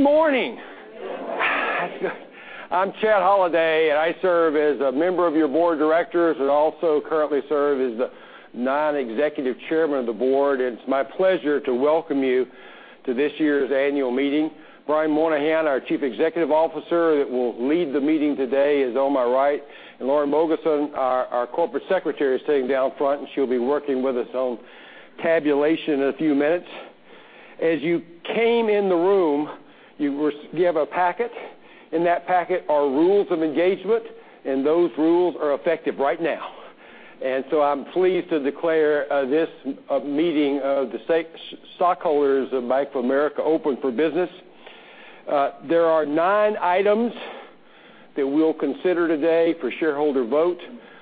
Good morning. Good morning. I'm Chad Holliday, and I serve as a member of your Board of Directors and also currently serve as the Non-Executive Chairman of the Board. It's my pleasure to welcome you to this year's annual meeting. Brian Moynihan, our Chief Executive Officer, that will lead the meeting today is on my right. Lauren Mogensen, our Corporate Secretary, is sitting down front, and she'll be working with us on tabulation in a few minutes. As you came in the room, you have a packet. In that packet are rules of engagement, and those rules are effective right now. I'm pleased to declare this meeting of the stockholders of Bank of America open for business. There are nine items that we'll consider today for shareholder vote.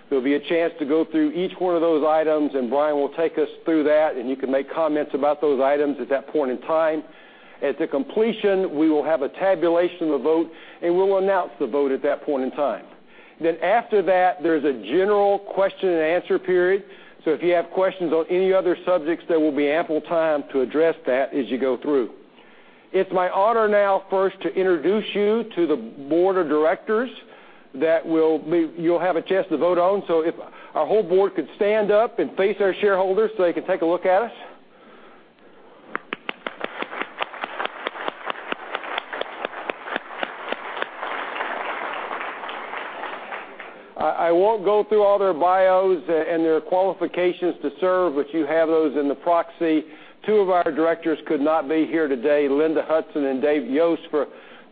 There'll be a chance to go through each one of those items. Brian will take us through that, and you can make comments about those items at that point in time. At the completion, we will have a tabulation of the vote, and we'll announce the vote at that point in time. After that, there's a general question and answer period. If you have questions on any other subjects, there will be ample time to address that as you go through. It's my honor now first to introduce you to the Board of Directors that you'll have a chance to vote on. If our whole Board could stand up and face our shareholders so they can take a look at us. I won't go through all their bios and their qualifications to serve, but you have those in the proxy. Two of our Directors could not be here today, Linda Hudson and Dave Yost,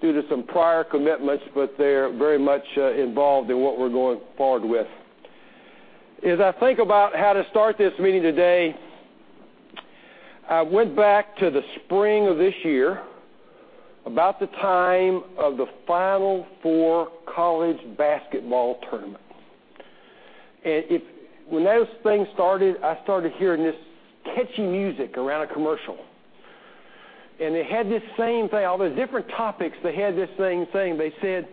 due to some prior commitments, but they're very much involved in what we're going forward with. As I think about how to start this meeting today, I went back to the spring of this year, about the time of the Final Four college basketball tournament. When those things started, I started hearing this catchy music around a commercial. They had this same thing, all the different topics, they had this same thing. They said,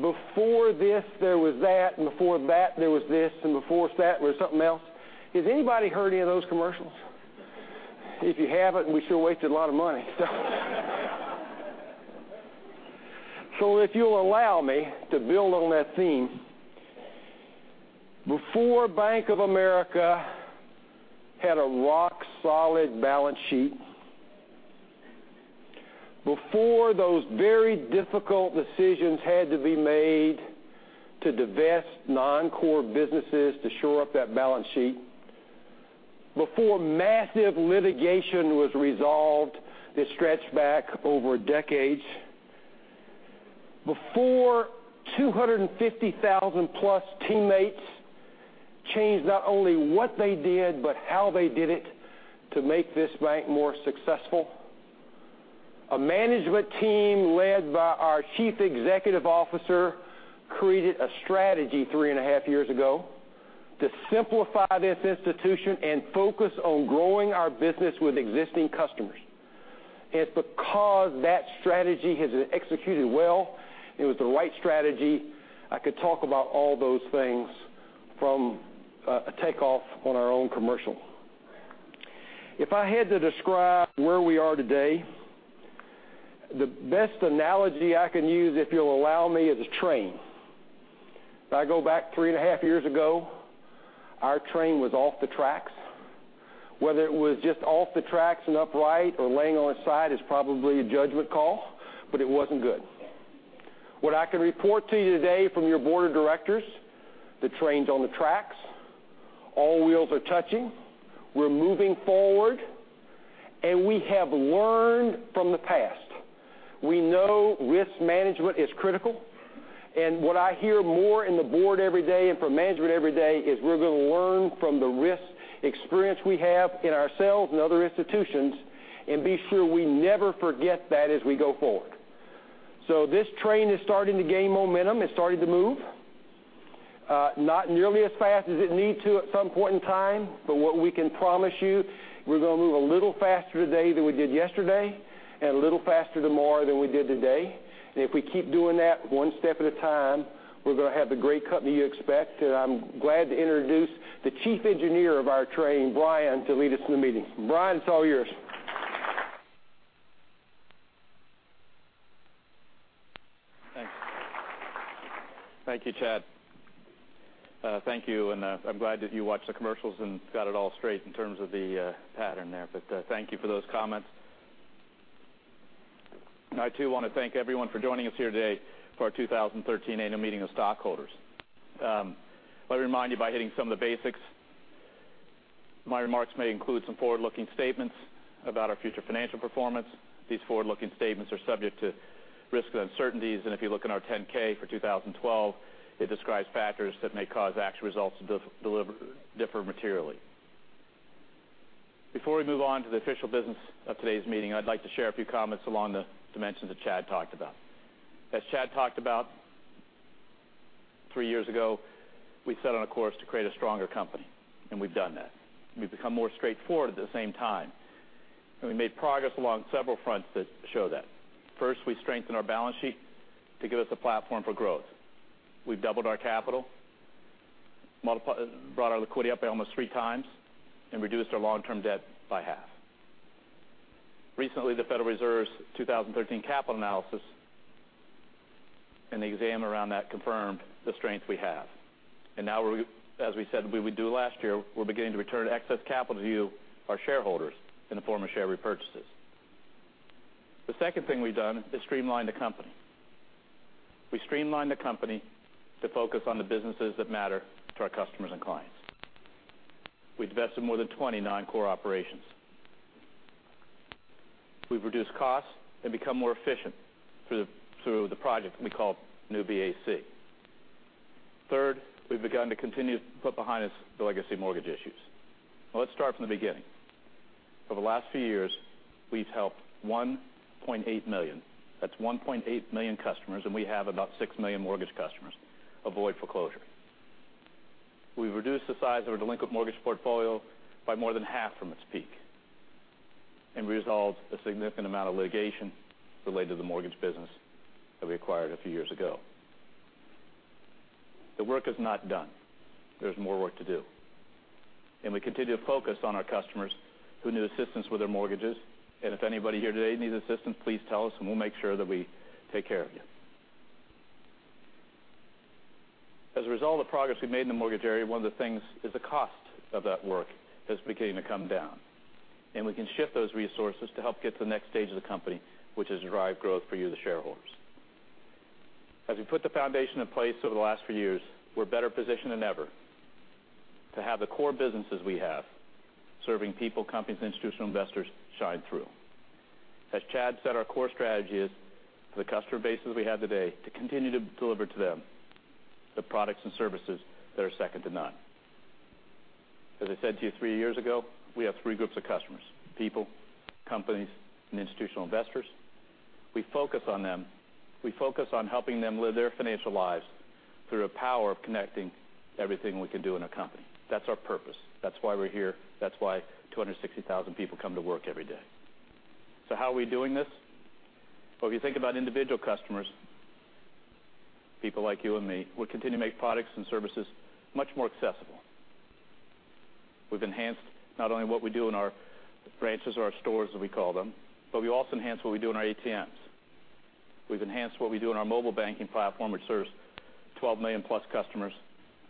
"Before this, there was that, and before that, there was this, and before that, there was something else." Has anybody heard any of those commercials? If you haven't, we sure wasted a lot of money. If you'll allow me to build on that theme, before Bank of America had a rock-solid balance sheet, before those very difficult decisions had to be made to divest non-core businesses to shore up that balance sheet, before massive litigation was resolved that stretched back over decades, before 250,000-plus teammates changed not only what they did, but how they did it to make this bank more successful, a management team led by our Chief Executive Officer created a strategy three and a half years ago to simplify this institution and focus on growing our business with existing customers. It's because that strategy has executed well, it was the right strategy. I could talk about all those things from a takeoff on our own commercial. If I had to describe where we are today, the best analogy I can use, if you'll allow me, is a train. If I go back three and a half years ago, our train was off the tracks. Whether it was just off the tracks and upright or laying on its side is probably a judgment call, but it wasn't good. What I can report to you today from your Board of Directors, the train's on the tracks, all wheels are touching, we're moving forward, and we have learned from the past. We know risk management is critical. What I hear more in the Board every day and from management every day is we're going to learn from the risk experience we have in ourselves and other institutions and be sure we never forget that as we go forward. This train is starting to gain momentum. It's starting to move. Not nearly as fast as it needs to at some point in time. What we can promise you, we're going to move a little faster today than we did yesterday and a little faster tomorrow than we did today. If we keep doing that one step at a time, we're going to have the great company you expect. I'm glad to introduce the chief engineer of our train, Brian, to lead us in the meeting. Brian, it's all yours. Thanks. Thank you, Chad. Thank you. I'm glad that you watched the commercials and got it all straight in terms of the pattern there, but thank you for those comments. I, too, want to thank everyone for joining us here today for our 2013 Annual Meeting of Stockholders. Let me remind you by hitting some of the basics. My remarks may include some forward-looking statements about our future financial performance. These forward-looking statements are subject to risks and uncertainties. If you look in our 10-K for 2012, it describes factors that may cause actual results to differ materially. Before we move on to the official business of today's meeting, I'd like to share a few comments along the dimensions that Chad talked about. As Chad talked about, three years ago, we set on a course to create a stronger company. We've done that. We've become more straightforward at the same time. We made progress along several fronts that show that. First, we strengthened our balance sheet to give us a platform for growth. We've doubled our capital, brought our liquidity up by almost three times and reduced our long-term debt by half. Recently, the Federal Reserve's 2013 capital analysis and the exam around that confirmed the strength we have. Now, as we said we would do last year, we're beginning to return excess capital to you, our shareholders, in the form of share repurchases. The second thing we've done is streamline the company. We streamlined the company to focus on the businesses that matter to our customers and clients. We divested more than 29 core operations. We've reduced costs and become more efficient through the project we call New BAC. Third, we've begun to continue to put behind us the legacy mortgage issues. Well, let's start from the beginning. Over the last few years, we've helped 1.8 million, that's 1.8 million customers, and we have about 6 million mortgage customers, avoid foreclosure. We've reduced the size of our delinquent mortgage portfolio by more than half from its peak and resolved a significant amount of litigation related to the mortgage business that we acquired a few years ago. The work is not done. There's more work to do. We continue to focus on our customers who need assistance with their mortgages. If anybody here today needs assistance, please tell us and we'll make sure that we take care of you. As a result of progress we've made in the mortgage area, one of the things is the cost of that work is beginning to come down, and we can shift those resources to help get to the next stage of the company, which is drive growth for you, the shareholders. As we put the foundation in place over the last few years, we're better positioned than ever to have the core businesses we have, serving people, companies, and institutional investors shine through. As Chad said, our core strategy is for the customer bases we have today to continue to deliver to them the products and services that are second to none. As I said to you three years ago, we have 3 groups of customers, people, companies, and institutional investors. We focus on them. We focus on helping them live their financial lives through the power of connecting everything we can do in our company. That's our purpose. That's why we're here. That's why 260,000 people come to work every day. How are we doing this? Well, if you think about individual customers, people like you and me, we continue to make products and services much more accessible. We've enhanced not only what we do in our branches or our stores, as we call them, but we also enhanced what we do in our ATMs. We've enhanced what we do in our mobile banking platform, which serves 12 million plus customers,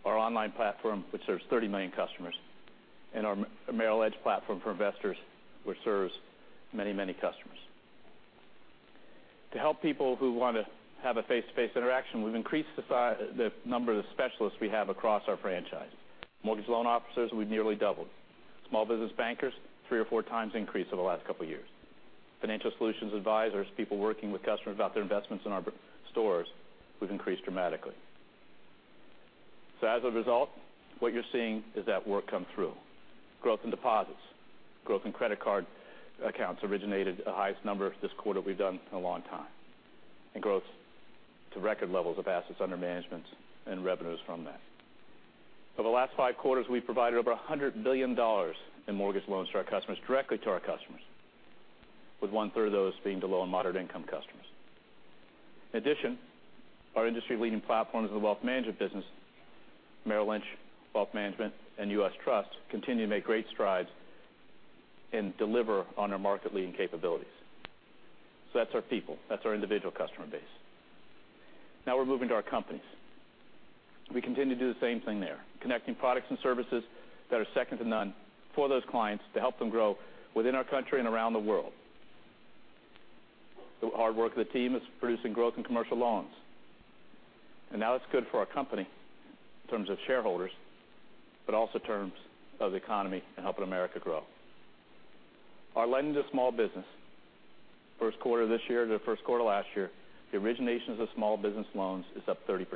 our online platform, which serves 30 million customers, and our Merrill Edge platform for investors, which serves many customers. To help people who want to have a face-to-face interaction, we've increased the number of specialists we have across our franchise. Mortgage loan officers, we've nearly doubled. Small business bankers, 3 or 4 times increase over the last couple of years. Financial solutions advisors, people working with customers about their investments in our stores, we've increased dramatically. As a result, what you're seeing is that work come through. Growth in deposits, growth in credit card accounts originated the highest number this quarter we've done in a long time, and growth to record levels of assets under management and revenues from that. Over the last 5 quarters, we've provided over $100 billion in mortgage loans to our customers, directly to our customers, with one-third of those being to low and moderate income customers. In addition, our industry-leading platforms in the wealth management business, Merrill Lynch Wealth Management and U.S. Trust, continue to make great strides and deliver on our market-leading capabilities. That's our people. That's our individual customer base. We're moving to our companies. We continue to do the same thing there, connecting products and services that are second to none for those clients to help them grow within our country and around the world. The hard work of the team is producing growth in commercial loans. That is good for our company in terms of shareholders, but also in terms of the economy and helping America grow. Our lending to small business, first quarter this year to first quarter last year, the originations of small business loans is up 30%.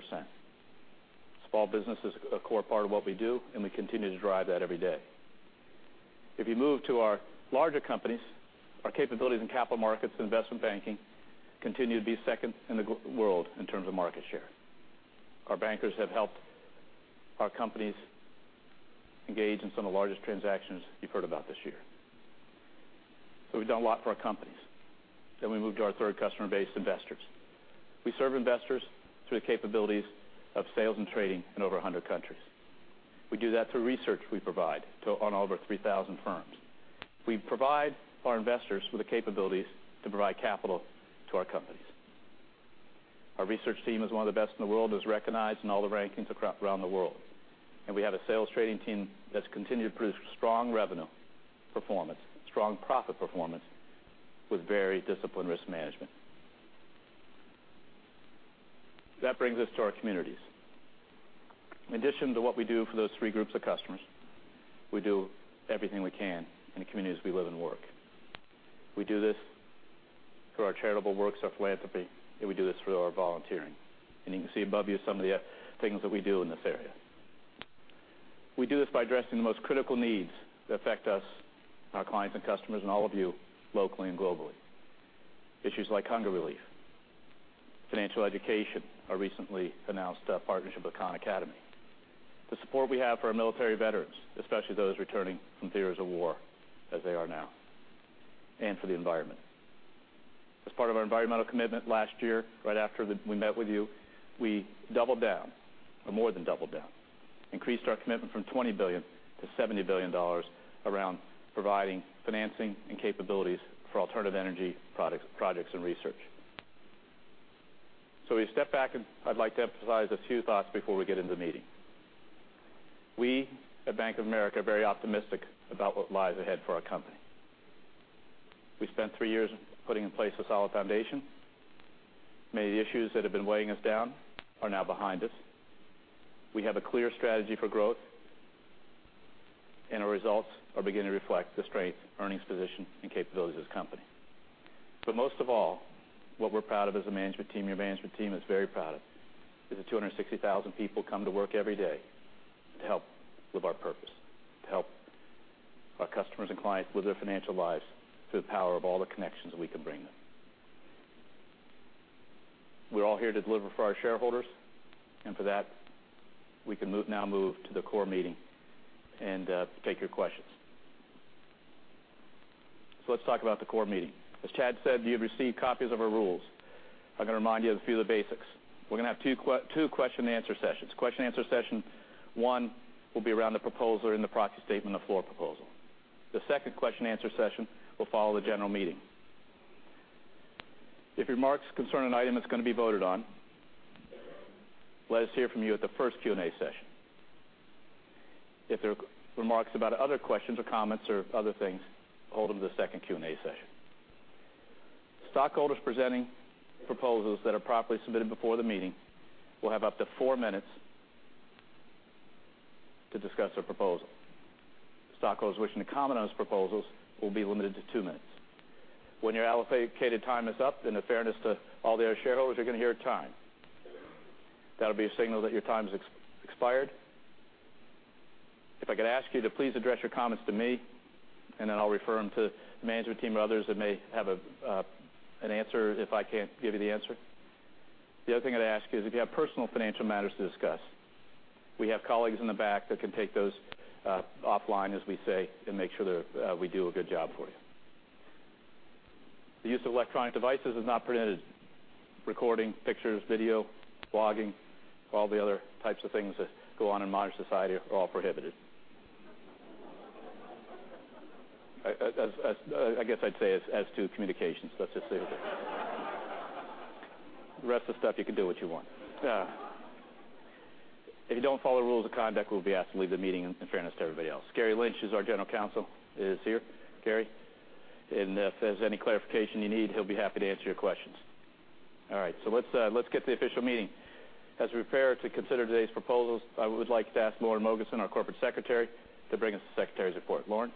Small business is a core part of what we do, and we continue to drive that every day. If you move to our larger companies, our capabilities in capital markets, investment banking continue to be second in the world in terms of market share. Our bankers have helped our companies engage in some of the largest transactions you've heard about this year. We've done a lot for our companies. We move to our third customer base, investors. We serve investors through the capabilities of sales and trading in over 100 countries. We do that through research we provide on over 3,000 firms. We provide our investors with the capabilities to provide capital to our companies. Our research team is one of the best in the world, as recognized in all the rankings around the world. We have a sales trading team that's continued to produce strong revenue performance, strong profit performance with very disciplined risk management. That brings us to our communities. In addition to what we do for those three groups of customers, we do everything we can in the communities we live and work. We do this through our charitable works, our philanthropy, and we do this through our volunteering. You can see above you some of the things that we do in this area. We do this by addressing the most critical needs that affect us, our clients and customers, and all of you, locally and globally. Issues like hunger relief, financial education, our recently announced partnership with Khan Academy. The support we have for our military veterans, especially those returning from theaters of war, as they are now. For the environment. As part of our environmental commitment last year, right after we met with you, we doubled down, or more than doubled down. Increased our commitment from $20 billion to $70 billion around providing financing and capabilities for alternative energy projects and research. We step back, and I'd like to emphasize a few thoughts before we get into the meeting. We at Bank of America are very optimistic about what lies ahead for our company. We spent three years putting in place a solid foundation. Many issues that have been weighing us down are now behind us. We have a clear strategy for growth, and our results are beginning to reflect the strength, earnings position, and capabilities of the company. Most of all, what we're proud of as a management team, your management team is very proud of, is that 260,000 people come to work every day to help live our purpose, to help our customers and clients with their financial lives through the power of all the connections we can bring them. We're all here to deliver for our shareholders, and for that, we can now move to the core meeting and take your questions. Let's talk about the core meeting. As Chad said, you have received copies of our rules. I'm going to remind you of a few of the basics. We're going to have two question and answer sessions. Question and answer session one will be around the proposal in the proxy statement, the floor proposal. The second question and answer session will follow the general meeting. If your remarks concern an item that's going to be voted on, let us hear from you at the first Q&A session. If there are remarks about other questions or comments or other things, hold them to the second Q&A session. Stockholders presenting proposals that are properly submitted before the meeting will have up to four minutes to discuss their proposal. Stockholders wishing to comment on those proposals will be limited to two minutes. When your allocated time is up, in fairness to all the other shareholders, you're going to hear a chime. That'll be a signal that your time has expired. If I could ask you to please address your comments to me, and then I'll refer them to the management team or others that may have an answer if I can't give you the answer. The other thing I'd ask you is if you have personal financial matters to discuss, we have colleagues in the back that can take those offline, as we say, and make sure that we do a good job for you. The use of electronic devices is not permitted. Recording, pictures, video, blogging, all the other types of things that go on in modern society are all prohibited. I guess I'd say as to communications. Let's just say that. The rest of the stuff, you can do what you want. If you don't follow rules of conduct, you will be asked to leave the meeting in fairness to everybody else. Gary Lynch is our General Counsel, is here. Gary. If there's any clarification you need, he'll be happy to answer your questions. All right. Let's get to the official meeting. As we prepare to consider today's proposals, I would like to ask Lauren Mogensen, our Corporate Secretary, to bring us the Secretary's report. Lauren?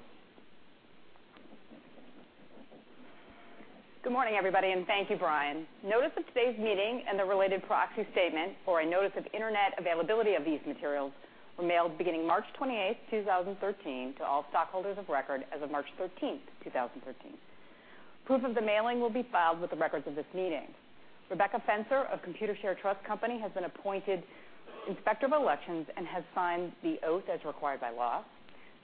Good morning, everybody. Thank you, Brian. Notice of today's meeting and the related proxy statement or a notice of internet availability of these materials were mailed beginning March 28, 2013, to all stockholders of record as of March 13, 2013. Proof of the mailing will be filed with the records of this meeting. Rebecca Fenner of Computershare Trust Company has been appointed Inspector of Elections and has signed the oath as required by law.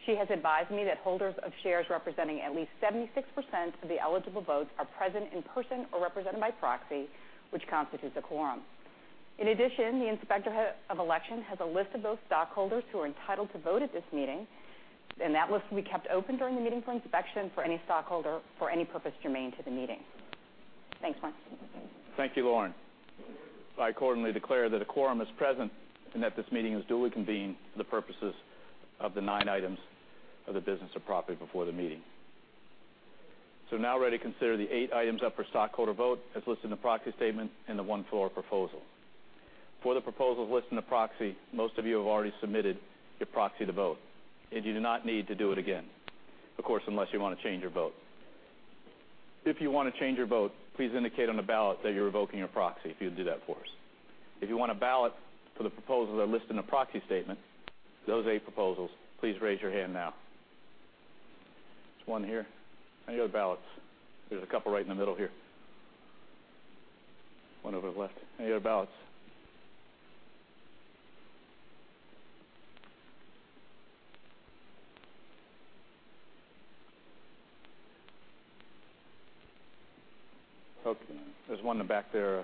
She has advised me that holders of shares representing at least 76% of the eligible votes are present in person or represented by proxy, which constitutes a quorum. In addition, the Inspector of Election has a list of those stockholders who are entitled to vote at this meeting, and that list will be kept open during the meeting for inspection for any stockholder, for any purpose germane to the meeting. Thanks, Brian. Thank you, Lauren. I accordingly declare that a quorum is present and that this meeting is duly convened for the purposes of the nine items of the business of property before the meeting. We're now ready to consider the eight items up for stockholder vote, as listed in the proxy statement and the one floor proposal. For the proposals listed in the proxy, most of you have already submitted your proxy to vote, and you do not need to do it again. Of course, unless you want to change your vote. If you want to change your vote, please indicate on the ballot that you're revoking your proxy, if you'll do that for us. If you want a ballot for the proposals that are listed in the proxy statement, those eight proposals, please raise your hand now. There's one here. Any other ballots? There's a couple right in the middle here. One over to the left. Any other ballots? Okay. There's one in the back there.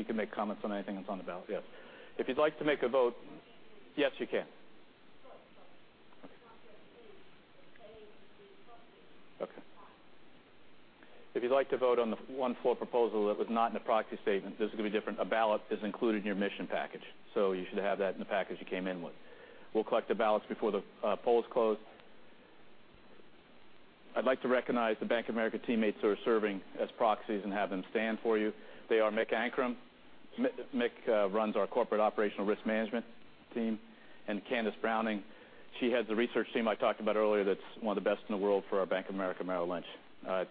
Let me clarify something. You said if people want to comment on the mail-in proposals. What about things on the ballot? They're not allowed to comment before people vote on A through G? Yeah. You can make comments on anything that's on the ballot. Yes. If you'd like to make a vote Yes, you can. Sorry. On page eight of the proxy. Okay. If you'd like to vote on the one floor proposal that was not in the proxy statement, this is going to be different. A ballot is included in your mission package, so you should have that in the package you came in with. We'll collect the ballots before the polls close. I'd like to recognize the Bank of America teammates who are serving as proxies and have them stand for you. They are Mick Ancrum. Mick runs our corporate operational risk management team. Candice Browning, she heads the research team I talked about earlier that's one of the best in the world for our Bank of America Merrill Lynch.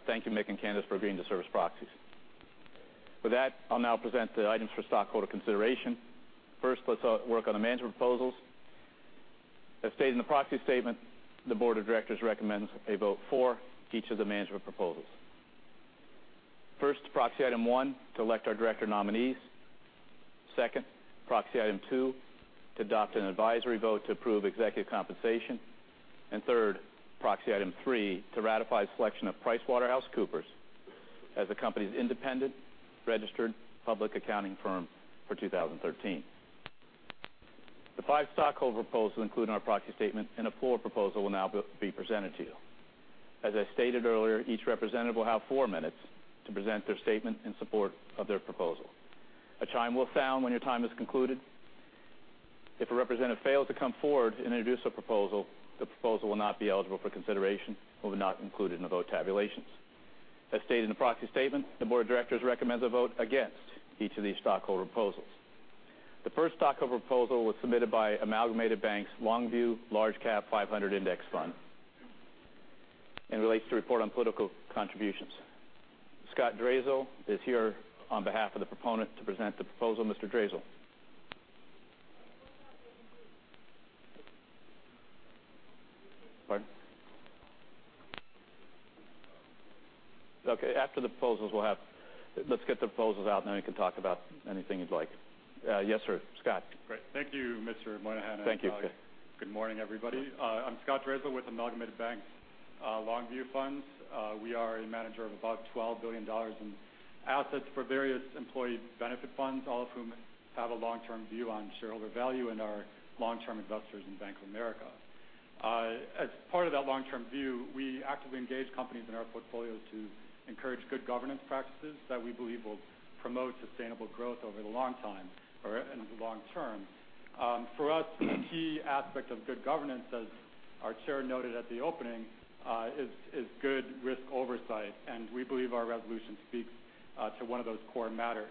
Thank you, Mick and Candice, for agreeing to serve as proxies. With that, I'll now present the items for stockholder consideration. First, let's work on the management proposals. As stated in the proxy statement, the board of directors recommends a vote for each of the management proposals. First, proxy item one, to elect our director nominees. Second, proxy item two, to adopt an advisory vote to approve executive compensation. Third, proxy item three, to ratify selection of PricewaterhouseCoopers as the company's independent registered public accounting firm for 2013. The five stockholder proposals included in our proxy statement and a floor proposal will now be presented to you. As I stated earlier, each representative will have four minutes to present their statement in support of their proposal. A chime will sound when your time is concluded. If a representative fails to come forward and introduce a proposal, the proposal will not be eligible for consideration, will be not included in the vote tabulations. As stated in the proxy statement, the board of directors recommends a vote against each of these stockholder proposals. The first stockholder proposal was submitted by Amalgamated Bank LongView Large Cap 500 Index Fund and relates to report on political contributions. Scott Drazel is here on behalf of the proponent to present the proposal. Mr. Drazel. Pardon? Okay. Let's get the proposals out, and then we can talk about anything you'd like. Yes, sir. Scott. Great. Thank you, Mr. Moynihan. Thank you. Good morning, everybody. I'm Scott Drazel with Amalgamated Bank's LongView Funds. We are a manager of about $12 billion in assets for various employee benefit funds, all of whom have a long-term view on shareholder value and are long-term investors in Bank of America. As part of that long-term view, we actively engage companies in our portfolio to encourage good governance practices that we believe will promote sustainable growth over the long time or in the long term. For us, the key aspect of good governance, as our chair noted at the opening, is good risk oversight, and we believe our resolution speaks to one of those core matters.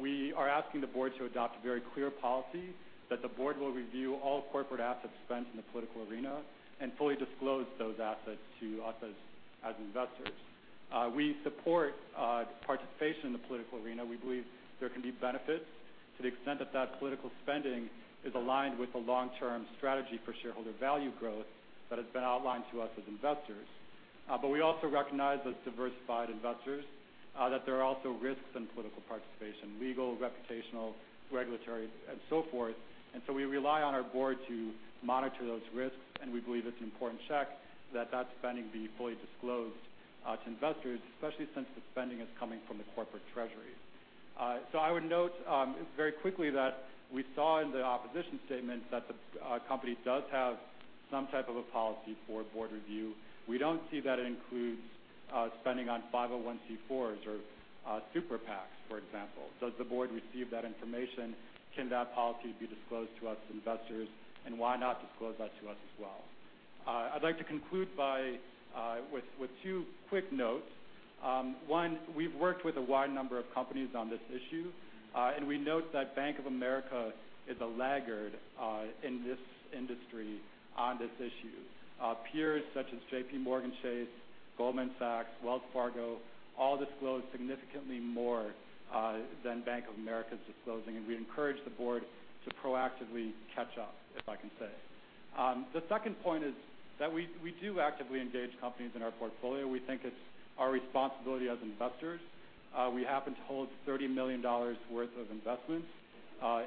We are asking the board to adopt a very clear policy that the board will review all corporate assets spent in the political arena and fully disclose those assets to us as investors. We support participation in the political arena. We believe there can be benefits to the extent that that political spending is aligned with the long-term strategy for shareholder value growth that has been outlined to us as investors. We also recognize as diversified investors, that there are also risks in political participation, legal, reputational, regulatory, and so forth. We rely on our board to monitor those risks, and we believe it's an important check that spending be fully disclosed to investors, especially since the spending is coming from the corporate treasury. I would note very quickly that we saw in the opposition statement that the company does have some type of a policy for board review. We don't see that it includes spending on 501(c)(4)s or super PACs, for example. Does the board receive that information? Can that policy be disclosed to us investors? Why not disclose that to us as well? I'd like to conclude with two quick notes. One, we've worked with a wide number of companies on this issue. We note that Bank of America is a laggard in this industry on this issue. Peers such as JPMorgan Chase, Goldman Sachs, Wells Fargo, all disclose significantly more than Bank of America is disclosing. We encourage the board to proactively catch up, if I can say. The second point is that we do actively engage companies in our portfolio. We think it's our responsibility as investors. We happen to hold $30 million worth of investments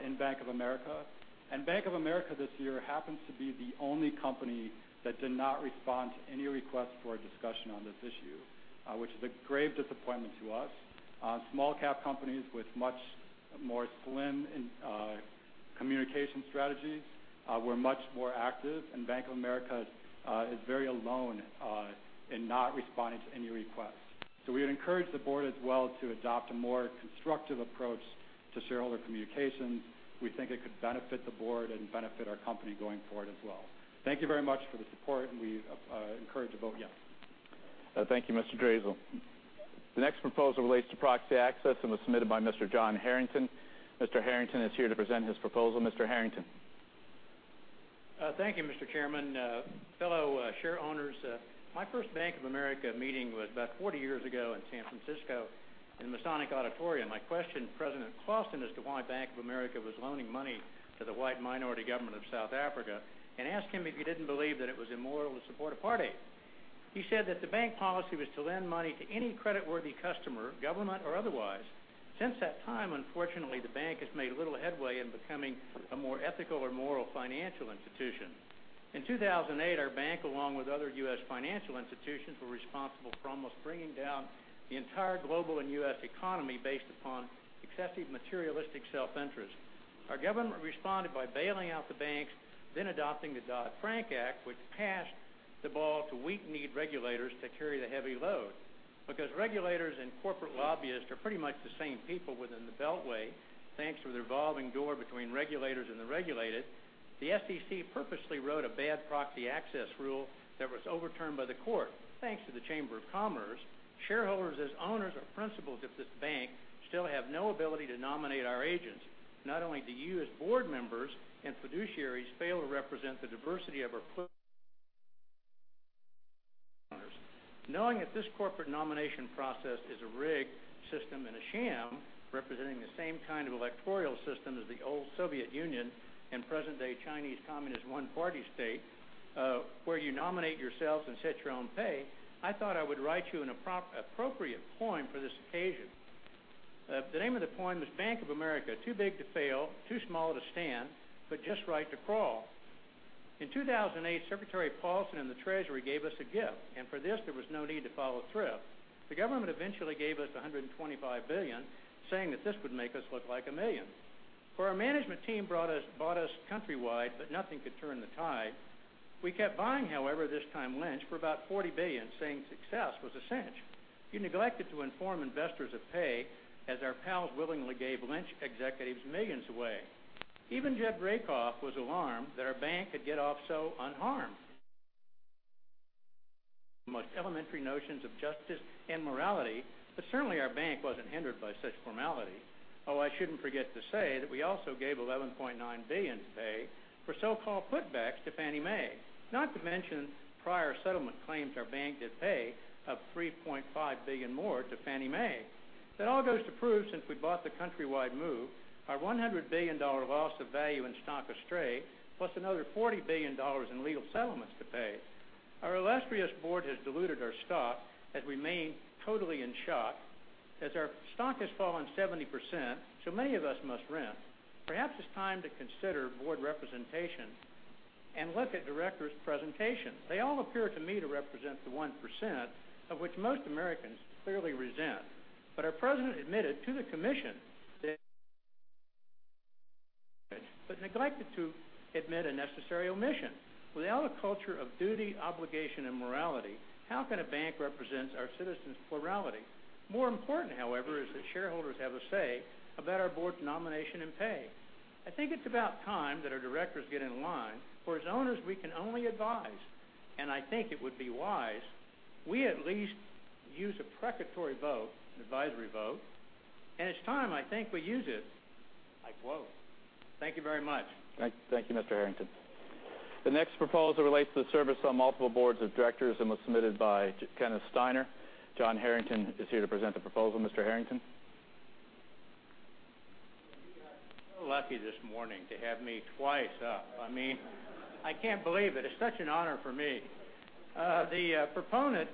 in Bank of America. Bank of America this year happens to be the only company that did not respond to any request for a discussion on this issue, which is a grave disappointment to us. Small cap companies with much more slim communication strategies were much more active. Bank of America is very alone in not responding to any requests. We would encourage the board as well to adopt a more constructive approach to shareholder communications. We think it could benefit the board and benefit our company going forward as well. Thank you very much for the support. We encourage a vote yes. Thank you, Mr. Drazel. The next proposal relates to proxy access and was submitted by Mr. John Harrington. Mr. Harrington is here to present his proposal. Mr. Harrington. Thank you, Mr. Chairman. Fellow share owners, my first Bank of America meeting was about 40 years ago in San Francisco in Masonic Auditorium. I questioned President Clausen as to why Bank of America was loaning money to the white minority government of South Africa and asked him if he didn't believe that it was immoral to support apartheid. He said that the bank policy was to lend money to any creditworthy customer, government or otherwise. Since that time, unfortunately, the bank has made little headway in becoming a more ethical or moral financial institution. In 2008, our bank, along with other U.S. financial institutions, were responsible for almost bringing down the entire global and U.S. economy based upon excessive materialistic self-interest. Our government responded by bailing out the banks, adopting the Dodd-Frank Act, which passed the ball to weak-kneed regulators to carry the heavy load. Because regulators and corporate lobbyists are pretty much the same people within the Beltway, thanks to the revolving door between regulators and the regulated, the SEC purposely wrote a bad proxy access rule that was overturned by the court. Thanks to the Chamber of Commerce, shareholders, as owners or principals of this bank, still have no ability to nominate our agents. Not only do you as board members and fiduciaries fail to represent the diversity of. Knowing that this corporate nomination process is a rigged system and a sham representing the same kind of electoral system as the old Soviet Union and present-day Chinese Communist one-party state, where you nominate yourselves and set your own pay, I thought I would write you an appropriate poem for this occasion. The name of the poem is "Bank of America: Too Big to Fail, Too Small to Stand, But Just Right to Crawl." In 2008, Secretary Paulson and the Treasury gave us a gift, for this, there was no need to follow thrift. The government eventually gave us $125 billion, saying that this would make us look like a million. Our management team bought us Countrywide, nothing could turn the tide. We kept buying, however, this time Lynch, for about $40 billion, saying success was a cinch. You neglected to inform investors of pay, as our pals willingly gave Lynch executives millions away. Even Jed Rakoff was alarmed that our bank could get off so unharmed. Most elementary notions of justice and morality. Certainly, our bank wasn't hindered by such formality. I shouldn't forget to say that we also gave $11.9 billion pay for so-called putbacks to Fannie Mae, not to mention prior settlement claims our bank did pay of $3.5 billion more to Fannie Mae. That all goes to prove, since we bought the Countrywide move, our $100 billion loss of value and stock astray, plus another $40 billion in legal settlements to pay. Our illustrious board has diluted our stock, has remained totally in shock as our stock has fallen 70%, so many of us must rent. Perhaps it's time to consider board representation and look at directors' presentation. They all appear to me to represent the 1%, of which most Americans clearly resent. Our president admitted to the commission that neglected to admit a necessary omission. Without a culture of duty, obligation, and morality, how can a bank represent our citizens' plurality? More important, however, is that shareholders have a say about our board's nomination and pay. I think it's about time that our directors get in line, as owners, we can only advise, I think it would be wise. We at least use a precatory vote, an advisory vote, it's time I think we use it. I quote. Thank you very much. Thank you, Mr. Harrington. The next proposal relates to the service on multiple boards of directors and was submitted by Kenneth Steiner. John Harrington is here to present the proposal. Mr. Harrington. You're so lucky this morning to have me twice up. I can't believe it. It's such an honor for me. The proponent,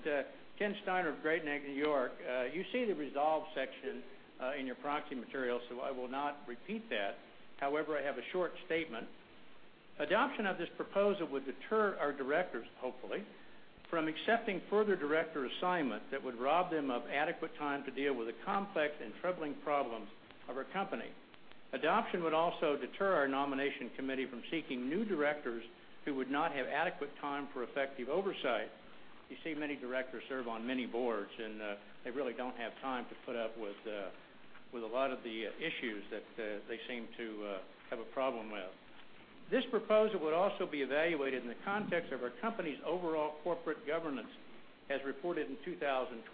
Ken Steiner of Great Neck, New York. You see the resolve section in your proxy material. I will not repeat that. However, I have a short statement. Adoption of this proposal would deter our directors, hopefully, from accepting further director assignment that would rob them of adequate time to deal with the complex and troubling problems of our company. Adoption would also deter our nomination committee from seeking new directors who would not have adequate time for effective oversight. You see, many directors serve on many boards, and they really don't have time to put up with a lot of the issues that they seem to have a problem with. This proposal would also be evaluated in the context of our company's overall corporate governance, as reported in 2012.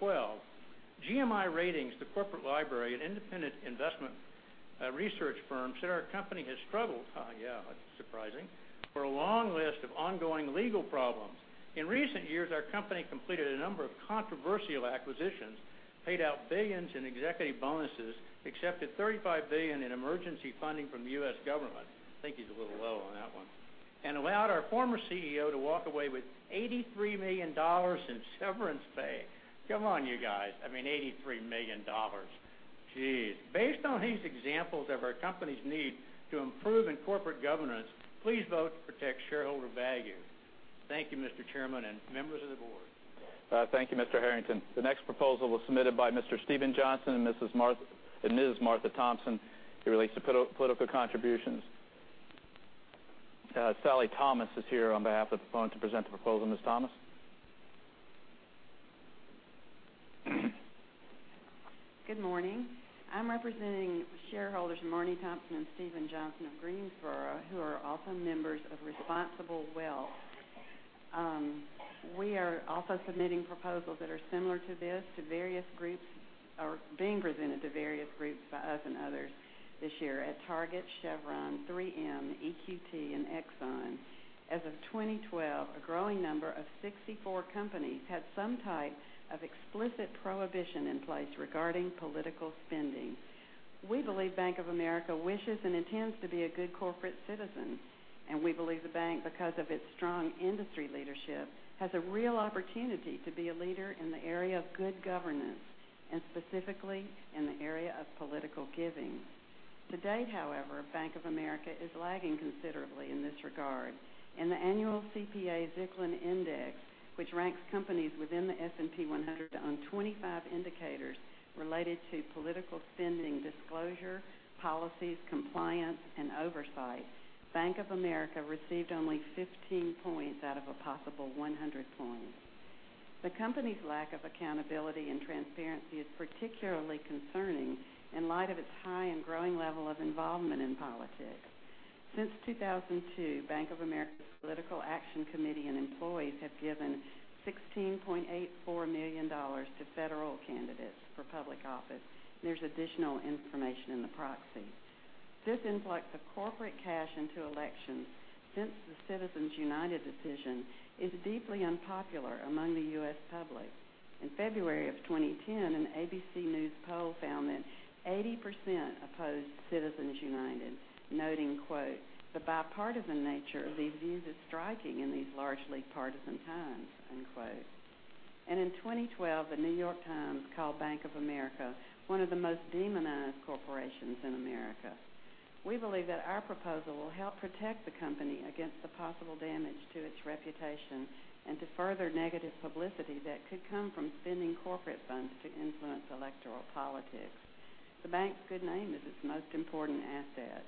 GMI Ratings, The Corporate Library, an independent investment research firm, said our company has struggled. Oh, yeah, that's surprising. For a long list of ongoing legal problems. In recent years, our company completed a number of controversial acquisitions, paid out billions in executive bonuses, accepted $35 billion in emergency funding from the U.S. government. I think he's a little low on that one. Allowed our former CEO to walk away with $83 million in severance pay. Come on, you guys. I mean, $83 million. Jeez. Based on these examples of our company's need to improve in corporate governance, please vote to protect shareholder value. Thank you, Mr. Chairman and members of the board. Thank you, Mr. Harrington. The next proposal was submitted by Mr. Steven Johnson and Ms. Martha Thompson. It relates to political contributions. Sally Thomas is here on behalf of the proponent to present the proposal. Ms. Thomas. Good morning. I'm representing shareholders Marnie Thompson and Stephen Johnson of Greensboro, who are also members of Responsible Wealth. We are also submitting proposals that are similar to this to various groups or being presented to various groups by us and others this year at Target, Chevron, 3M, EQT, and Exxon. As of 2012, a growing number of 64 companies had some type of explicit prohibition in place regarding political spending. We believe Bank of America wishes and intends to be a good corporate citizen, and we believe the bank, because of its strong industry leadership, has a real opportunity to be a leader in the area of good governance and specifically in the area of political giving. To date, however, Bank of America is lagging considerably in this regard. In the annual CPA-Zicklin Index, which ranks companies within the S&P 100 on 25 indicators related to political spending disclosure, policies, compliance, and oversight, Bank of America received only 15 points out of a possible 100 points. The company's lack of accountability and transparency is particularly concerning in light of its high and growing level of involvement in politics. Since 2002, Bank of America's political action committee and employees have given $16.84 million to federal candidates for public office. There's additional information in the proxy. This influx of corporate cash into elections since the Citizens United decision is deeply unpopular among the U.S. public. In February of 2010, an ABC News poll found that 80% opposed Citizens United, noting, quote, "The bipartisan nature of these views is striking in these largely partisan times." End quote. In 2012, The New York Times called Bank of America one of the most demonized corporations in America. We believe that our proposal will help protect the company against the possible damage to its reputation and to further negative publicity that could come from spending corporate funds to influence electoral politics. The bank's good name is its most important asset.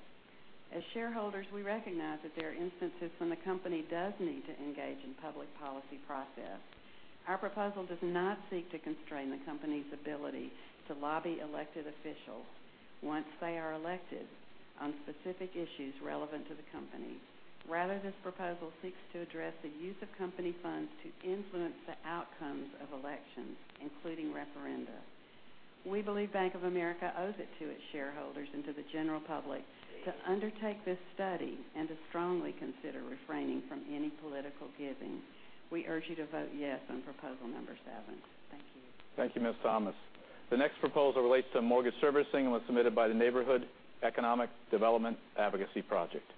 As shareholders, we recognize that there are instances when the company does need to engage in public policy process. Our proposal does not seek to constrain the company's ability to lobby elected officials once they are elected on specific issues relevant to the company. Rather, this proposal seeks to address the use of company funds to influence the outcomes of elections, including referenda. We believe Bank of America owes it to its shareholders and to the general public to undertake this study and to strongly consider refraining from any political giving. We urge you to vote yes on proposal number seven. Thank you. Thank you, Ms. Thomas. The next proposal relates to mortgage servicing and was submitted by the Neighborhood Economic Development Advocacy Project.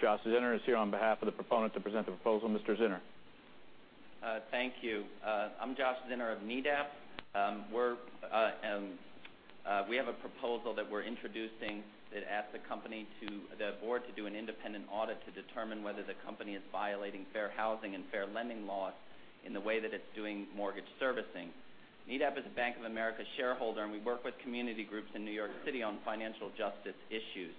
Josh Zinner is here on behalf of the proponent to present the proposal. Mr. Zinner. Thank you. I'm Josh Zinner of NEDAP. We have a proposal that we're introducing that asks the board to do an independent audit to determine whether the company is violating fair housing and fair lending laws in the way that it's doing mortgage servicing. NEDAP is a Bank of America shareholder, and we work with community groups in New York City on financial justice issues.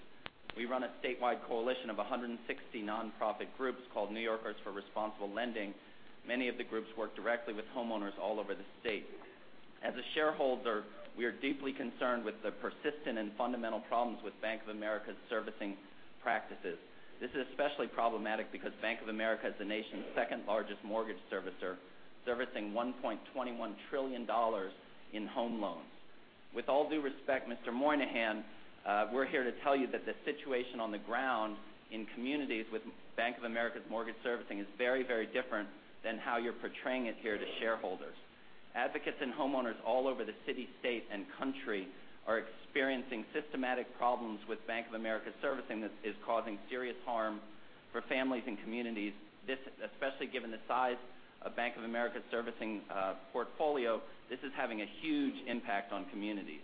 We run a statewide coalition of 160 non-profit groups called New Yorkers for Responsible Lending. Many of the groups work directly with homeowners all over the state. As a shareholder, we are deeply concerned with the persistent and fundamental problems with Bank of America's servicing practices. This is especially problematic because Bank of America is the nation's second-largest mortgage servicer, servicing $1.21 trillion in home loans. With all due respect, Mr. Moynihan, we're here to tell you that the situation on the ground in communities with Bank of America's mortgage servicing is very different than how you're portraying it here to shareholders. Advocates and homeowners all over the city, state, and country are experiencing systematic problems with Bank of America servicing that is causing serious harm for families and communities. Especially given the size of Bank of America's servicing portfolio, this is having a huge impact on communities.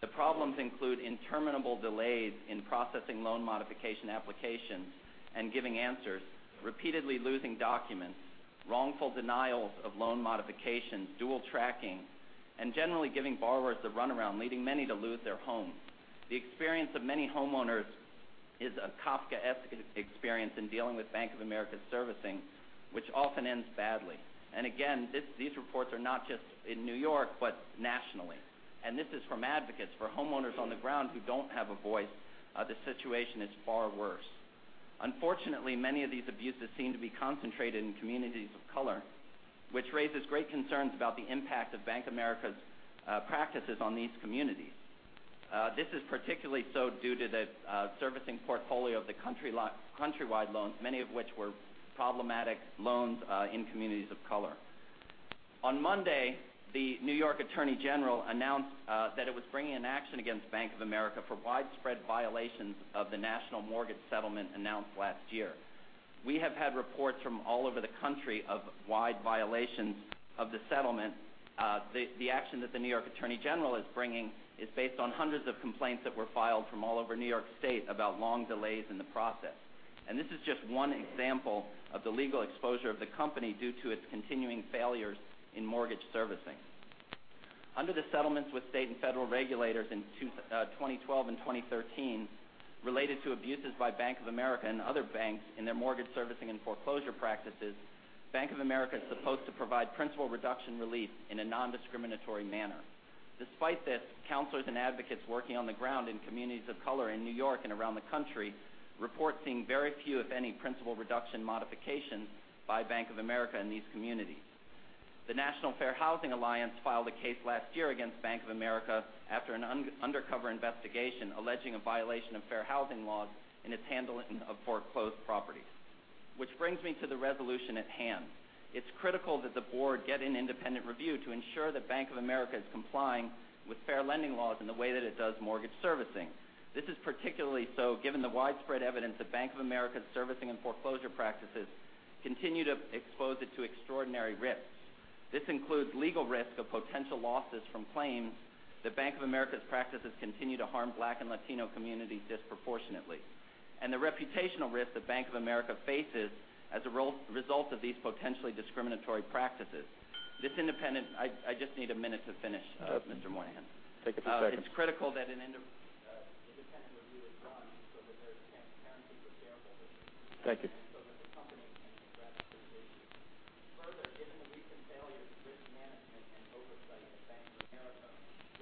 The problems include interminable delays in processing loan modification applications and giving answers, repeatedly losing documents, wrongful denials of loan modifications, dual tracking, and generally giving borrowers the runaround, leading many to lose their homes. The experience of many homeowners is a Kafkaesque experience in dealing with Bank of America servicing, which often ends badly. Again, these reports are not just in New York, but nationally. This is from advocates. For homeowners on the ground who don't have a voice, the situation is far worse. Unfortunately, many of these abuses seem to be concentrated in communities of color, which raises great concerns about the impact of Bank of America's practices on these communities. This is particularly so due to the servicing portfolio of the Countrywide loans, many of which were problematic loans in communities of color. On Monday, the New York Attorney General announced that it was bringing an action against Bank of America for widespread violations of the national mortgage settlement announced last year. We have had reports from all over the country of wide violations of the settlement. The action that the New York Attorney General is bringing is based on hundreds of complaints that were filed from all over New York State about long delays in the process. This is just one example of the legal exposure of the company due to its continuing failures in mortgage servicing. Under the settlements with state and federal regulators in 2012 and 2013 related to abuses by Bank of America and other banks in their mortgage servicing and foreclosure practices, Bank of America is supposed to provide principal reduction relief in a non-discriminatory manner. Despite this, counselors and advocates working on the ground in communities of color in New York and around the country report seeing very few, if any, principal reduction modifications by Bank of America in these communities. The National Fair Housing Alliance filed a case last year against Bank of America after an undercover investigation alleging a violation of fair housing laws in its handling of foreclosed properties. This brings me to the resolution at hand. It's critical that the board get an independent review to ensure that Bank of America is complying with fair lending laws in the way that it does mortgage servicing. This is particularly so given the widespread evidence that Bank of America's servicing and foreclosure practices continue to expose it to extraordinary risks. This includes legal risk of potential losses from claims that Bank of America's practices continue to harm Black and Latino communities disproportionately. The reputational risk that Bank of America faces as a result of these potentially discriminatory practices. I just need a minute to finish, Mr. Moynihan. Take a few seconds. It's critical that an independent review is run so that there is transparency for shareholders. Thank you. That the company can address these issues. Further, given the recent failures of risk management and oversight at Bank of America,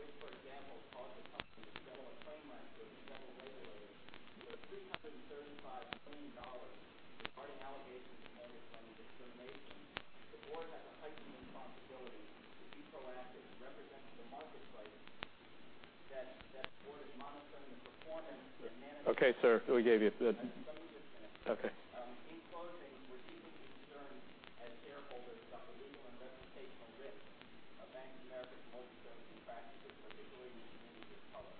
which, for example, caused the company to settle a claim last year with federal regulators The board has a heightened responsibility to be proactive in representing the marketplace. That board is monitoring the performance and management- Okay, sir. We gave you- Let me just finish. Okay. In closing, we're deeply concerned as shareholders about the legal and reputational risks of Bank of America's mortgage practices, particularly in communities of color.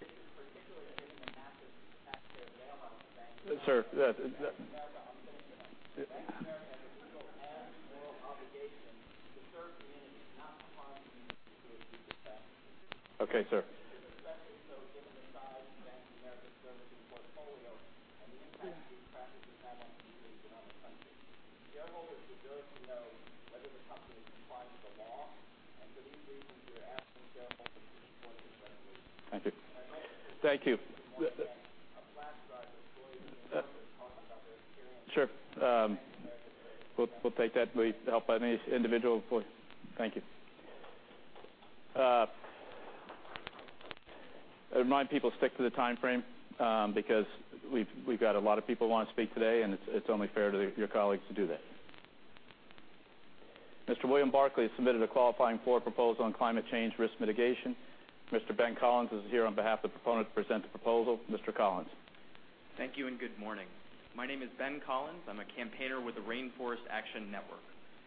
This is particularly an even massive taxpayer bailout of Bank of America. Sir. Bank of America, I'm getting to that. Bank of America has a legal and moral obligation to serve the interest, not harm the communities to which it serves. Okay, sir. This is especially so given the size of Bank of America's servicing portfolio and the impact these practices have on communities around the country. Shareholders deserve to know whether the company complies with the law. For these reasons, we are asking shareholders to support this resolution. Thank you. I'd like to. Thank you Just one again, a Black driver, Floyd, and his daughter talking about their experience. Sure. We'll take that. We help any individual. Thank you. I remind people stick to the timeframe, because we've got a lot of people who want to speak today, and it's only fair to your colleagues to do that. Mr. William Barclay has submitted a qualifying floor proposal on climate change risk mitigation. Mr. Ben Collins is here on behalf of the proponent to present the proposal. Mr. Collins. Thank you. Good morning. My name is Ben Collins. I'm a campaigner with the Rainforest Action Network.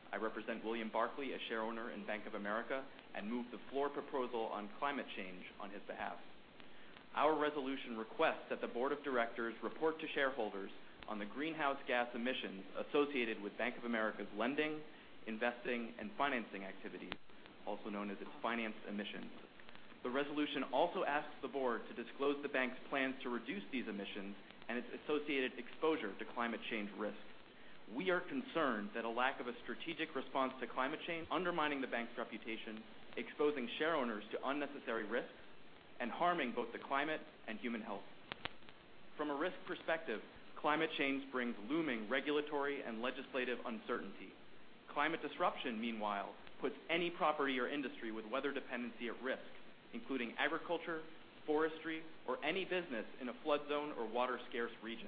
I represent William Barclay, a shareholder in Bank of America, and move the floor proposal on climate change on his behalf. Our resolution requests that the board of directors report to shareholders on the greenhouse gas emissions associated with Bank of America's lending, investing, and financing activities, also known as its financed emissions. The resolution also asks the board to disclose the bank's plans to reduce these emissions and its associated exposure to climate change risks. We are concerned that a lack of a strategic response to climate change undermining the bank's reputation, exposing share owners to unnecessary risks, and harming both the climate and human health. From a risk perspective, climate change brings looming regulatory and legislative uncertainty. Climate disruption, meanwhile, puts any property or industry with weather dependency at risk, including agriculture, forestry, or any business in a flood zone or water-scarce region.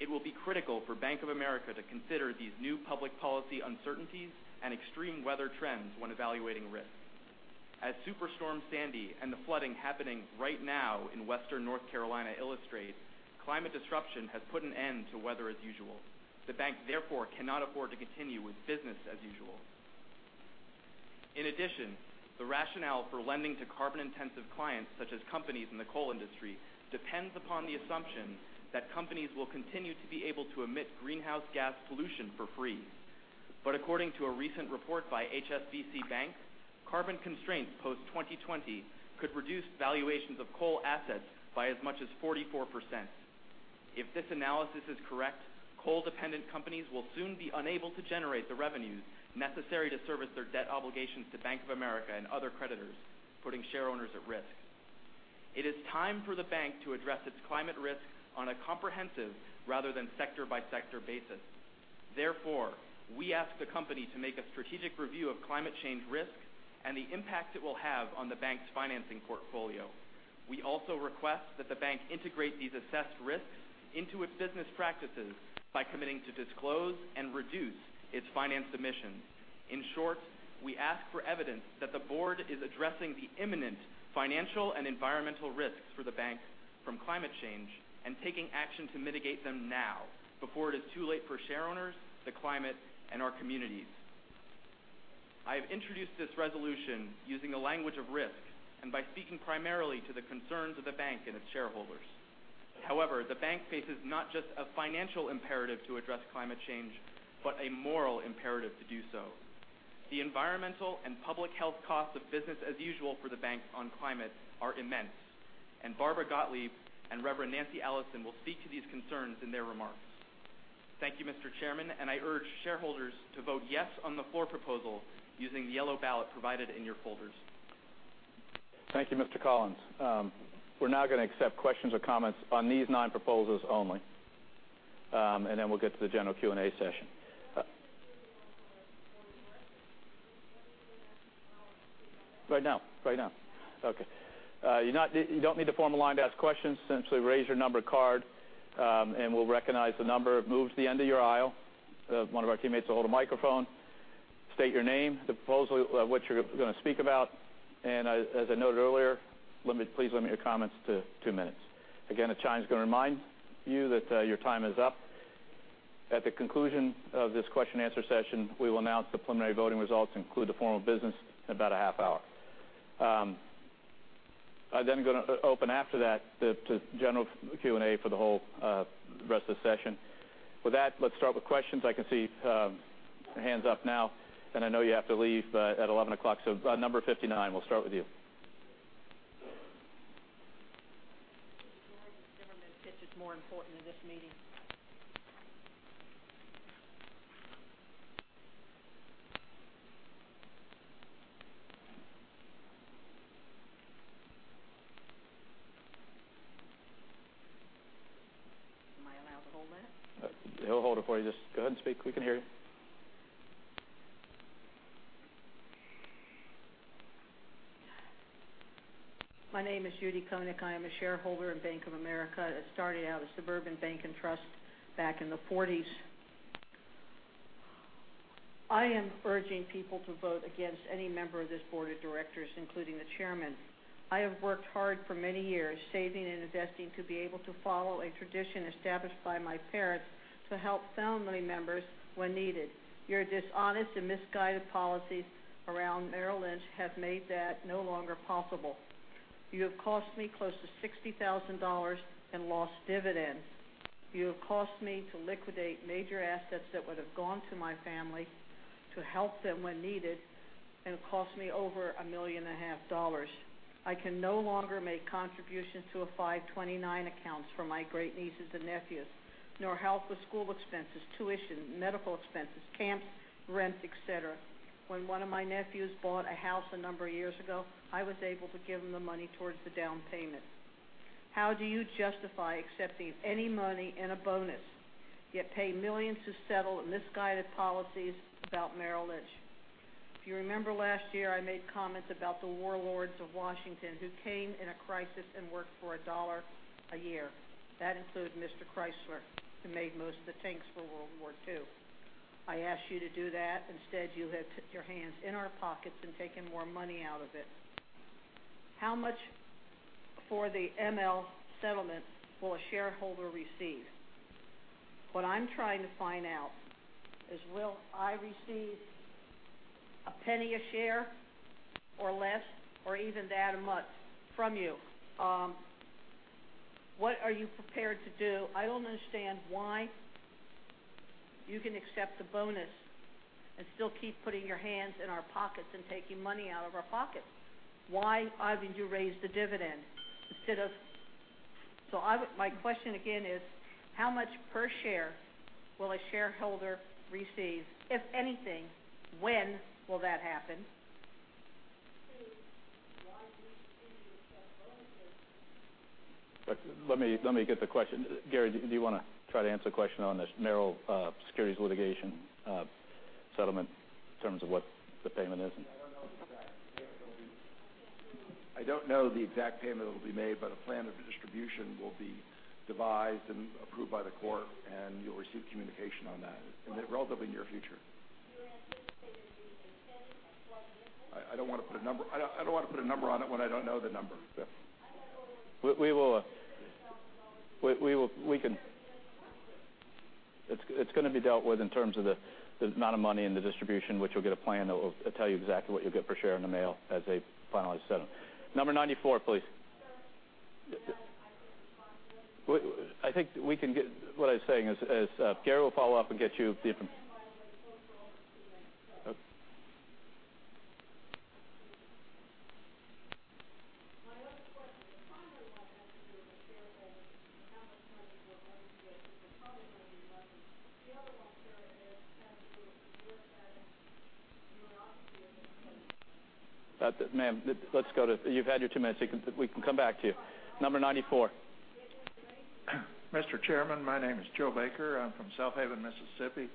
It will be critical for Bank of America to consider these new public policy uncertainties and extreme weather trends when evaluating risks. As Superstorm Sandy and the flooding happening right now in Western North Carolina illustrate, climate disruption has put an end to weather as usual. The bank, therefore, cannot afford to continue with business as usual. The rationale for lending to carbon-intensive clients, such as companies in the coal industry, depends upon the assumption that companies will continue to be able to emit greenhouse gas pollution for free. According to a recent report by HSBC Bank, carbon constraints post-2020 could reduce valuations of coal assets by as much as 44%. If this analysis is correct, coal-dependent companies will soon be unable to generate the revenues necessary to service their debt obligations to Bank of America and other creditors, putting share owners at risk. It is time for the bank to address its climate risks on a comprehensive rather than sector-by-sector basis. We ask the company to make a strategic review of climate change risks and the impact it will have on the bank's financing portfolio. We also request that the bank integrate these assessed risks into its business practices by committing to disclose and reduce its financed emissions. In short, we ask for evidence that the board is addressing the imminent financial and environmental risks for the bank from climate change and taking action to mitigate them now before it is too late for share owners, the climate, and our communities. I have introduced this resolution using the language of risk and by speaking primarily to the concerns of the bank and its shareholders. The bank faces not just a financial imperative to address climate change, but a moral imperative to do so. The environmental and public health costs of business as usual for the bank on climate are immense. Barbara Gottlieb and Reverend Nancy Allison will speak to these concerns in their remarks. Thank you, Mr. Chairman. I urge shareholders to vote yes on the floor proposal using the yellow ballot provided in your folders. Thank you, Mr. Collins. We're now going to accept questions or comments on these nine proposals only, and then we'll get to the general Q&A session. Right now. Okay. You don't need to form a line to ask questions. Simply raise your number card, and we'll recognize the number. Move to the end of your aisle. One of our teammates will hold a microphone. State your name, the proposal, what you're going to speak about, and as I noted earlier, please limit your comments to two minutes. Again, a chime's going to remind you that your time is up. At the conclusion of this question and answer session, we will announce the preliminary voting results and conclude the formal business in about a half hour. I'm going to open after that to general Q&A for the whole rest of the session. With that, let's start with questions. I can see hands up now, and I know you have to leave at 11 o'clock. Number 59, we'll start with you. government thinks it's more important than this meeting. Am I allowed to hold that? He'll hold it for you. Just go ahead and speak. We can hear you. My name is Judy Connick. I am a shareholder in Bank of America. It started out as Suburban Bank and Trust back in the '40s. I am urging people to vote against any member of this board of directors, including the chairman. I have worked hard for many years, saving and investing, to be able to follow a tradition established by my parents to help family members when needed. Your dishonest and misguided policies around Merrill Lynch have made that no longer possible. You have cost me close to $60,000 in lost dividends. You have cost me to liquidate major assets that would have gone to my family to help them when needed and cost me over a million and a half dollars. I can no longer make contributions to a 529 account for my great nieces and nephews, nor help with school expenses, tuition, medical expenses, camps, rent, et cetera. When one of my nephews bought a house a number of years ago, I was able to give him the money towards the down payment. How do you justify accepting any money and a bonus, yet pay $ millions to settle in misguided policies about Merrill Lynch? If you remember last year, I made comments about the warlords of Washington who came in a crisis and worked for $1 a year. That included Mr. Chrysler, who made most of the tanks for World War II. I asked you to do that. Instead, you have put your hands in our pockets and taken more money out of it. How much for the ML settlement will a shareholder receive? What I'm trying to find out is will I receive $0.01 a share or less, or even that a month from you? What are you prepared to do? I don't understand why you can accept a bonus and still keep putting your hands in our pockets and taking money out of our pockets. Why haven't you raised the dividend instead of My question again is how much per share will a shareholder receive, if anything? When will that happen? Why would you accept a bonus if- Let me get the question. Gary, do you want to try to answer the question on this Merrill securities litigation settlement in terms of what the payment is? I don't know the exact payment that will be made. A plan of distribution will be devised and approved by the court. You'll receive communication on that in the relatively near future. You're anticipating it being a $0.01 on a $12 dividend? I don't want to put a number on it when I don't know the number. Yeah. It's going to be dealt with in terms of the amount of money and the distribution, which you'll get a plan that will tell you exactly what you'll get per share in the mail as they finalize settlement. Number 94, please. Sir, may I respond to you? What I was saying is, Gary will follow up and get you- You're saying my way is overall too late. Okay. My other question, the primary one has to do with the shareholder, how much money we're going to get, which is probably going to be nothing. The other one, chair, is having to do with your saying you are obviously a - Ma'am, you've had your two minutes. We can come back to you. Number 94. Okay, great. Mr. Chairman, my name is Joe Baker. I'm from Southaven, Mississippi.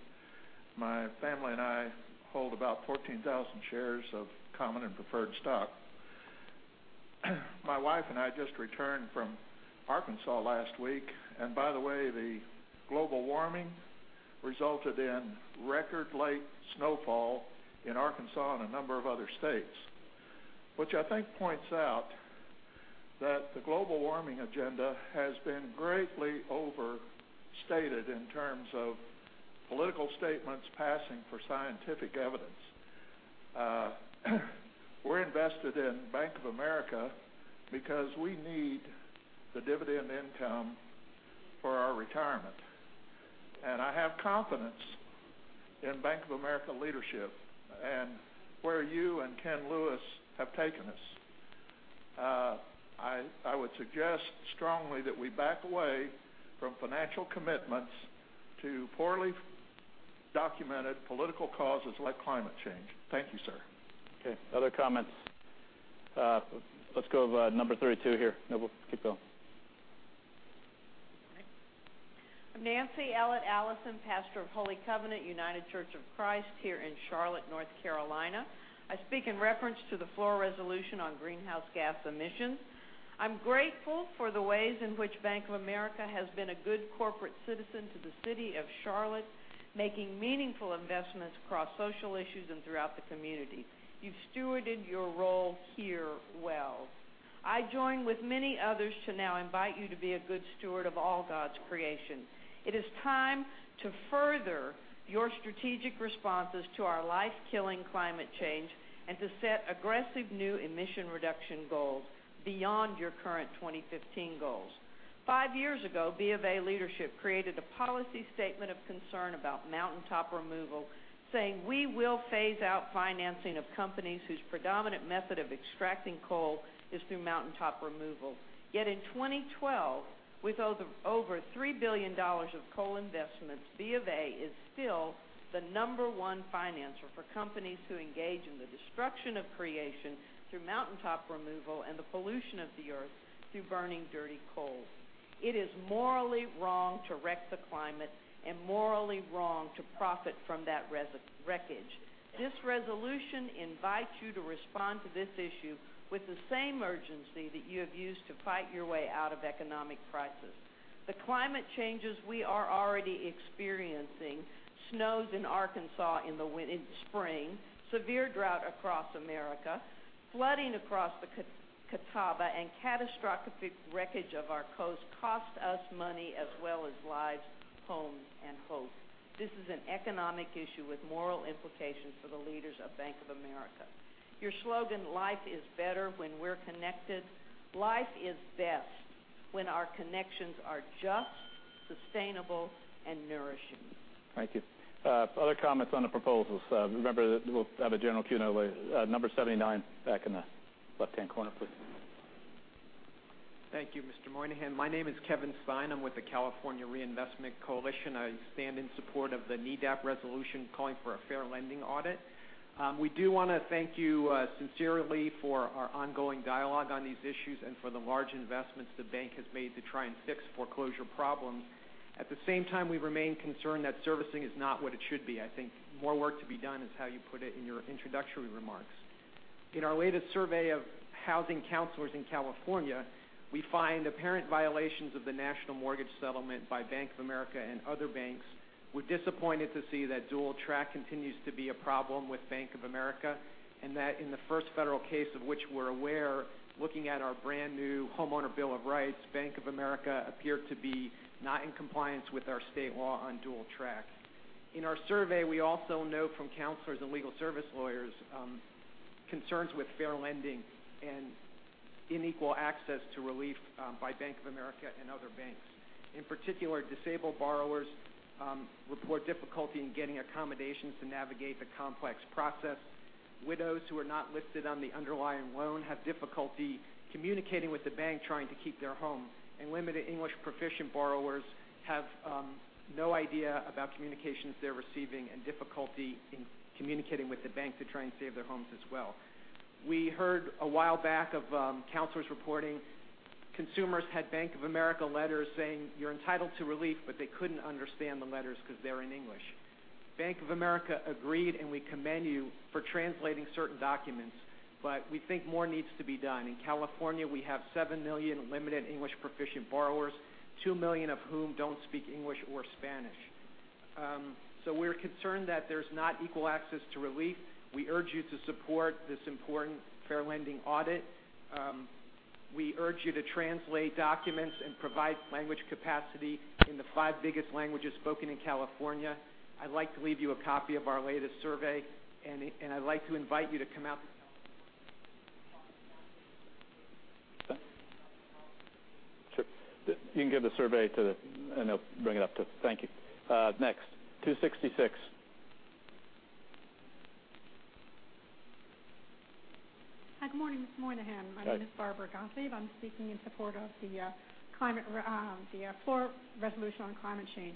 My family and I hold about 14,000 shares of common and preferred stock. My wife and I just returned from Arkansas last week. By the way, the global warming resulted in record late snowfall in Arkansas and a number of other states, which I think points out that the global warming agenda has been greatly overstated in terms of political statements passing for scientific evidence. We're invested in Bank of America because we need the dividend income for our retirement. I have confidence in Bank of America leadership and where you and Ken Lewis have taken us. I would suggest strongly that we back away from financial commitments to poorly documented political causes like climate change. Thank you, sir. Okay. Other comments? Let's go with number 32 here. No, keep going. Okay. I'm Nancy Ellett Allison, pastor of Holy Covenant United Church of Christ here in Charlotte, North Carolina. I speak in reference to the floor resolution on greenhouse gas emissions. I'm grateful for the ways in which Bank of America has been a good corporate citizen to the city of Charlotte, making meaningful investments across social issues and throughout the community. You've stewarded your role here well. I join with many others to now invite you to be a good steward of all God's creation. It is time to further your strategic responses to our life-killing climate change and to set aggressive new emission reduction goals beyond your current 2015 goals. Five years ago, B of A leadership created a policy statement of concern about mountaintop removal, saying, "We will phase out financing of companies whose predominant method of extracting coal is through mountaintop removal." Yet in 2012, with over $3 billion of coal investments, B of A is still the number one financer for companies who engage in the destruction of creation through mountaintop removal and the pollution of the earth through burning dirty coal. It is morally wrong to wreck the climate and morally wrong to profit from that wreckage. This resolution invites you to respond to this issue with the same urgency that you have used to fight your way out of economic crisis. The climate changes we are already experiencing, snows in Arkansas in the spring, severe drought across America, flooding across the Catawba, and catastrophic wreckage of our coast cost us money as well as lives, homes, and hope. This is an economic issue with moral implications for the leaders of Bank of America. Your slogan, "Life is better when we're connected." Life is best When our connections are just, sustainable, and nourishing. Thank you. Other comments on the proposals? Remember that we'll have a general Q&A later. Number 79, back in the left-hand corner, please. Thank you, Mr. Moynihan. My name is Kevin Stein. I'm with the California Reinvestment Coalition. I stand in support of the NEDAP resolution calling for a fair lending audit. We do want to thank you sincerely for our ongoing dialogue on these issues and for the large investments the bank has made to try and fix foreclosure problems. At the same time, we remain concerned that servicing is not what it should be. I think more work to be done is how you put it in your introductory remarks. In our latest survey of housing counselors in California, we find apparent violations of the national mortgage settlement by Bank of America and other banks. We're disappointed to see that dual track continues to be a problem with Bank of America, and that in the first federal case of which we're aware, looking at our brand-new Homeowner Bill of Rights, Bank of America appeared to be not in compliance with our state law on dual track. In our survey, we also note from counselors and legal service lawyers concerns with fair lending and inequal access to relief by Bank of America and other banks. In particular, disabled borrowers report difficulty in getting accommodations to navigate the complex process. Widows who are not listed on the underlying loan have difficulty communicating with the bank trying to keep their home. Limited English proficient borrowers have no idea about communications they're receiving and difficulty in communicating with the bank to try and save their homes as well. We heard a while back of counselors reporting consumers had Bank of America letters saying, "You're entitled to relief," but they couldn't understand the letters because they're in English. Bank of America agreed, we commend you for translating certain documents, we think more needs to be done. In California, we have 7 million limited English proficient borrowers, 2 million of whom don't speak English or Spanish. We're concerned that there's not equal access to relief. We urge you to support this important fair lending audit. We urge you to translate documents and provide language capacity in the 5 biggest languages spoken in California. I'd like to leave you a copy of our latest survey, I'd like to invite you to come out. Sure. You can give the survey. They'll bring it up. Thank you. Next, 266. Hi, good morning, Mr. Moynihan. Hi. My name is Barbara Gottlieb. I'm speaking in support of the floor resolution on climate change.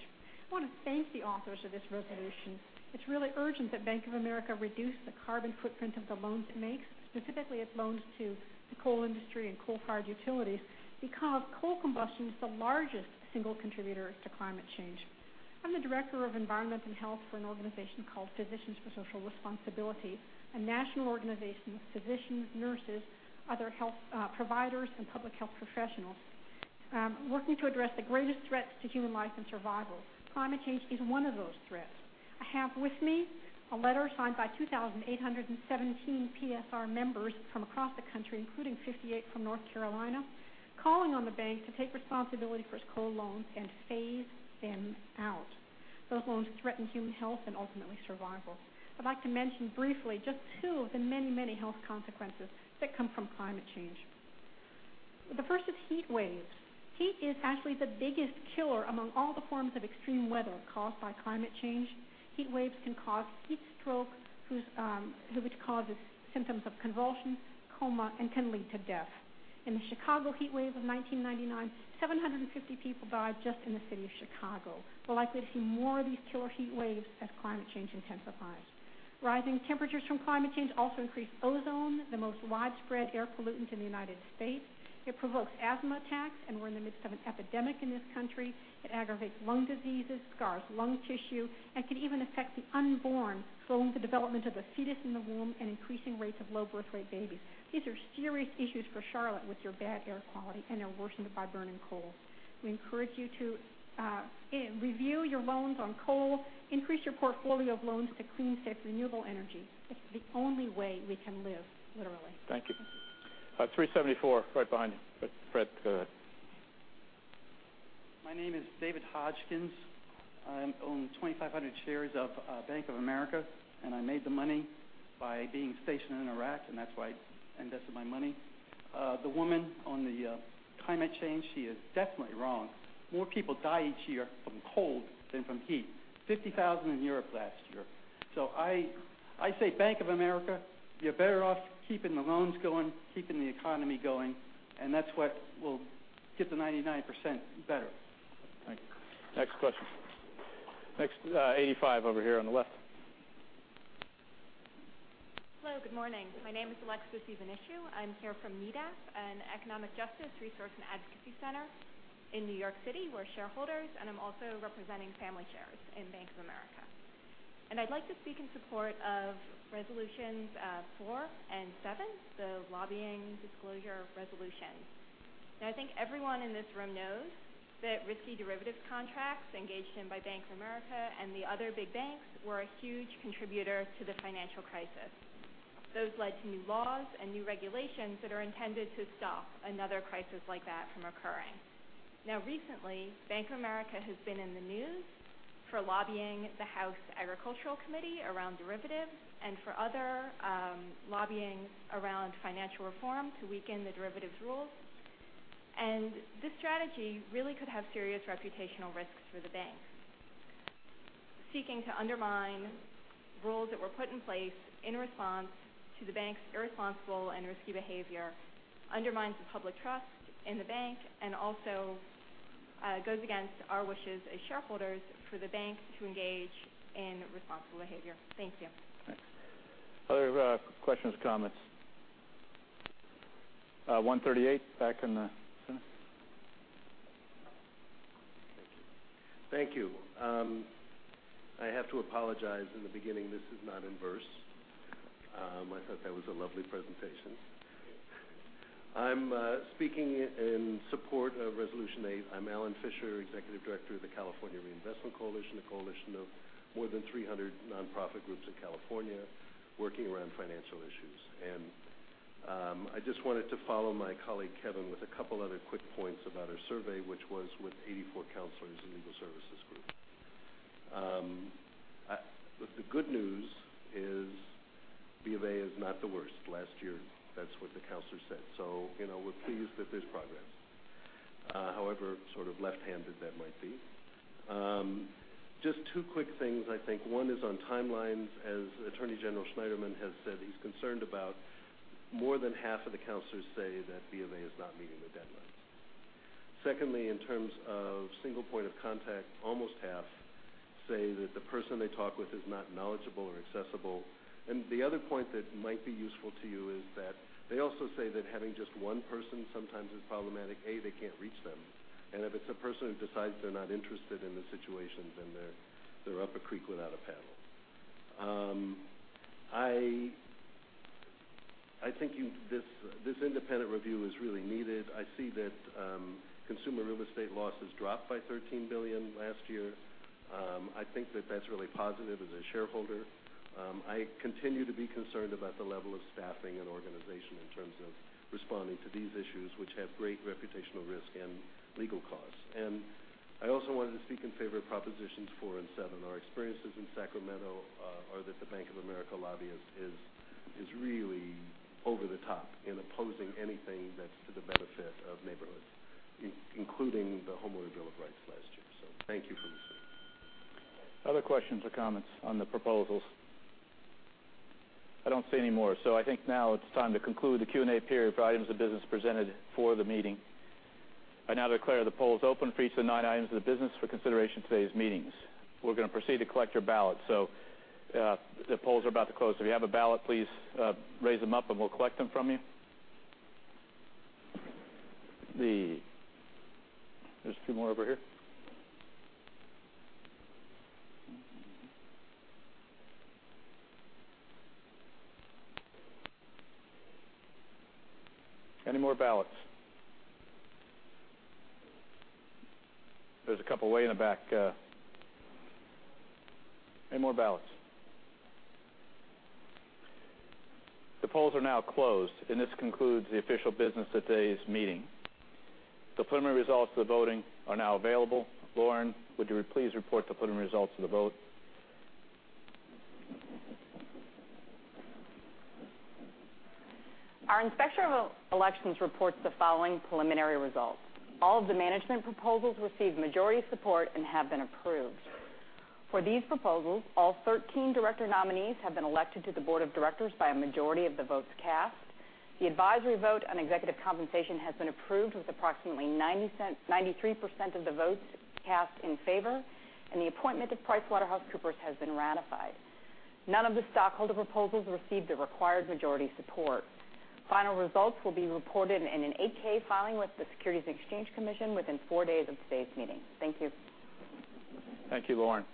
I want to thank the authors of this resolution. It's really urgent that Bank of America reduce the carbon footprint of the loans it makes, specifically its loans to the coal industry and coal-fired utilities, because coal combustion is the largest single contributor to climate change. I'm the director of environmental and health for an organization called Physicians for Social Responsibility, a national organization of physicians, nurses, other health providers, and public health professionals working to address the greatest threats to human life and survival. Climate change is one of those threats. I have with me a letter signed by 2,817 PSR members from across the country, including 58 from North Carolina, calling on the bank to take responsibility for its coal loans and phase them out. Those loans threaten human health and ultimately survival. I'd like to mention briefly just two of the many, many health consequences that come from climate change. The first is heat waves. Heat is actually the biggest killer among all the forms of extreme weather caused by climate change. Heat waves can cause heat stroke, which causes symptoms of convulsions, coma, and can lead to death. In the Chicago heat wave of 1999, 750 people died just in the city of Chicago. We're likely to see more of these killer heat waves as climate change intensifies. Rising temperatures from climate change also increase ozone, the most widespread air pollutant in the United States. It provokes asthma attacks. We're in the midst of an epidemic in this country. It aggravates lung diseases, scars lung tissue, and can even affect the unborn, slowing the development of the fetus in the womb and increasing rates of low birth weight babies. These are serious issues for Charlotte with your bad air quality, and they're worsened by burning coal. We encourage you to review your loans on coal, increase your portfolio of loans to clean, safe, renewable energy. It's the only way we can live, literally. Thank you. 374, right behind you. Fred. My name is David Hotchkiss. I own 2,500 shares of Bank of America, and I made the money by being stationed in Iraq, and that's why I invested my money. The woman on the climate change, she is definitely wrong. More people die each year from cold than from heat. 50,000 in Europe last year. I say, Bank of America, you're better off keeping the loans going, keeping the economy going, and that's what will get the 99% better. Thank you. Next question. Next, 85 over here on the left. Hello, good morning. My name is Alexa Speas-Munichu. I'm here from NEDAP, an economic justice resource and advocacy center in New York City. We're shareholders, I'm also representing family shares in Bank of America. I'd like to speak in support of resolutions four and seven, the lobbying disclosure resolutions. I think everyone in this room knows that risky derivatives contracts engaged in by Bank of America and the other big banks were a huge contributor to the financial crisis. Those led to new laws and new regulations that are intended to stop another crisis like that from occurring. Recently, Bank of America has been in the news for lobbying the House Committee on Agriculture around derivatives and for other lobbying around financial reform to weaken the derivatives rules. This strategy really could have serious reputational risks for the bank. Seeking to undermine rules that were put in place in response to the bank's irresponsible and risky behavior undermines the public trust in the bank and also goes against our wishes as shareholders for the bank to engage in responsible behavior. Thank you. Thanks. Other questions, comments? 138 back in the center. Thank you. I have to apologize in the beginning, this is not in verse. I thought that was a lovely presentation. I'm speaking in support of Resolution Eight. I'm Alan Fisher, Executive Director of the California Reinvestment Coalition, a coalition of more than 300 nonprofit groups in California working around financial issues. I just wanted to follow my colleague Kevin with a couple other quick points about our survey, which was with 84 counselors and legal services group. The good news is B of A is not the worst. Last year, that's what the counselors said. We're pleased that there's progress. However, sort of left-handed that might be. Just two quick things, I think. One is on timelines. As Attorney General Schneiderman has said he's concerned about, more than half of the counselors say that B of A is not meeting the deadlines. Secondly, in terms of single point of contact, almost half say that the person they talk with is not knowledgeable or accessible. The other point that might be useful to you is that they also say that having just one person sometimes is problematic. They can't reach them. If it's a person who decides they're not interested in the situation, then they're up a creek without a paddle. I think this independent review is really needed. I see that consumer real estate losses dropped by $13 billion last year. I think that that's really positive as a shareholder. I continue to be concerned about the level of staffing and organization in terms of responding to these issues, which have great reputational risk and legal costs. I also wanted to speak in favor of Propositions Four and Seven. Our experiences in Sacramento are that the Bank of America lobbyist is really over the top in opposing anything that's to the benefit of neighborhoods, including the Homeowner Bill of Rights last year. Thank you. Other questions or comments on the proposals? I don't see any more. I think now it's time to conclude the Q&A period for items of business presented for the meeting. I now declare the polls open for each of the nine items of the business for consideration at today's meetings. We're going to proceed to collect your ballots. The polls are about to close. If you have a ballot, please raise them up and we'll collect them from you. There's a few more over here. Any more ballots? There's a couple way in the back. Any more ballots? The polls are now closed, and this concludes the official business of today's meeting. The preliminary results of the voting are now available. Lauren, would you please report the preliminary results of the vote? Our Inspector of Elections reports the following preliminary results. All of the management proposals received majority support and have been approved. For these proposals, all 13 director nominees have been elected to the board of directors by a majority of the votes cast. The advisory vote on executive compensation has been approved with approximately 93% of the votes cast in favor, and the appointment of PricewaterhouseCoopers has been ratified. None of the stockholder proposals received the required majority support. Final results will be reported in an 8-K filing with the Securities and Exchange Commission within four days of today's meeting. Thank you. Thank you, Lauren.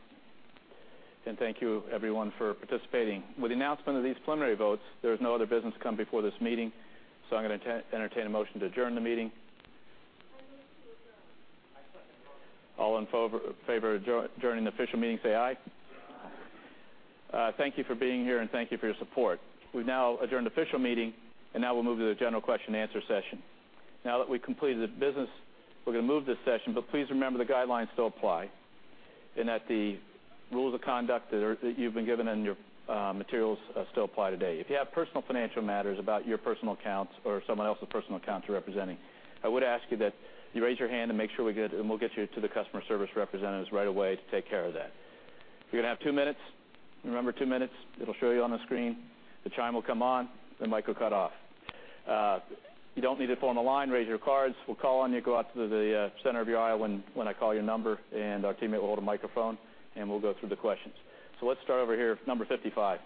Thank you everyone for participating. With the announcement of these preliminary votes, there is no other business to come before this meeting. I'm going to entertain a motion to adjourn the meeting. I move to adjourn. All in favor of adjourning the official meeting say aye. Aye. Thank you for being here, and thank you for your support. We've now adjourned the official meeting, and now we'll move to the general question and answer session. Now that we completed the business, we're going to move this session, but please remember the guidelines still apply and that the rules of conduct that you've been given in your materials still apply today. If you have personal financial matters about your personal accounts or someone else's personal accounts you're representing, I would ask you that you raise your hand and we'll get you to the customer service representatives right away to take care of that. You're going to have two minutes. Remember, two minutes. It'll show you on the screen. The chime will come on, the mic will cut off. You don't need to form a line. Raise your cards. We'll call on you. Go out to the center of your aisle when I call your number, our teammate will hold a microphone, we'll go through the questions. Let's start over here, number 55.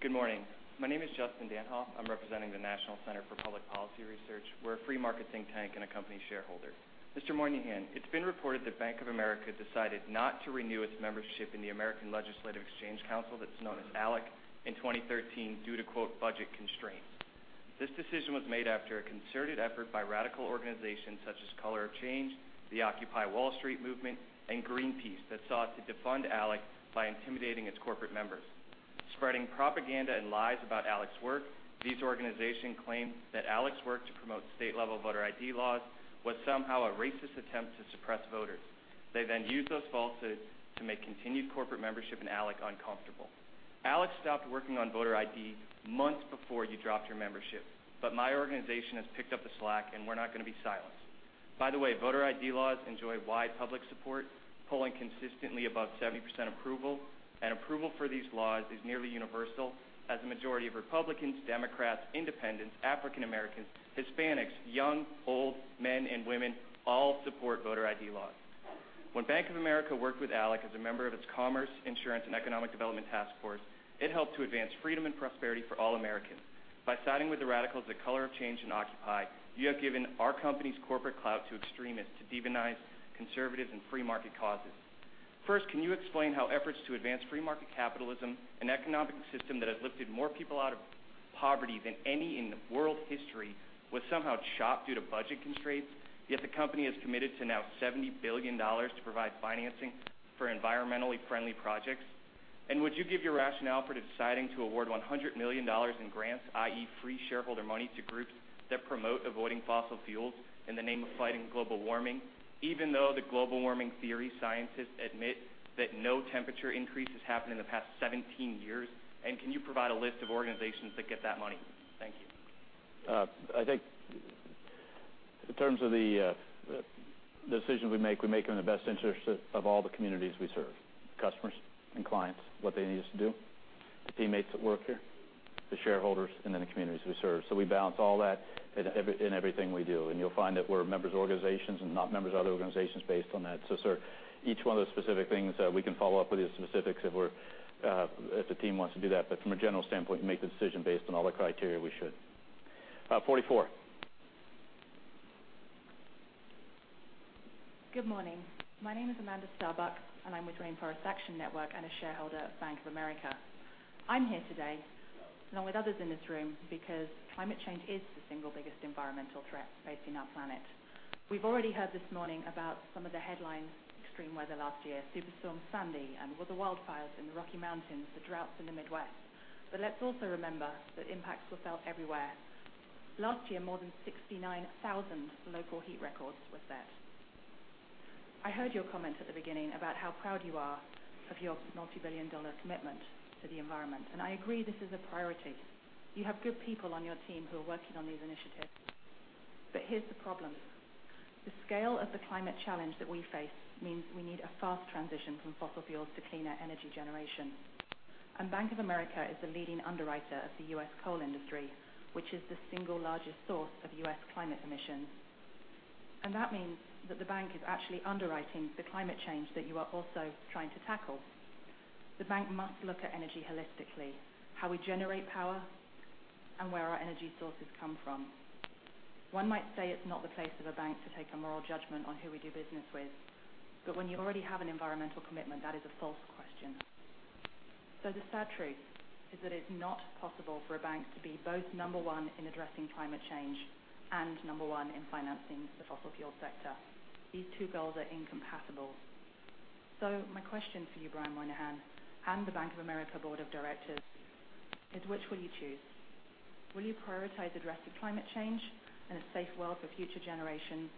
Good morning. My name is Justin Danhof. I'm representing the National Center for Public Policy Research. We're a free market think tank and a company shareholder. Mr. Moynihan, it's been reported that Bank of America decided not to renew its membership in the American Legislative Exchange Council, that's known as ALEC, in 2013 due to "budget constraints." This decision was made after a concerted effort by radical organizations such as Color of Change, the Occupy Wall Street movement, and Greenpeace that sought to defund ALEC by intimidating its corporate members. Spreading propaganda and lies about ALEC's work. These organizations claim that ALEC's work to promote state-level voter ID laws was somehow a racist attempt to suppress voters. They used those falsehoods to make continued corporate membership in ALEC uncomfortable. ALEC stopped working on voter ID months before you dropped your membership, my organization has picked up the slack, we're not going to be silenced. By the way, voter ID laws enjoy wide public support, polling consistently above 70% approval. Approval for these laws is nearly universal, as a majority of Republicans, Democrats, Independents, African Americans, Hispanics, young, old, men, and women all support voter ID laws. When Bank of America worked with ALEC as a member of its Commerce, Insurance, and Economic Development Task Force, it helped to advance freedom and prosperity for all Americans. By siding with the radicals at Color of Change and Occupy, you have given our company's corporate clout to extremists to demonize conservative and free market causes. First, can you explain how efforts to advance free market capitalism, an economic system that has lifted more people out of poverty than any in world history, was somehow shot due to budget constraints, yet the company has committed to now $70 billion to provide financing for environmentally friendly projects? Would you give your rationale for deciding to award $100 million in grants, i.e., free shareholder money, to groups that promote avoiding fossil fuels in the name of fighting global warming, even though the global warming theory scientists admit that no temperature increase has happened in the past 17 years? Can you provide a list of organizations that get that money? Thank you. I think in terms of the decisions we make, we make them in the best interest of all the communities we serve, customers and clients, what they need us to do, the teammates that work here, the shareholders, and then the communities we serve. We balance all that in everything we do. You'll find that we're members of organizations and not members of other organizations based on that. Sir, each one of those specific things, we can follow up with you on specifics if the team wants to do that. From a general standpoint, we make the decision based on all the criteria we should. 44. Good morning. My name is Amanda Starbuck, and I'm with Rainforest Action Network and a shareholder of Bank of America. I'm here today, along with others in this room, because climate change is the single biggest environmental threat facing our planet. We've already heard this morning about some of the headline extreme weather last year, Superstorm Sandy, and with the wildfires in the Rocky Mountains, the droughts in the Midwest. Let's also remember that impacts were felt everywhere. Last year, more than 69,000 local heat records were set. I heard your comments at the beginning about how proud you are of your multi-billion-dollar commitment to the environment, and I agree this is a priority. You have good people on your team who are working on these initiatives. Here's the problem. The scale of the climate challenge that we face means we need a fast transition from fossil fuels to cleaner energy generation. Bank of America is the leading underwriter of the U.S. coal industry, which is the single largest source of U.S. climate emissions. That means that the bank is actually underwriting the climate change that you are also trying to tackle. The bank must look at energy holistically, how we generate power, and where our energy sources come from. One might say it's not the place of a bank to take a moral judgment on who we do business with. When you already have an environmental commitment, that is a false question. The sad truth is that it's not possible for a bank to be both number 1 in addressing climate change and number 1 in financing the fossil fuel sector. These two goals are incompatible. My question for you, Brian Moynihan, and the Bank of America board of directors, is which will you choose? Will you prioritize addressing climate change and a safe world for future generations,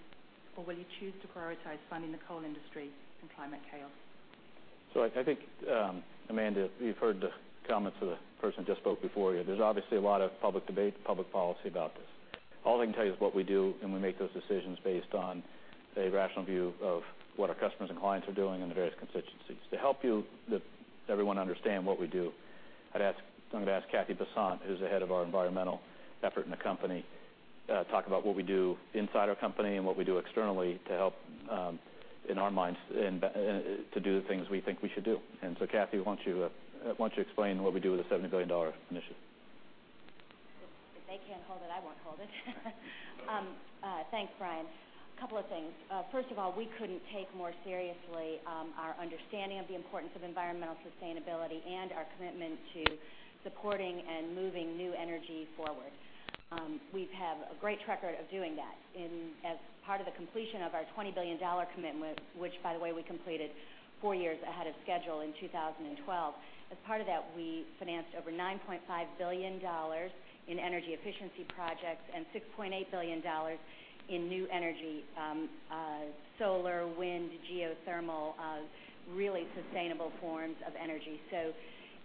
or will you choose to prioritize funding the coal industry and climate chaos? I think, Amanda, you've heard the comments of the person who just spoke before you. There's obviously a lot of public debate and public policy about this. All I can tell you is what we do, and we make those decisions based on a rational view of what our customers and clients are doing and the various constituencies. To help everyone understand what we do, I'm going to ask Cathy Bessant, who's the head of our environmental effort in the company, to talk about what we do inside our company and what we do externally to help in our minds to do the things we think we should do. Kathy, why don't you explain what we do with the $70 billion initiative? If they can't hold it, I won't hold it. Thanks, Brian. Couple of things. First of all, we couldn't take more seriously our understanding of the importance of environmental sustainability and our commitment to supporting and moving new energy forward. We have a great track record of doing that. As part of the completion of our $20 billion commitment, which by the way, we completed four years ahead of schedule in 2012, as part of that, we financed over $9.5 billion in energy efficiency projects and $6.8 billion in new energy, solar, wind, geothermal, really sustainable forms of energy.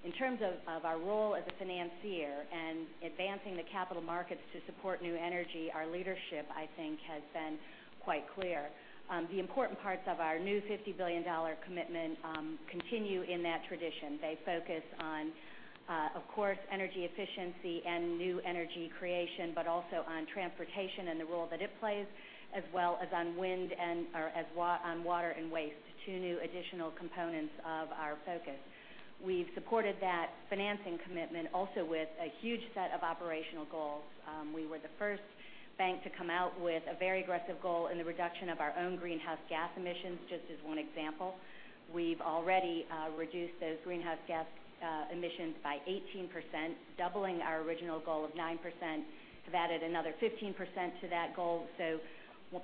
In terms of our role as a financier and advancing the capital markets to support new energy, our leadership, I think, has been quite clear. The important parts of our new $50 billion commitment continue in that tradition. They focus on, of course, energy efficiency and new energy creation, but also on transportation and the role that it plays, as well as on water and waste, two new additional components of our focus. We've supported that financing commitment also with a huge set of operational goals. We were the first bank to come out with a very aggressive goal in the reduction of our own greenhouse gas emissions, just as one example. We've already reduced those greenhouse gas emissions by 18%, doubling our original goal of 9%, have added another 15% to that goal.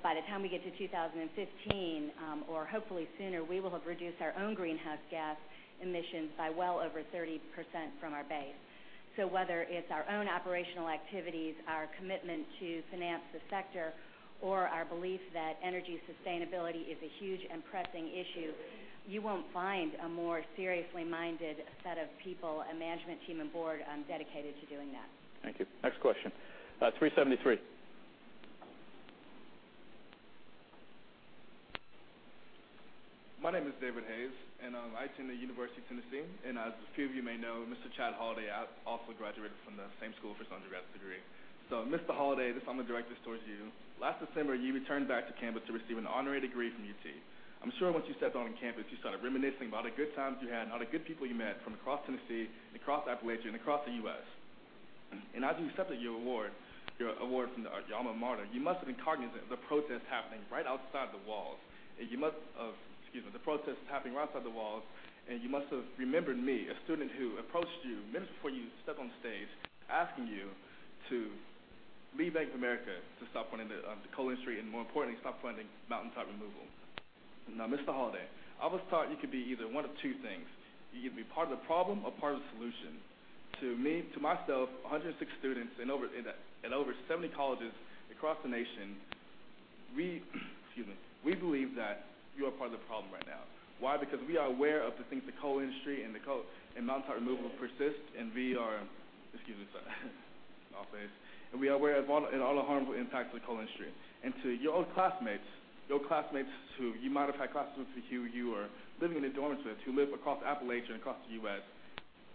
By the time we get to 2015, or hopefully sooner, we will have reduced our own greenhouse gas emissions by well over 30% from our base. Whether it's our own operational activities, our commitment to finance the sector, or our belief that energy sustainability is a huge and pressing issue, you won't find a more seriously minded set of people and management team and board dedicated to doing that. Thank you. Next question. 373. My name is David Hayes, and I attend the University of Tennessee. As a few of you may know, Mr. Chad Holliday also graduated from the same school for his undergrad degree. Mr. Holliday, I'm going to direct this towards you. Last December, you returned back to campus to receive an honorary degree from UT. I'm sure once you stepped on campus, you started reminiscing about the good times you had and all the good people you met from across Tennessee and across Appalachia and across the U.S. As you accepted your award from your alma mater, you must have been cognizant of the protest happening right outside the walls. You must have remembered me, a student who approached you minutes before you stepped on stage, asking you to leave Bank of America to stop funding the coal industry, and more importantly, stop funding mountaintop removal. Now, Mr. Holliday, I was taught you could be either one of two things. You could be part of the problem or part of the solution. To myself, 106 students in over 70 colleges across the nation, we believe that you are part of the problem right now. Why? We are aware of the things the coal industry and the mountaintop removal persist, and we are aware of all the harmful impacts of the coal industry. To your own classmates who you might have had classrooms with, who you are living in the dorms with, who live across Appalachia and across the U.S.,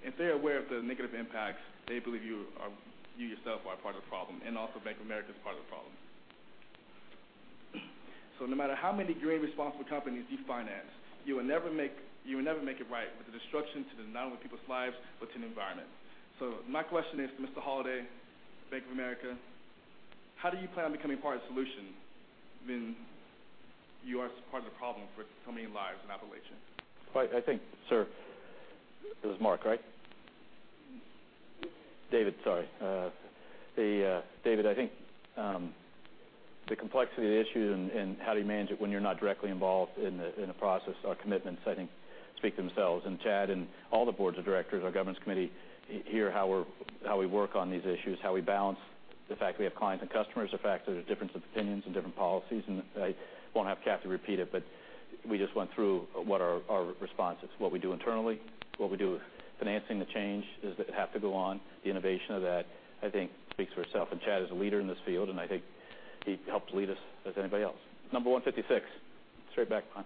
if they're aware of the negative impacts, they believe you yourself are part of the problem, and also Bank of America is part of the problem. No matter how many green, responsible companies you finance, you will never make it right with the destruction to not only people's lives, but to the environment. My question is, Mr. Holliday, Bank of America, how do you plan on becoming part of the solution when you are part of the problem for so many lives in Appalachia? Right. I think, sir, it was Mark, right? David, sorry. David, I think the complexity of the issue and how do you manage it when you're not directly involved in the process or commitments, I think speak for themselves. Chad and all the boards of directors, our governance committee, hear how we work on these issues, how we balance the fact we have clients and customers, the fact there's difference of opinions and different policies. I won't have Kathy repeat it, but we just went through what our response is, what we do internally, what we do financing the change, does it have to go on? The innovation of that, I think speaks for itself. Chad is a leader in this field, and I think he helps lead us as anybody else. Number 156. Straight back, Brian.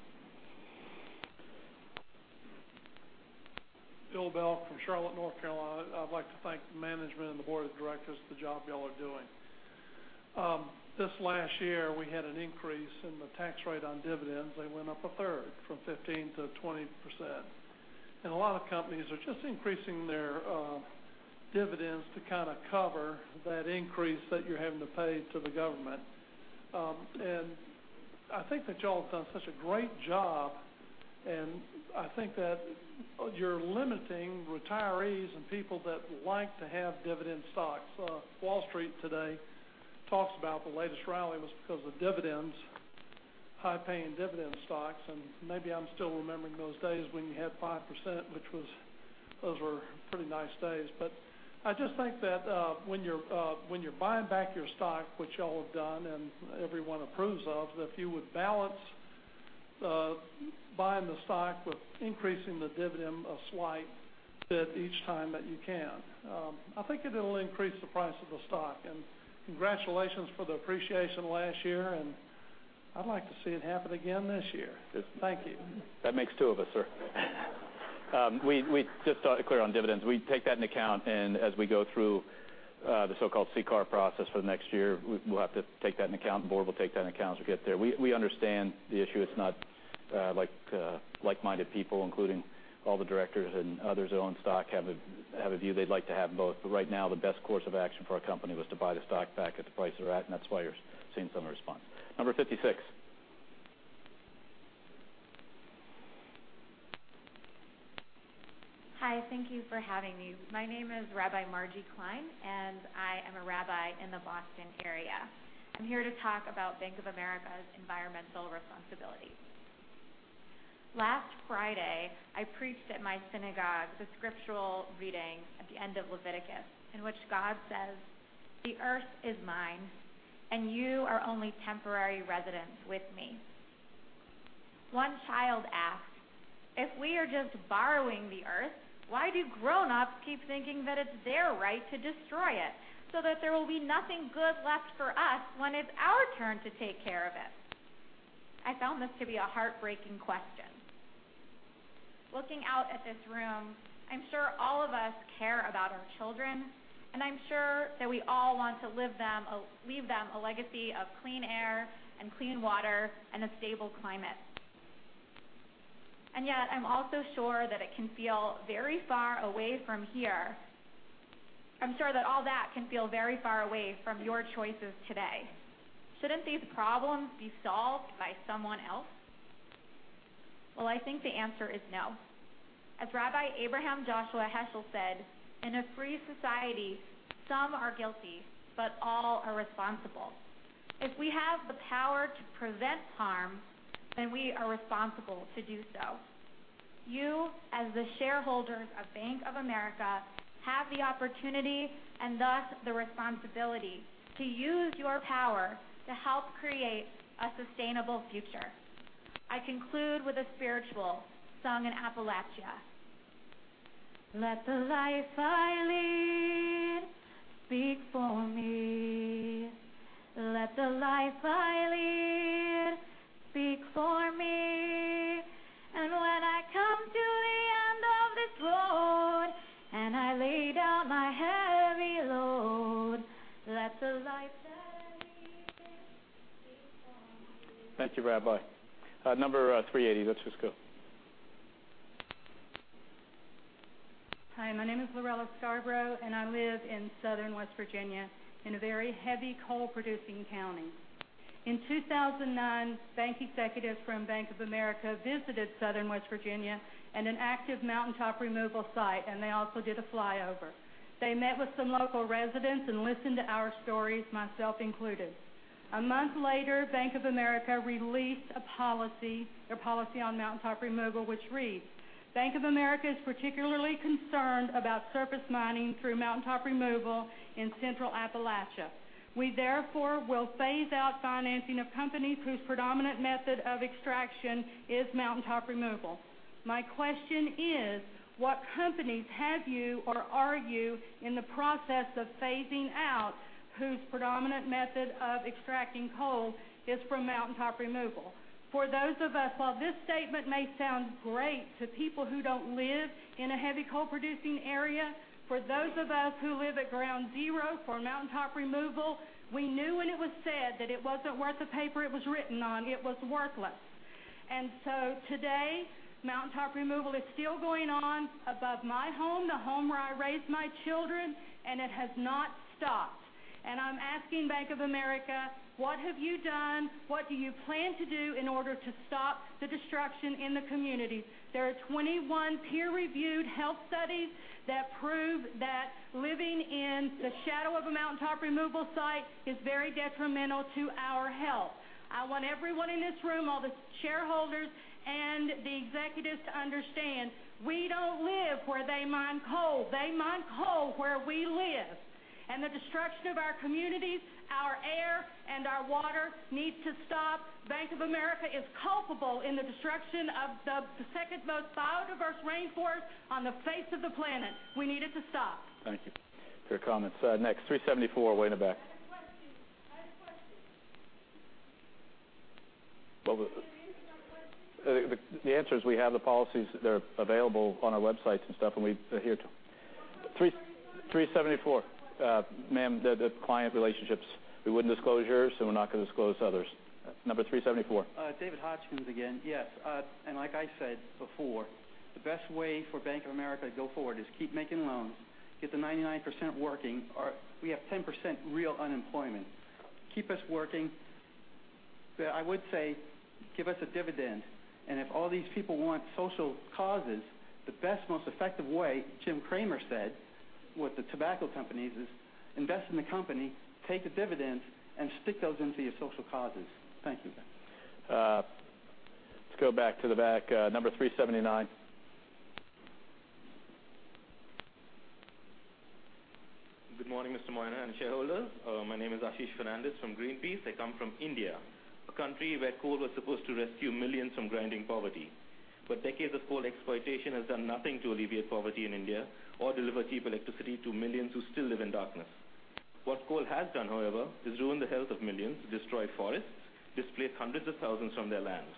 Bill Bell from Charlotte, North Carolina. I'd like to thank management and the Board of Directors for the job y'all are doing. This last year we had an increase in the tax rate on dividends. They went up a third from 15% to 20%. A lot of companies are just increasing their dividends to cover that increase that you're having to pay to the government. I think that y'all have done such a great job, and I think that you're limiting retirees and people that like to have dividend stocks. Wall Street today talks about the latest rally was because of dividends, high-paying dividend stocks, and maybe I'm still remembering those days when you had 5%, which those were pretty nice days. I just think that when you're buying back your stock, which y'all have done and everyone approves of, if you would balance buying the stock with increasing the dividend a slight bit each time that you can. I think it'll increase the price of the stock. Congratulations for the appreciation last year, and I'd like to see it happen again this year. Thank you. That makes two of us, sir. We just thought it clear on dividends. We take that into account, as we go through the so-called CCAR process for the next year, we'll have to take that into account. The Board will take that into account as we get there. We understand the issue. It's not like-minded people, including all the directors and others that own stock, have a view they'd like to have both. Right now, the best course of action for our company was to buy the stock back at the price they're at, and that's why you're seeing some response. Number 56. Hi, thank you for having me. My name is Rabbi Margie Klein, and I am a rabbi in the Boston area. I am here to talk about Bank of America's environmental responsibility. Last Friday, I preached at my synagogue the scriptural reading at the end of Leviticus, in which God says, "The earth is mine, and you are only temporary residents with me." One child asked, "If we are just borrowing the Earth, why do grown-ups keep thinking that it's their right to destroy it so that there will be nothing good left for us when it's our turn to take care of it?" I found this to be a heartbreaking question. Looking out at this room, I am sure all of us care about our children, and I am sure that we all want to leave them a legacy of clean air and clean water and a stable climate. Yet, I am also sure that it can feel very far away from here. I am sure that all that can feel very far away from your choices today. Shouldn't these problems be solved by someone else? I think the answer is no. As Rabbi Abraham Joshua Heschel said, "In a free society, some are guilty, but all are responsible." If we have the power to prevent harm, we are responsible to do so. You, as the shareholders of Bank of America, have the opportunity and thus the responsibility to use your power to help create a sustainable future. I conclude with a spiritual song in Appalachia. Let the life I lead Speak for me. Let the life I lead speak for me. When I come to the end of this road, and I lay down my heavy load. Let the life that I lived speak for me. Thank you, Rabbi. Number 380, let's just go. Hi, my name is Lorella Scarbrough, and I live in southern West Virginia in a very heavy coal-producing county. In 2009, bank executives from Bank of America visited southern West Virginia and an active mountaintop removal site, and they also did a flyover. They met with some local residents and listened to our stories, myself included. A month later, Bank of America released a policy, their policy on mountaintop removal, which reads, "Bank of America is particularly concerned about surface mining through mountaintop removal in central Appalachia. We will phase out financing of companies whose predominant method of extraction is mountaintop removal." My question is, what companies have you or are you in the process of phasing out whose predominant method of extracting coal is from mountaintop removal? This statement may sound great to people who don't live in a heavy coal-producing area, for those of us who live at ground zero for mountaintop removal, we knew when it was said that it wasn't worth the paper it was written on. It was worthless. Today, mountaintop removal is still going on above my home, the home where I raised my children, and it has not stopped. I'm asking Bank of America, what have you done? What do you plan to do in order to stop the destruction in the community? There are 21 peer-reviewed health studies that prove that living in the shadow of a mountaintop removal site is very detrimental to our health. I want everyone in this room, all the shareholders and the executives to understand, we don't live where they mine coal. They mine coal where we live. The destruction of our communities, our air, and our water needs to stop. Bank of America is culpable in the destruction of the second-most biodiverse rainforest on the face of the planet. We need it to stop. Thank you for your comments. Next, 374, way in the back. I have a question. The answer is we have the policies. They're available on our websites and stuff. We adhere to them. Well, how come you won't answer my question? 374. Ma'am, the client relationships. We wouldn't disclose yours. We're not going to disclose others. Number 374. David Hotchkiss again. Like I said before, the best way for Bank of America to go forward is keep making loans, get the 99% working. We have 10% real unemployment. Keep us working. I would say give us a dividend. If all these people want social causes, the best, most effective way, Jim Cramer said, with the tobacco companies is invest in the company, take the dividends, stick those into your social causes. Thank you. Let's go back to the back. Number 379. Good morning, Mr. Moynihan and shareholders. My name is Ashish Fernandes from Greenpeace. I come from India, a country where coal was supposed to rescue millions from grinding poverty. Decades of coal exploitation has done nothing to alleviate poverty in India or deliver cheap electricity to millions who still live in darkness. What coal has done, however, is ruin the health of millions, destroyed forests, displaced hundreds of thousands from their lands.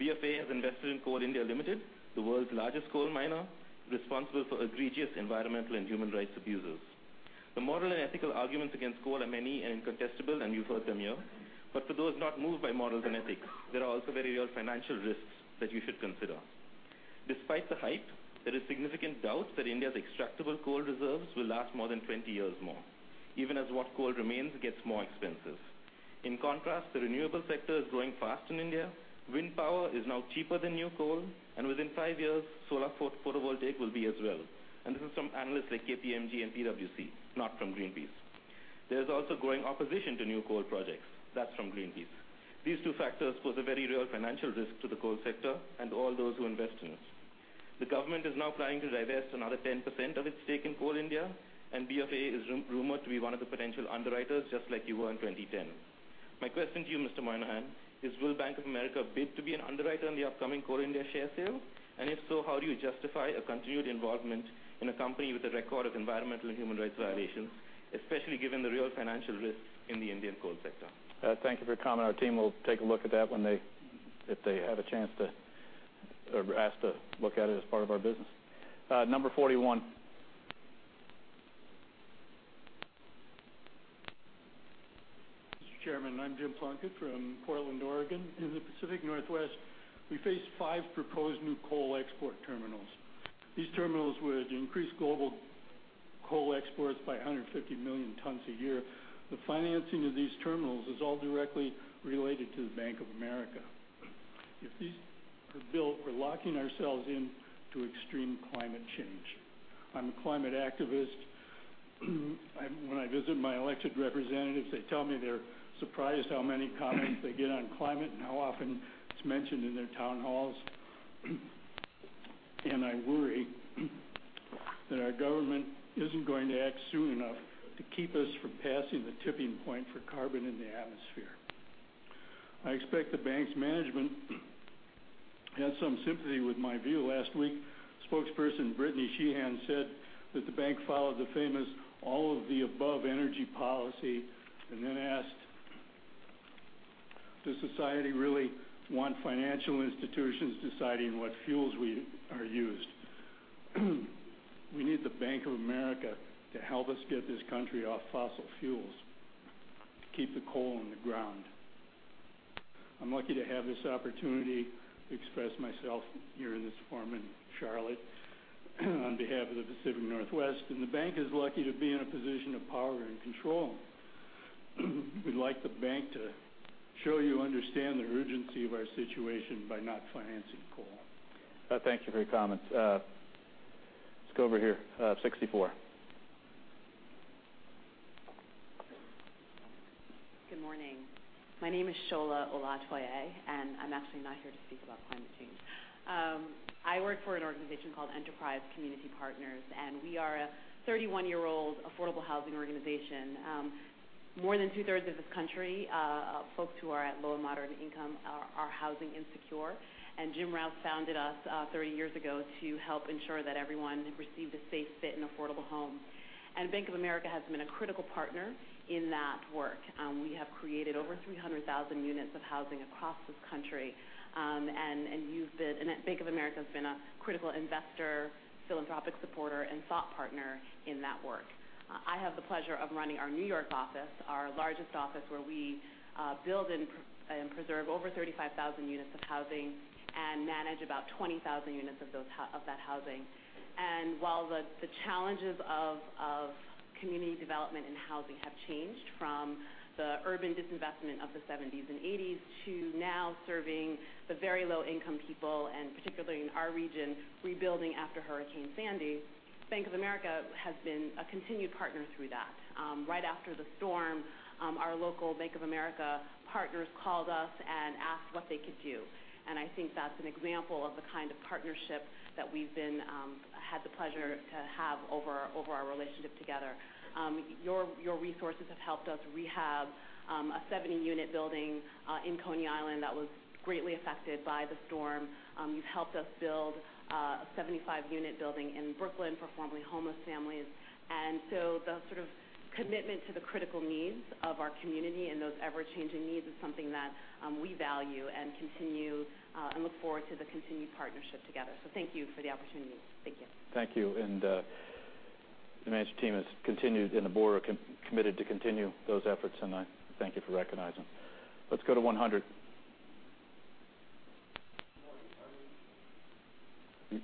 BofA has invested in Coal India Limited, the world's largest coal miner, responsible for egregious environmental and human rights abuses. The moral and ethical arguments against coal are many and incontestable. You've heard them here. For those not moved by morals and ethics, there are also very real financial risks that you should consider. Despite the hype, there is significant doubt that India's extractable coal reserves will last more than 20 years more, even as what coal remains gets more expensive. In contrast, the renewable sector is growing fast in India. Wind power is now cheaper than new coal. Within five years, solar photovoltaic will be as well. This is from analysts like KPMG and PwC, not from Greenpeace. There's also growing opposition to new coal projects. That's from Greenpeace. These two factors pose a very real financial risk to the coal sector and all those who invest in it. The government is now planning to divest another 10% of its stake in Coal India. BofA is rumored to be one of the potential underwriters, just like you were in 2010. My question to you, Mr. Moynihan, is will Bank of America bid to be an underwriter on the upcoming Coal India share sale? If so, how do you justify a continued involvement in a company with a record of environmental and human rights violations, especially given the real financial risks in the Indian coal sector? Thank you for your comment. Our team will take a look at that if they have a chance to or asked to look at it as part of our business. Number 41. Mr. Chairman, I'm Jim Plunkett from Portland, Oregon. In the Pacific Northwest, we face five proposed new coal export terminals. These terminals would increase global coal exports by 150 million tons a year. The financing of these terminals is all directly related to the Bank of America. If these are built, we're locking ourselves in to extreme climate change. I'm a climate activist. When I visit my elected representatives, they tell me they're surprised how many comments they get on climate and how often it's mentioned in their town halls. I worry that our government isn't going to act soon enough to keep us from passing the tipping point for carbon in the atmosphere. I expect the bank's management had some sympathy with my view last week. Spokesperson Brittany Sheehan said that the bank followed the famous all of the above energy policy and then asked, "Does society really want financial institutions deciding what fuels are used?" We need the Bank of America to help us get this country off fossil fuels, to keep the coal in the ground. I'm lucky to have this opportunity to express myself here in this forum in Charlotte on behalf of the Pacific Northwest. The bank is lucky to be in a position of power and control. We'd like the bank to show you understand the urgency of our situation by not financing coal. Thank you for your comments. Let's go over here, 64. Good morning. My name is Shola Olatoye. I'm actually not here to speak about climate change. I work for an organization called Enterprise Community Partners. We are a 31-year-old affordable housing organization. More than two-thirds of this country, folks who are at low and moderate income are housing insecure. Jim Rouse founded us 30 years ago to help ensure that everyone received a safe, fit, and affordable home. Bank of America has been a critical partner in that work. We have created over 300,000 units of housing across this country. Bank of America has been a critical investor, philanthropic supporter, and thought partner in that work. I have the pleasure of running our New York office, our largest office, where we build and preserve over 35,000 units of housing and manage about 20,000 units of that housing. While the challenges of community development and housing have changed from the urban disinvestment of the '70s and '80s to now serving the very low-income people and particularly in our region, rebuilding after Hurricane Sandy, Bank of America has been a continued partner through that. Right after the storm, our local Bank of America partners called us and asked what they could do. I think that's an example of the kind of partnership that we've had the pleasure to have over our relationship together. Your resources have helped us rehab a 70-unit building in Coney Island that was greatly affected by the storm. You've helped us build a 75-unit building in Brooklyn for formerly homeless families. The sort of commitment to the critical needs of our community and those ever-changing needs is something that we value and look forward to the continued partnership together. Thank you for the opportunity. Thank you. Thank you. The management team and the board are committed to continue those efforts, I thank you for recognizing. Let's go to 100.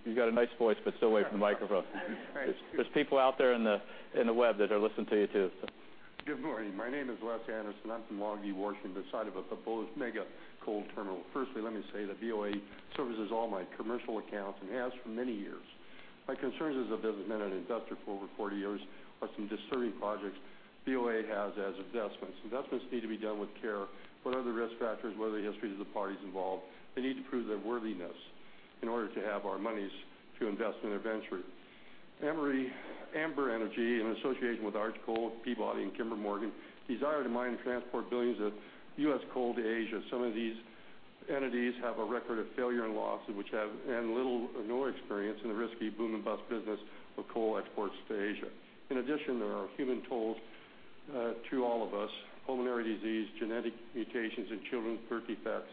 You got a nice voice, stay away from the microphone. Sorry. There's people out there in the web that are listening to you, too. Good morning. My name is Les Anderson. I'm from Longview, Washington, the site of a proposed mega coal terminal. Firstly, let me say that BOA services all my commercial accounts and has for many years. My concerns as a businessman and investor for over 40 years are some disturbing projects BOA has as investments. Investments need to be done with care. What are the risk factors? What are the histories of the parties involved? They need to prove their worthiness in order to have our monies to invest in their venture. Ambre Energy, in association with Arch Coal, Peabody, and Kinder Morgan, desire to mine and transport billions of U.S. coal to Asia. Some of these entities have a record of failure and losses and little or no experience in the risky boom and bust business of coal exports to Asia. In addition, there are human tolls to all of us. Pulmonary disease, genetic mutations in children, birth defects.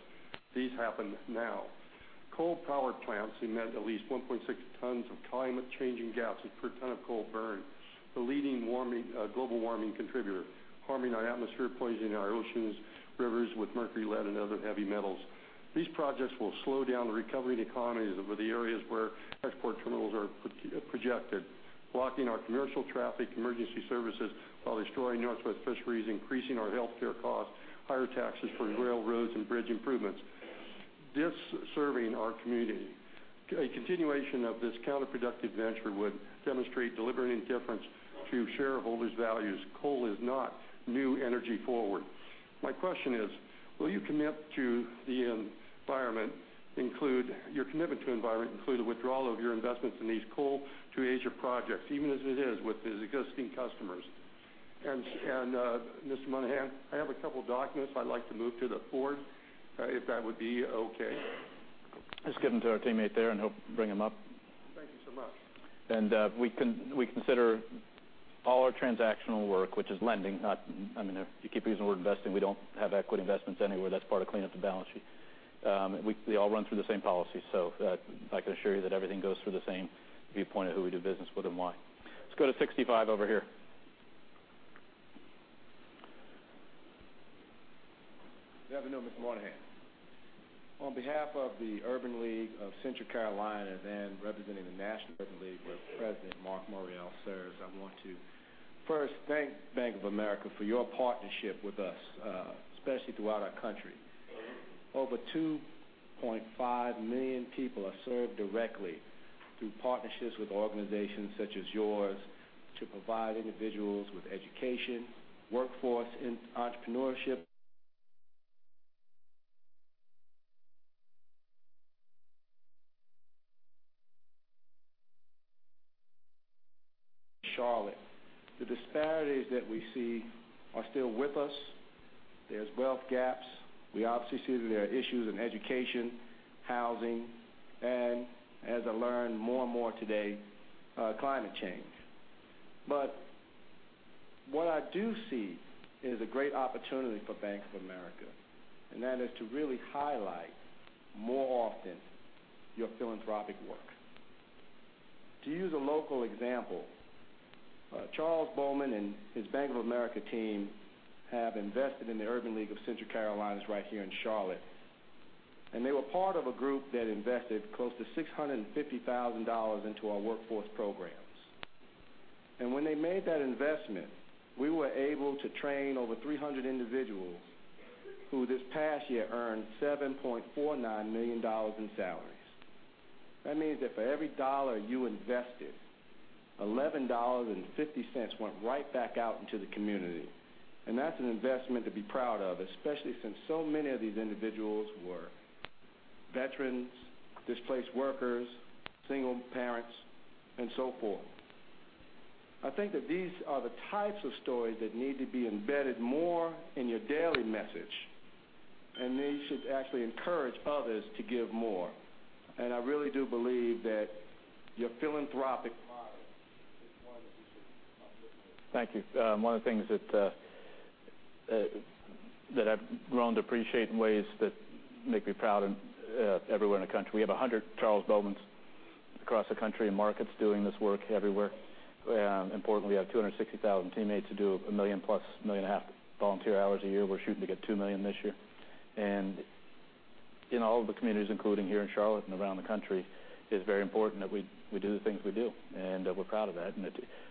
These happen now. Coal power plants emit at least 1.6 tons of climate-changing gases per ton of coal burned, the leading global warming contributor, harming our atmosphere, poisoning our oceans, rivers with mercury, lead, and other heavy metals. These projects will slow down the recovery of the economies over the areas where export terminals are projected, blocking our commercial traffic, emergency services, while destroying northwest fisheries, increasing our healthcare costs, higher taxes for railroads and bridge improvements. Disturbing our community. A continuation of this counterproductive venture would demonstrate deliberate indifference to shareholders' values. Coal is not new energy forward. My question is, will you commit to the environment, include your commitment to environment, include a withdrawal of your investments in these coal-to-Asia projects, even as it is with the existing customers? Mr. Moynihan, I have a couple documents I'd like to move to the forward, if that would be okay. Let's give them to our teammate there, and he'll bring them up. Thank you so much. We consider all our transactional work, which is lending. You keep using the word investing. We don't have equity investments anywhere. That's part of cleaning up the balance sheet. They all run through the same policy, so I can assure you that everything goes through the same viewpoint of who we do business with and why. Let's go to 65 over here. Good afternoon, Mr. Moynihan. On behalf of the Urban League of Central Carolinas and representing the National Urban League, where President Marc Morial serves, I want to first thank Bank of America for your partnership with us, especially throughout our country. Over 2.5 million people are served directly through partnerships with organizations such as yours to provide individuals with education, workforce, and entrepreneurship. Charlotte. There's wealth gaps. We obviously see that there are issues in education, housing, and as I learned more and more today, climate change. What I do see is a great opportunity for Bank of America, and that is to really highlight more often your philanthropic work. To use a local example, Charles Bowman and his Bank of America team have invested in the Urban League of Central Carolinas right here in Charlotte, and they were part of a group that invested close to $650,000 into our workforce programs. When they made that investment, we were able to train over 300 individuals who this past year earned $7.49 million in salaries. That means that for every dollar you invested, $11.50 went right back out into the community. That's an investment to be proud of, especially since so many of these individuals were veterans, displaced workers, single parents, and so forth. I think that these are the types of stories that need to be embedded more in your daily message, and they should actually encourage others to give more. I really do believe that your philanthropic model is one that you should Thank you. One of the things that I've grown to appreciate in ways that make me proud, everywhere in the country. We have 100 Charles Bowmans across the country in markets doing this work everywhere. Importantly, we have 260,000 teammates who do 1 million plus, 1.5 million volunteer hours a year. We're shooting to get 2 million this year. In all of the communities, including here in Charlotte and around the country, it is very important that we do the things we do, and we're proud of that.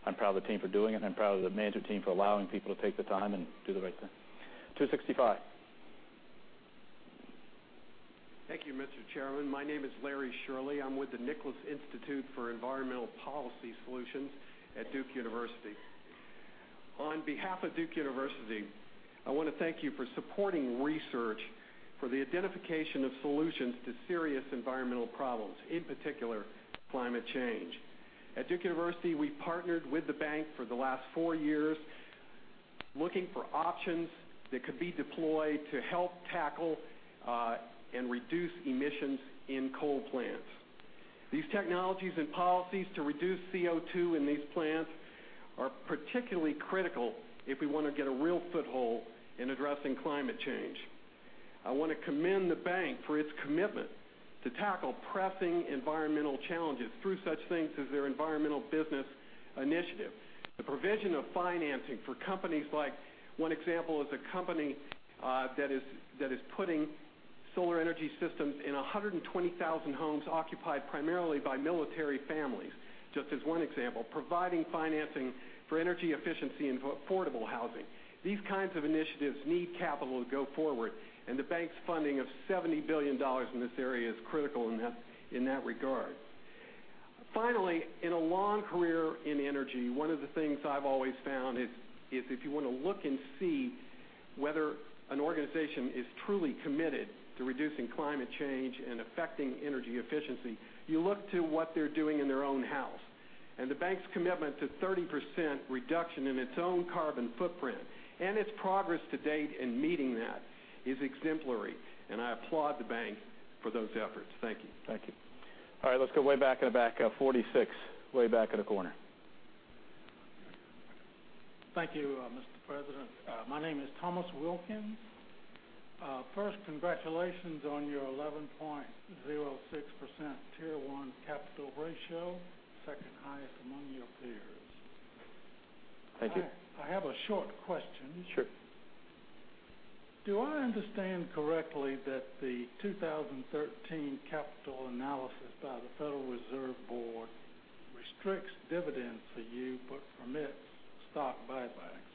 I'm proud of the team for doing it, and I'm proud of the management team for allowing people to take the time and do the right thing. 265. Thank you, Mr. Chairman. My name is Larry Shirley. I am with the Nicholas Institute for Environmental Policy Solutions at Duke University. On behalf of Duke University, I want to thank you for supporting research for the identification of solutions to serious environmental problems, in particular, climate change. At Duke University, we partnered with the bank for the last four years, looking for options that could be deployed to help tackle and reduce emissions in coal plants. These technologies and policies to reduce CO2 in these plants are particularly critical if we want to get a real foothold in addressing climate change. I want to commend the bank for its commitment to tackle pressing environmental challenges through such things as their environmental business initiative. The provision of financing for companies like, one example is a company that is putting solar energy systems in 120,000 homes occupied primarily by military families. Just as one example, providing financing for energy efficiency and affordable housing. These kinds of initiatives need capital to go forward, the bank's funding of $70 billion in this area is critical in that regard. Finally, in a long career in energy, one of the things I have always found is if you want to look and see whether an organization is truly committed to reducing climate change and affecting energy efficiency, you look to what they are doing in their own house. The bank's commitment to 30% reduction in its own carbon footprint and its progress to date in meeting that is exemplary, and I applaud the bank for those efforts. Thank you. Thank you. All right. Let us go way back in the back. 46, way back in the corner. Thank you, Mr. President. My name is Thomas Wilkins. First, congratulations on your 11.06% Tier 1 capital ratio, second highest among your peers. Thank you. I have a short question. Sure. Do I understand correctly that the 2013 capital analysis by the Federal Reserve Board restricts dividends for you but permits stock buybacks?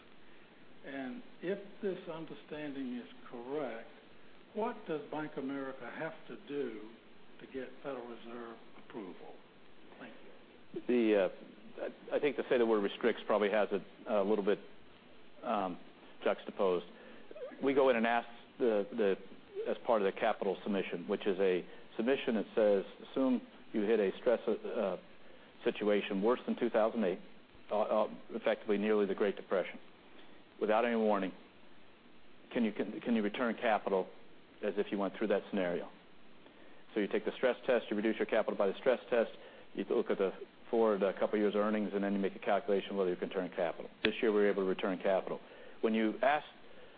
If this understanding is correct, what does Bank of America have to do to get Federal Reserve approval? Thank you. I think to say the word restricts probably has it a little bit juxtaposed. We go in and ask as part of the capital submission, which is a submission that says, assume you hit a stress situation worse than 2008, effectively nearly the Great Depression, without any warning. Can you return capital as if you went through that scenario? You take the stress test, you reduce your capital by the stress test, you look at the forward a couple years' earnings, and then you make a calculation whether you can return capital. This year, we were able to return capital.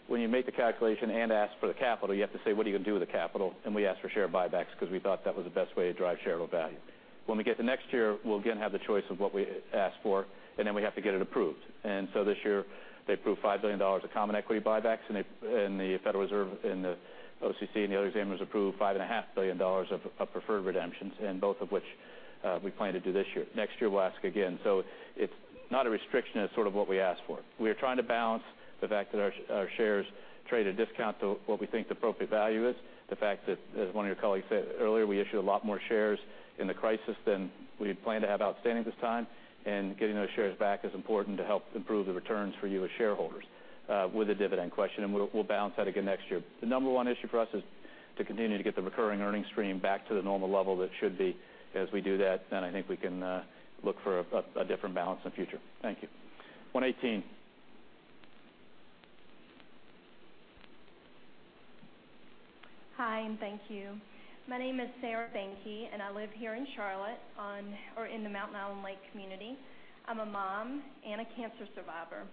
When you make the calculation and ask for the capital, you have to say, what are you going to do with the capital? We asked for share buybacks because we thought that was the best way to drive shareholder value. When we get to next year, we'll again have the choice of what we ask for, then we have to get it approved. This year, they approved $5 billion of common equity buybacks, the Federal Reserve and the OCC and the other examiners approved $5.5 billion of preferred redemptions, both of which we plan to do this year. Next year, we'll ask again. It's not a restriction, it's sort of what we ask for. We are trying to balance the fact that our shares trade at a discount to what we think the appropriate value is. The fact that, as one of your colleagues said earlier, we issued a lot more shares in the crisis than we had planned to have outstanding at this time. Getting those shares back is important to help improve the returns for you as shareholders, with the dividend question, we'll balance that again next year. The number one issue for us is to continue to get the recurring earnings stream back to the normal level that it should be. As we do that, then I think we can look for a different balance in the future. Thank you. 118. Hi, and thank you. My name is Sarah Banky, and I live here in Charlotte in the Mountain Island Lake community. I'm a mom and a cancer survivor.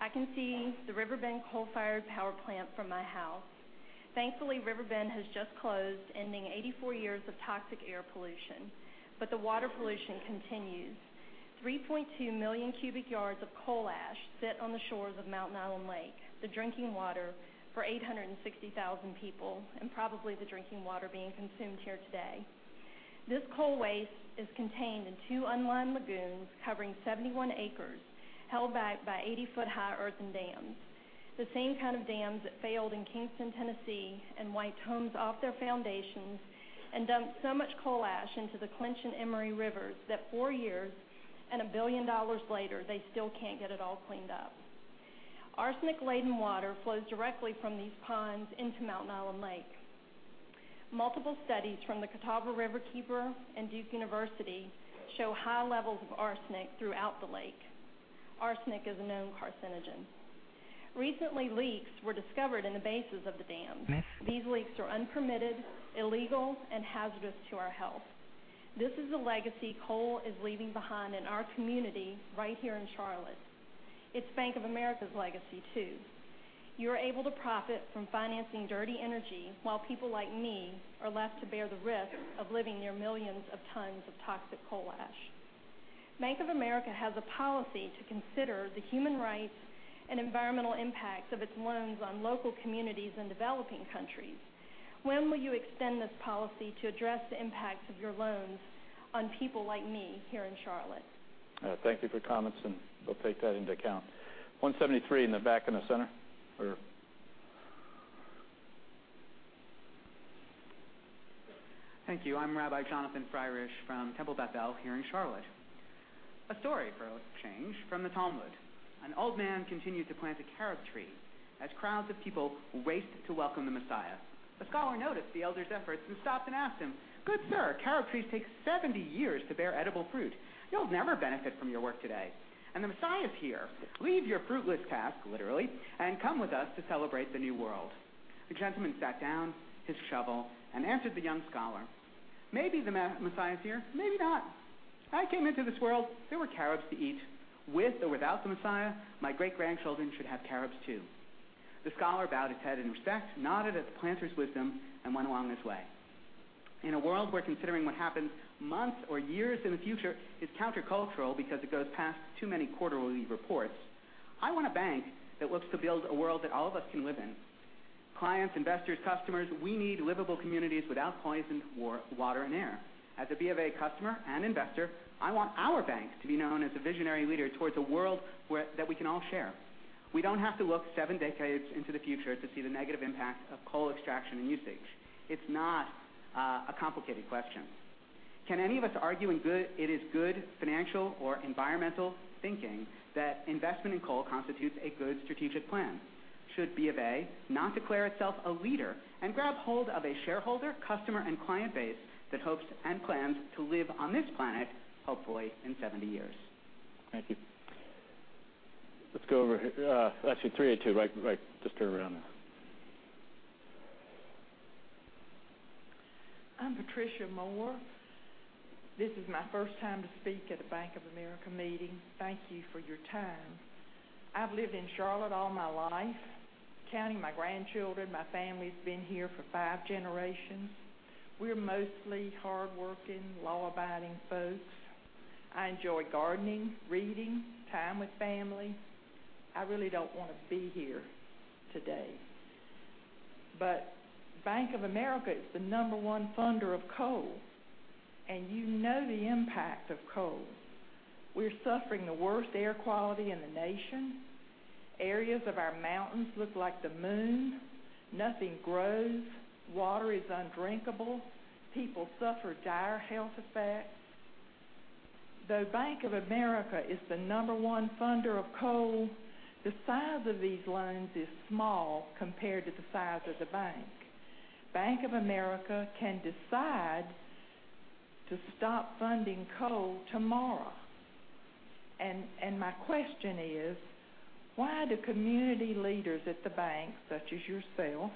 I can see the Riverbend Coal-Fired Power Plant from my house. Thankfully, Riverbend has just closed, ending 84 years of toxic air pollution, but the water pollution continues. 3.2 million cubic yards of coal ash sit on the shores of Mountain Island Lake, the drinking water for 860,000 people and probably the drinking water being consumed here today. This coal waste is contained in two unlined lagoons covering 71 acres, held back by 80-foot high earthen dams. The same kind of dams that failed in Kingston, Tennessee, and wiped homes off their foundations and dumped so much coal ash into the Clinch and Emory rivers that four years and $1 billion later, they still can't get it all cleaned up. Arsenic-laden water flows directly from these ponds into Mountain Island Lake. Multiple studies from the Catawba Riverkeeper and Duke University show high levels of arsenic throughout the lake. Arsenic is a known carcinogen. Recently, leaks were discovered in the bases of the dams. Next. These leaks are unpermitted, illegal, and hazardous to our health. This is a legacy coal is leaving behind in our community right here in Charlotte. It's Bank of America's legacy too. You're able to profit from financing dirty energy while people like me are left to bear the risk of living near millions of tons of toxic coal ash. Bank of America has a policy to consider the human rights and environmental impacts of its loans on local communities in developing countries. When will you extend this policy to address the impacts of your loans on people like me here in Charlotte? Thank you for your comments, we'll take that into account. 173 in the back in the center. Thank you. I'm Rabbi Jonathan Freirich from Temple Beth El here in Charlotte. A story for a change from the Talmud. An old man continued to plant a carob tree as crowds of people raced to welcome the Messiah. A scholar noticed the elder's efforts and stopped and asked him, "Good sir, carob trees take 70 years to bear edible fruit. You'll never benefit from your work today. The Messiah's here. Leave your fruitless task, literally, and come with us to celebrate the new world." The gentleman sat down his shovel and answered the young scholar, "Maybe the Messiah's here, maybe not. I came into this world, there were carobs to eat. With or without the Messiah, my great-grandchildren should have carobs, too." The scholar bowed his head in respect, nodded at the planter's wisdom, and went along his way. In a world where considering what happens months or years in the future is counter-cultural because it goes past too many quarterly reports, I want a bank that looks to build a world that all of us can live in. Clients, investors, customers, we need livable communities without poisoned water and air. As a B of A customer and investor, I want our bank to be known as a visionary leader towards a world that we can all share. We don't have to look seven decades into the future to see the negative impact of coal extraction and usage. It's not a complicated question. Can any of us argue it is good financial or environmental thinking that investment in coal constitutes a good strategic plan? Should B of A not declare itself a leader and grab hold of a shareholder, customer, and client base that hopes and plans to live on this planet, hopefully in 70 years? Thank you. Let's go over here. Actually, 382, right. Just turn around there. I'm Patricia Moore. This is my first time to speak at a Bank of America meeting. Thank you for your time. I've lived in Charlotte all my life. Counting my grandchildren, my family's been here for five generations. We're mostly hardworking, law-abiding folks. I enjoy gardening, reading, time with family. I really don't want to be here today. Bank of America is the number one funder of coal, you know the impact of coal. We're suffering the worst air quality in the nation. Areas of our mountains look like the moon. Nothing grows. Water is undrinkable. People suffer dire health effects. Though Bank of America is the number one funder of coal, the size of these loans is small compared to the size of the bank. Bank of America can decide to stop funding coal tomorrow. My question is, why do community leaders at the bank, such as yourself,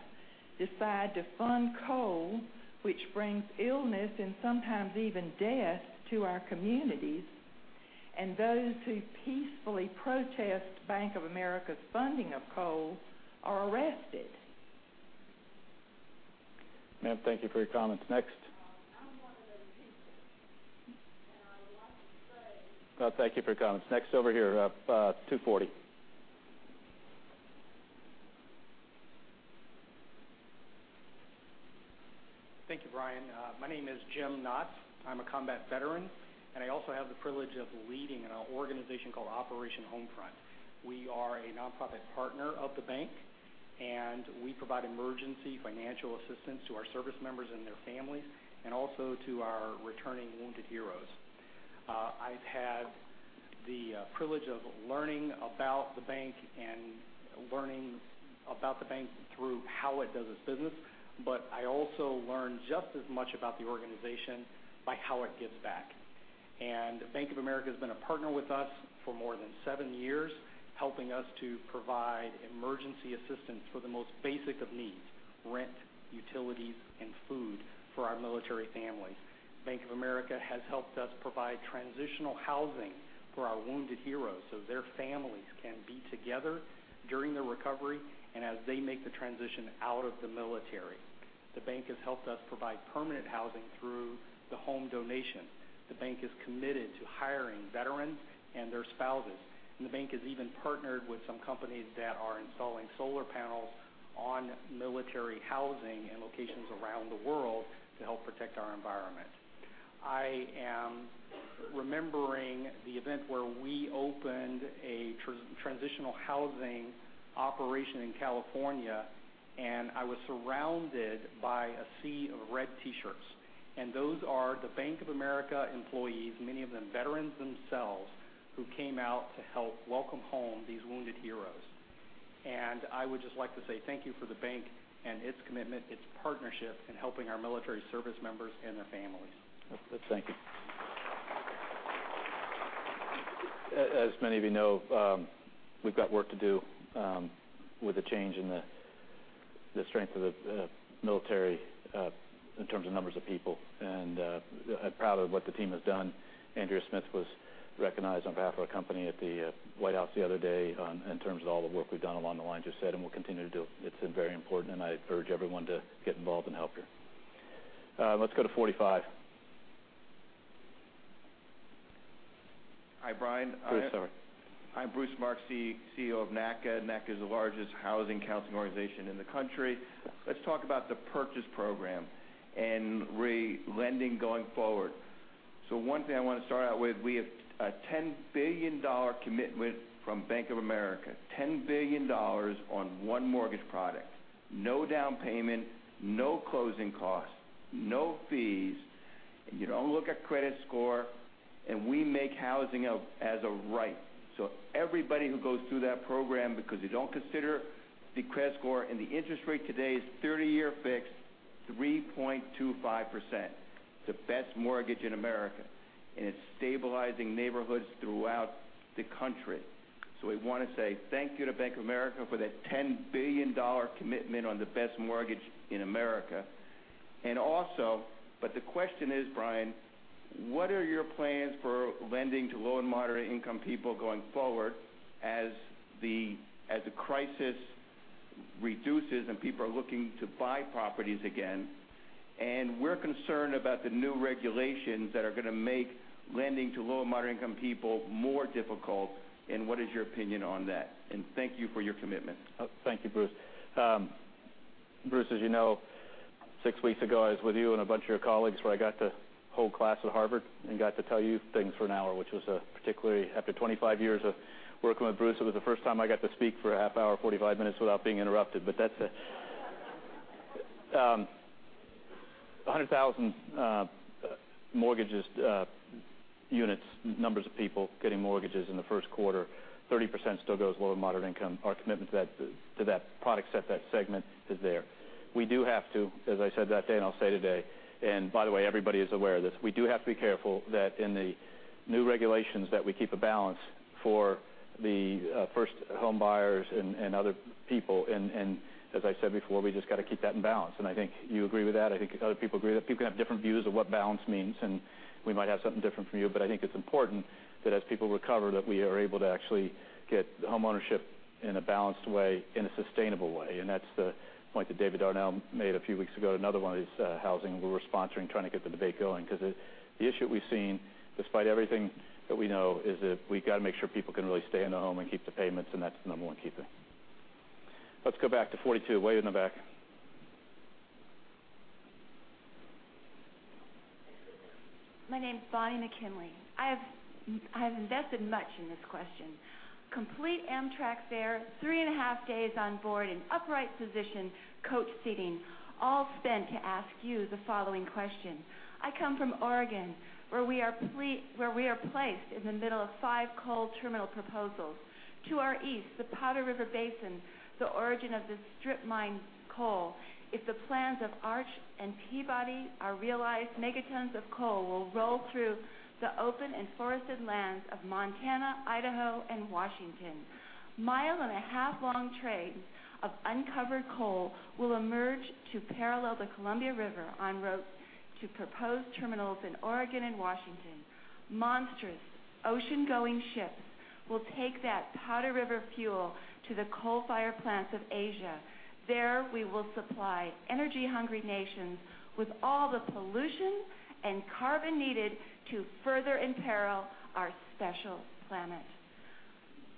decide to fund coal, which brings illness and sometimes even death to our communities, and those who peacefully protest Bank of America's funding of coal are arrested? Ma'am, thank you for your comments. Next. I'm one of those people, and I would like to say. Thank you for your comments. Next, over here, 240. Thank you, Brian. My name is Jim Knotts. I'm a combat veteran, and I also have the privilege of leading an organization called Operation Homefront. We are a nonprofit partner of the bank, and we provide emergency financial assistance to our service members and their families and also to our returning wounded heroes. I've had the privilege of learning about the bank and learning about the bank through how it does its business, but I also learn just as much about the organization by how it gives back. Bank of America has been a partner with us for more than 7 years, helping us to provide emergency assistance for the most basic of needs: rent, utilities, and food for our military families. Bank of America has helped us provide transitional housing for our wounded heroes so their families can be together during their recovery and as they make the transition out of the military. The bank has helped us provide permanent housing through the home donation. The bank is committed to hiring veterans and their spouses, the bank has even partnered with some companies that are installing solar panels on military housing in locations around the world to help protect our environment. I am remembering the event where we opened a transitional housing operation in California, I was surrounded by a sea of red T-shirts, and those are the Bank of America employees, many of them veterans themselves, who came out to help welcome home these wounded heroes. I would just like to say thank you for the bank and its commitment, its partnership in helping our military service members and their families. Thank you. As many of you know, we've got work to do with the change in the strength of the military in terms of numbers of people, I'm proud of what the team has done. Andrea Smith was recognized on behalf of our company at the White House the other day in terms of all the work we've done along the lines you said, we'll continue to do. It's been very important, I urge everyone to get involved and help here. Let's go to 45. Hi, Brian. Bruce, sorry. I'm Bruce Marks, the CEO of NACA. NACA is the largest housing counseling organization in the country. Let's talk about the purchase program and re-lending going forward. One thing I want to start out with, we have a $10 billion commitment from Bank of America, $10 billion on one mortgage product. No down payment, no closing costs, no fees. You don't look at credit score, we make housing as a right. Everybody who goes through that program, because they don't consider the credit score and the interest rate today is 30-year fixed, 3.25%, the best mortgage in America, it's stabilizing neighborhoods throughout the country. We want to say thank you to Bank of America for that $10 billion commitment on the best mortgage in America. The question is, Brian, what are your plans for lending to low and moderate-income people going forward as the crisis reduces and people are looking to buy properties again? We're concerned about the new regulations that are going to make lending to low and moderate-income people more difficult, what is your opinion on that? Thank you for your commitment. Thank you, Bruce. Bruce, as you know, six weeks ago, I was with you and a bunch of your colleagues where I got to hold class at Harvard and got to tell you things for an hour, which was particularly, after 25 years of working with Bruce, it was the first time I got to speak for a half hour, 45 minutes without being interrupted. That's it. 100,000 mortgages units, numbers of people getting mortgages in the first quarter, 30% still goes low to moderate income. Our commitment to that product set, that segment is there. We do have to, as I said that day, I'll say today, by the way, everybody is aware of this. We do have to be careful that in the new regulations that we keep a balance for the first home buyers and other people. As I said before, we just got to keep that in balance. I think you agree with that. I think other people agree that people can have different views of what balance means, and we might have something different from you. I think it's important that as people recover, that we are able to actually get homeownership in a balanced way, in a sustainable way. That's the point that David Darnell made a few weeks ago at another one of these housing we were sponsoring, trying to get the debate going. The issue that we've seen, despite everything that we know, is that we've got to make sure people can really stay in their home and keep the payments, and that's the number 1 key thing. Let's go back to 42, way in the back. My name's Bonnie McKinley. I have invested much in this question. Complete Amtrak fare, three and a half days on board in upright position, coach seating, all spent to ask you the following question. I come from Oregon, where we are placed in the middle of five coal terminal proposals. To our east, the Powder River Basin, the origin of this strip mine's coal. If the plans of Arch and Peabody are realized, megatons of coal will roll through the open and forested lands of Montana, Idaho, and Washington. Mile-and-a-half long trains of uncovered coal will emerge to parallel the Columbia River on roads to proposed terminals in Oregon and Washington. Monstrous ocean-going ships will take that Powder River fuel to the coal-fired plants of Asia. There, we will supply energy-hungry nations with all the pollution and carbon needed to further imperil our special planet.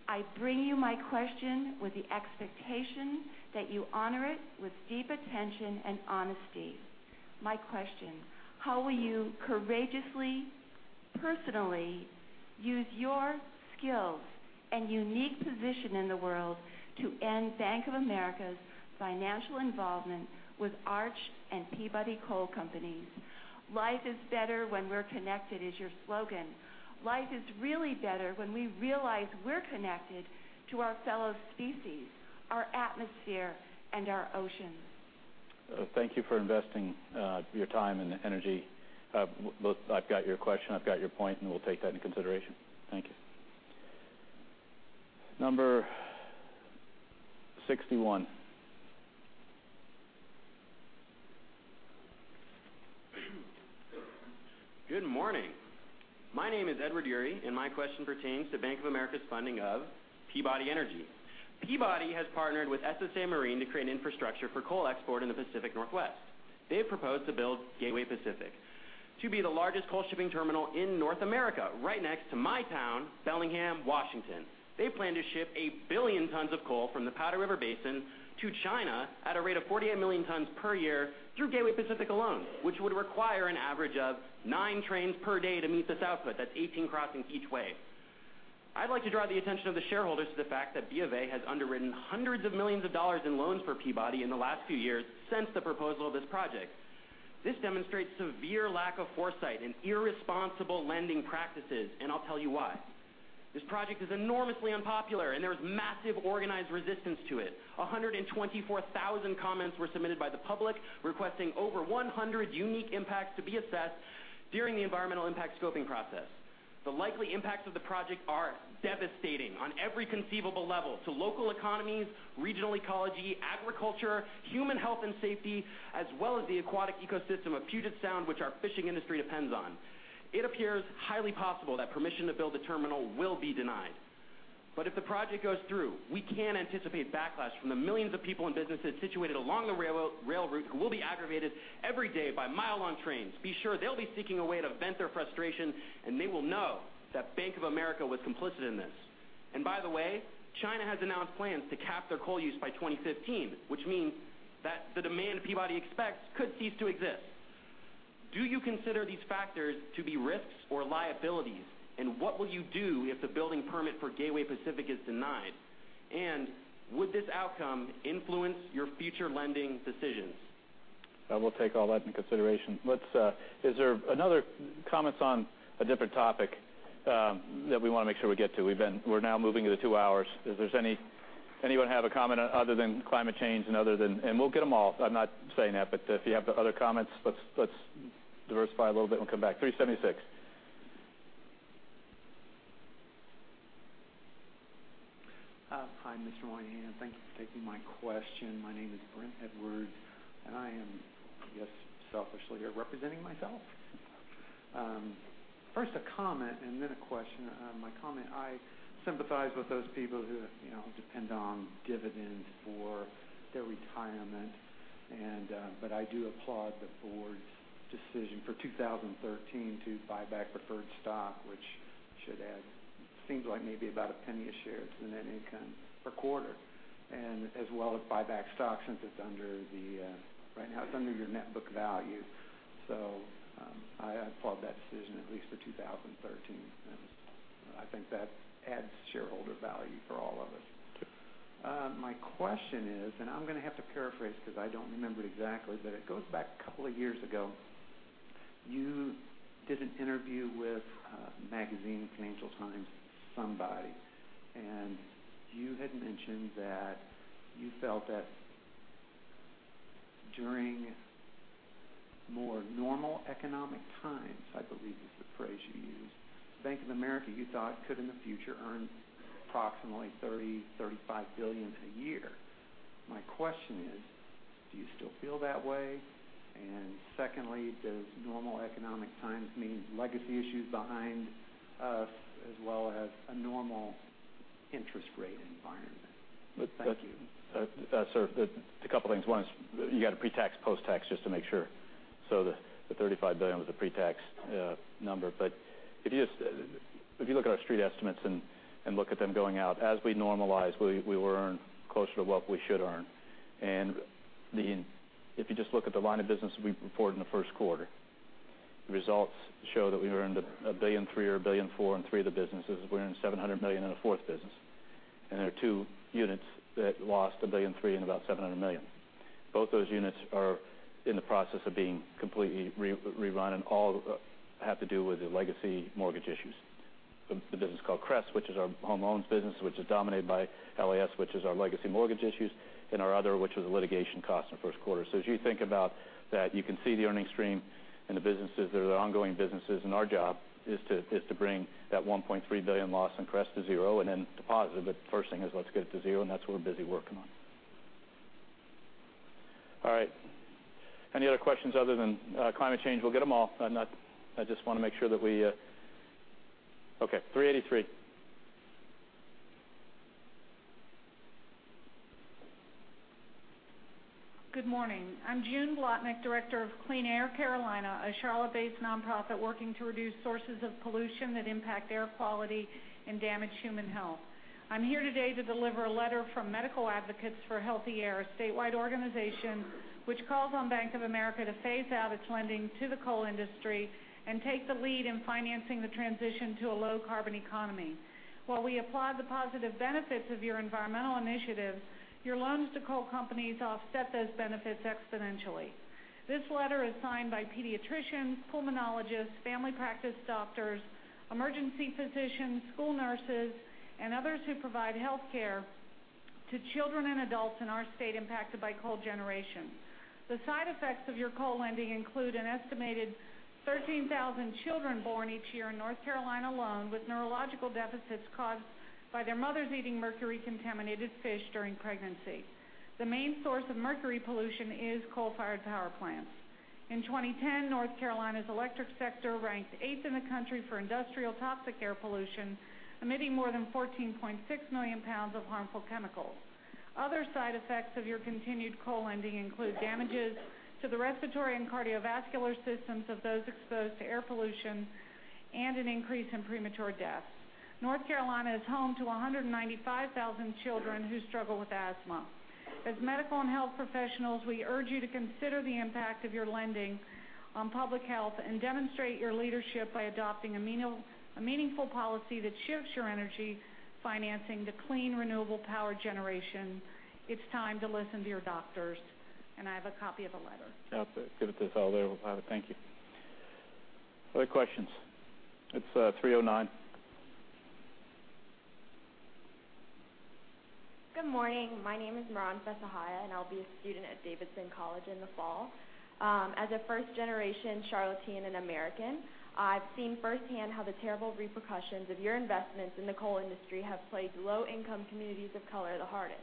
I bring you my question with the expectation that you honor it with deep attention and honesty. My question: How will you courageously, personally use your skills and unique position in the world to end Bank of America's financial involvement with Arch and Peabody Coal companies? "Life is better when we're connected," is your slogan. Life is really better when we realize we're connected to our fellow species, our atmosphere, and our oceans. Thank you for investing your time and energy. Look, I've got your question, I've got your point. We'll take that into consideration. Thank you. Number 61. Good morning. My name is Edward Yuri. My question pertains to Bank of America's funding of Peabody Energy. Peabody has partnered with SSA Marine to create an infrastructure for coal export in the Pacific Northwest. They've proposed to build Gateway Pacific to be the largest coal shipping terminal in North America, right next to my town, Bellingham, Washington. They plan to ship 1 billion tons of coal from the Powder River Basin to China at a rate of 48 million tons per year through Gateway Pacific alone, which would require an average of nine trains per day to meet this output. That's 18 crossings each way. I'd like to draw the attention of the shareholders to the fact that B of A has underwritten $hundreds of millions in loans for Peabody in the last few years since the proposal of this project. This demonstrates severe lack of foresight and irresponsible lending practices. I'll tell you why. This project is enormously unpopular. There is massive organized resistance to it. 124,000 comments were submitted by the public, requesting over 100 unique impacts to be assessed during the environmental impact scoping process. The likely impacts of the project are devastating on every conceivable level to local economies, regional ecology, agriculture, human health and safety, as well as the aquatic ecosystem of Puget Sound, which our fishing industry depends on. It appears highly possible that permission to build the terminal will be denied. If the project goes through, we can anticipate backlash from the millions of people and businesses situated along the rail route, who will be aggravated every day by mile-long trains. Be sure they'll be seeking a way to vent their frustration. They will know that Bank of America was complicit in this. By the way, China has announced plans to cap their coal use by 2015, which means that the demand Peabody expects could cease to exist. Do you consider these factors to be risks or liabilities? What will you do if the building permit for Gateway Pacific is denied? Would this outcome influence your future lending decisions? We'll take all that into consideration. Is there another comments on a different topic that we want to make sure we get to? We're now moving into 2 hours. Does anyone have a comment other than climate change and other than and we'll get them all. I'm not saying that, but if you have other comments, let's diversify a little bit and we'll come back. 376. Hi, Mr. Moynihan. Thank you for taking my question. My name is Brent Edwards, and I am, I guess, selfishly here representing myself. First a comment and then a question. My comment, I sympathize with those people who depend on dividends for their retirement. I do applaud the board's decision for 2013 to buy back preferred stock, which should add, seems like maybe about $0.01 a share to the net income per quarter. As well as buy back stock since right now it's under your net book value. I applaud that decision, at least for 2013. I think that adds shareholder value for all of us. Sure. My question is, I'm going to have to paraphrase because I don't remember exactly, but it goes back a couple of years ago. You did an interview with a magazine, Financial Times, somebody. You had mentioned that you felt that during more normal economic times, I believe is the phrase you used, Bank of America, you thought could in the future earn approximately $30 billion, $35 billion a year. My question is, do you still feel that way? Secondly, does normal economic times mean legacy issues behind us as well as a normal interest rate environment? Thank you. Sir, a couple things. One is you got to pre-tax, post-tax just to make sure. The $35 billion was a pre-tax number. If you look at our street estimates and look at them going out, as we normalize, we will earn closer to what we should earn. If you just look at the line of business we reported in the first quarter, the results show that we earned $1.3 billion or $1.4 billion in three of the businesses. We earned $700 million in the fourth business. There are two units that lost $1.3 billion and about $700 million. Both those units are in the process of being completely rerun and all have to do with the legacy mortgage issues. The business called CRES, which is our home loans business, which is dominated by LAS, which is our legacy mortgage issues, and our other, which was litigation cost in the first quarter. As you think about that, you can see the earnings stream and the businesses. They're the ongoing businesses, and our job is to bring that $1.3 billion loss in CRES to zero and then to positive. First thing is let's get it to zero, and that's what we're busy working on. All right, any other questions other than climate change? We'll get them all. I just want to make sure that we Okay, 383. Good morning. I'm June Blotnick, director of CleanAir Carolina, a Charlotte-based nonprofit working to reduce sources of pollution that impact air quality and damage human health. I'm here today to deliver a letter from Medical Advocates for Healthy Air, a statewide organization which calls on Bank of America to phase out its lending to the coal industry and take the lead in financing the transition to a low-carbon economy. While we applaud the positive benefits of your environmental initiatives, your loans to coal companies offset those benefits exponentially. This letter is signed by pediatricians, pulmonologists, family practice doctors, emergency physicians, school nurses, and others who provide healthcare to children and adults in our state impacted by coal generation. The side effects of your coal lending include an estimated 13,000 children born each year in North Carolina alone with neurological deficits caused by their mothers eating mercury-contaminated fish during pregnancy. The main source of mercury pollution is coal-fired power plants. In 2010, North Carolina's electric sector ranked eighth in the country for industrial toxic air pollution, emitting more than 14.6 million pounds of harmful chemicals. Other side effects of your continued coal lending include damages to the respiratory and cardiovascular systems of those exposed to air pollution and an increase in premature deaths. North Carolina is home to 195,000 children who struggle with asthma. As medical and health professionals, we urge you to consider the impact of your lending on public health and demonstrate your leadership by adopting a meaningful policy that shifts your energy financing to clean, renewable power generation. It's time to listen to your doctors. I have a copy of the letter. I'll give it to Sol, there. We'll have it. Thank you. Other questions? It's 309. Good morning. My name is Miran Fesajaya, and I'll be a student at Davidson College in the fall. As a first-generation Charlottean and American, I've seen firsthand how the terrible repercussions of your investments in the coal industry have plagued low-income communities of color the hardest.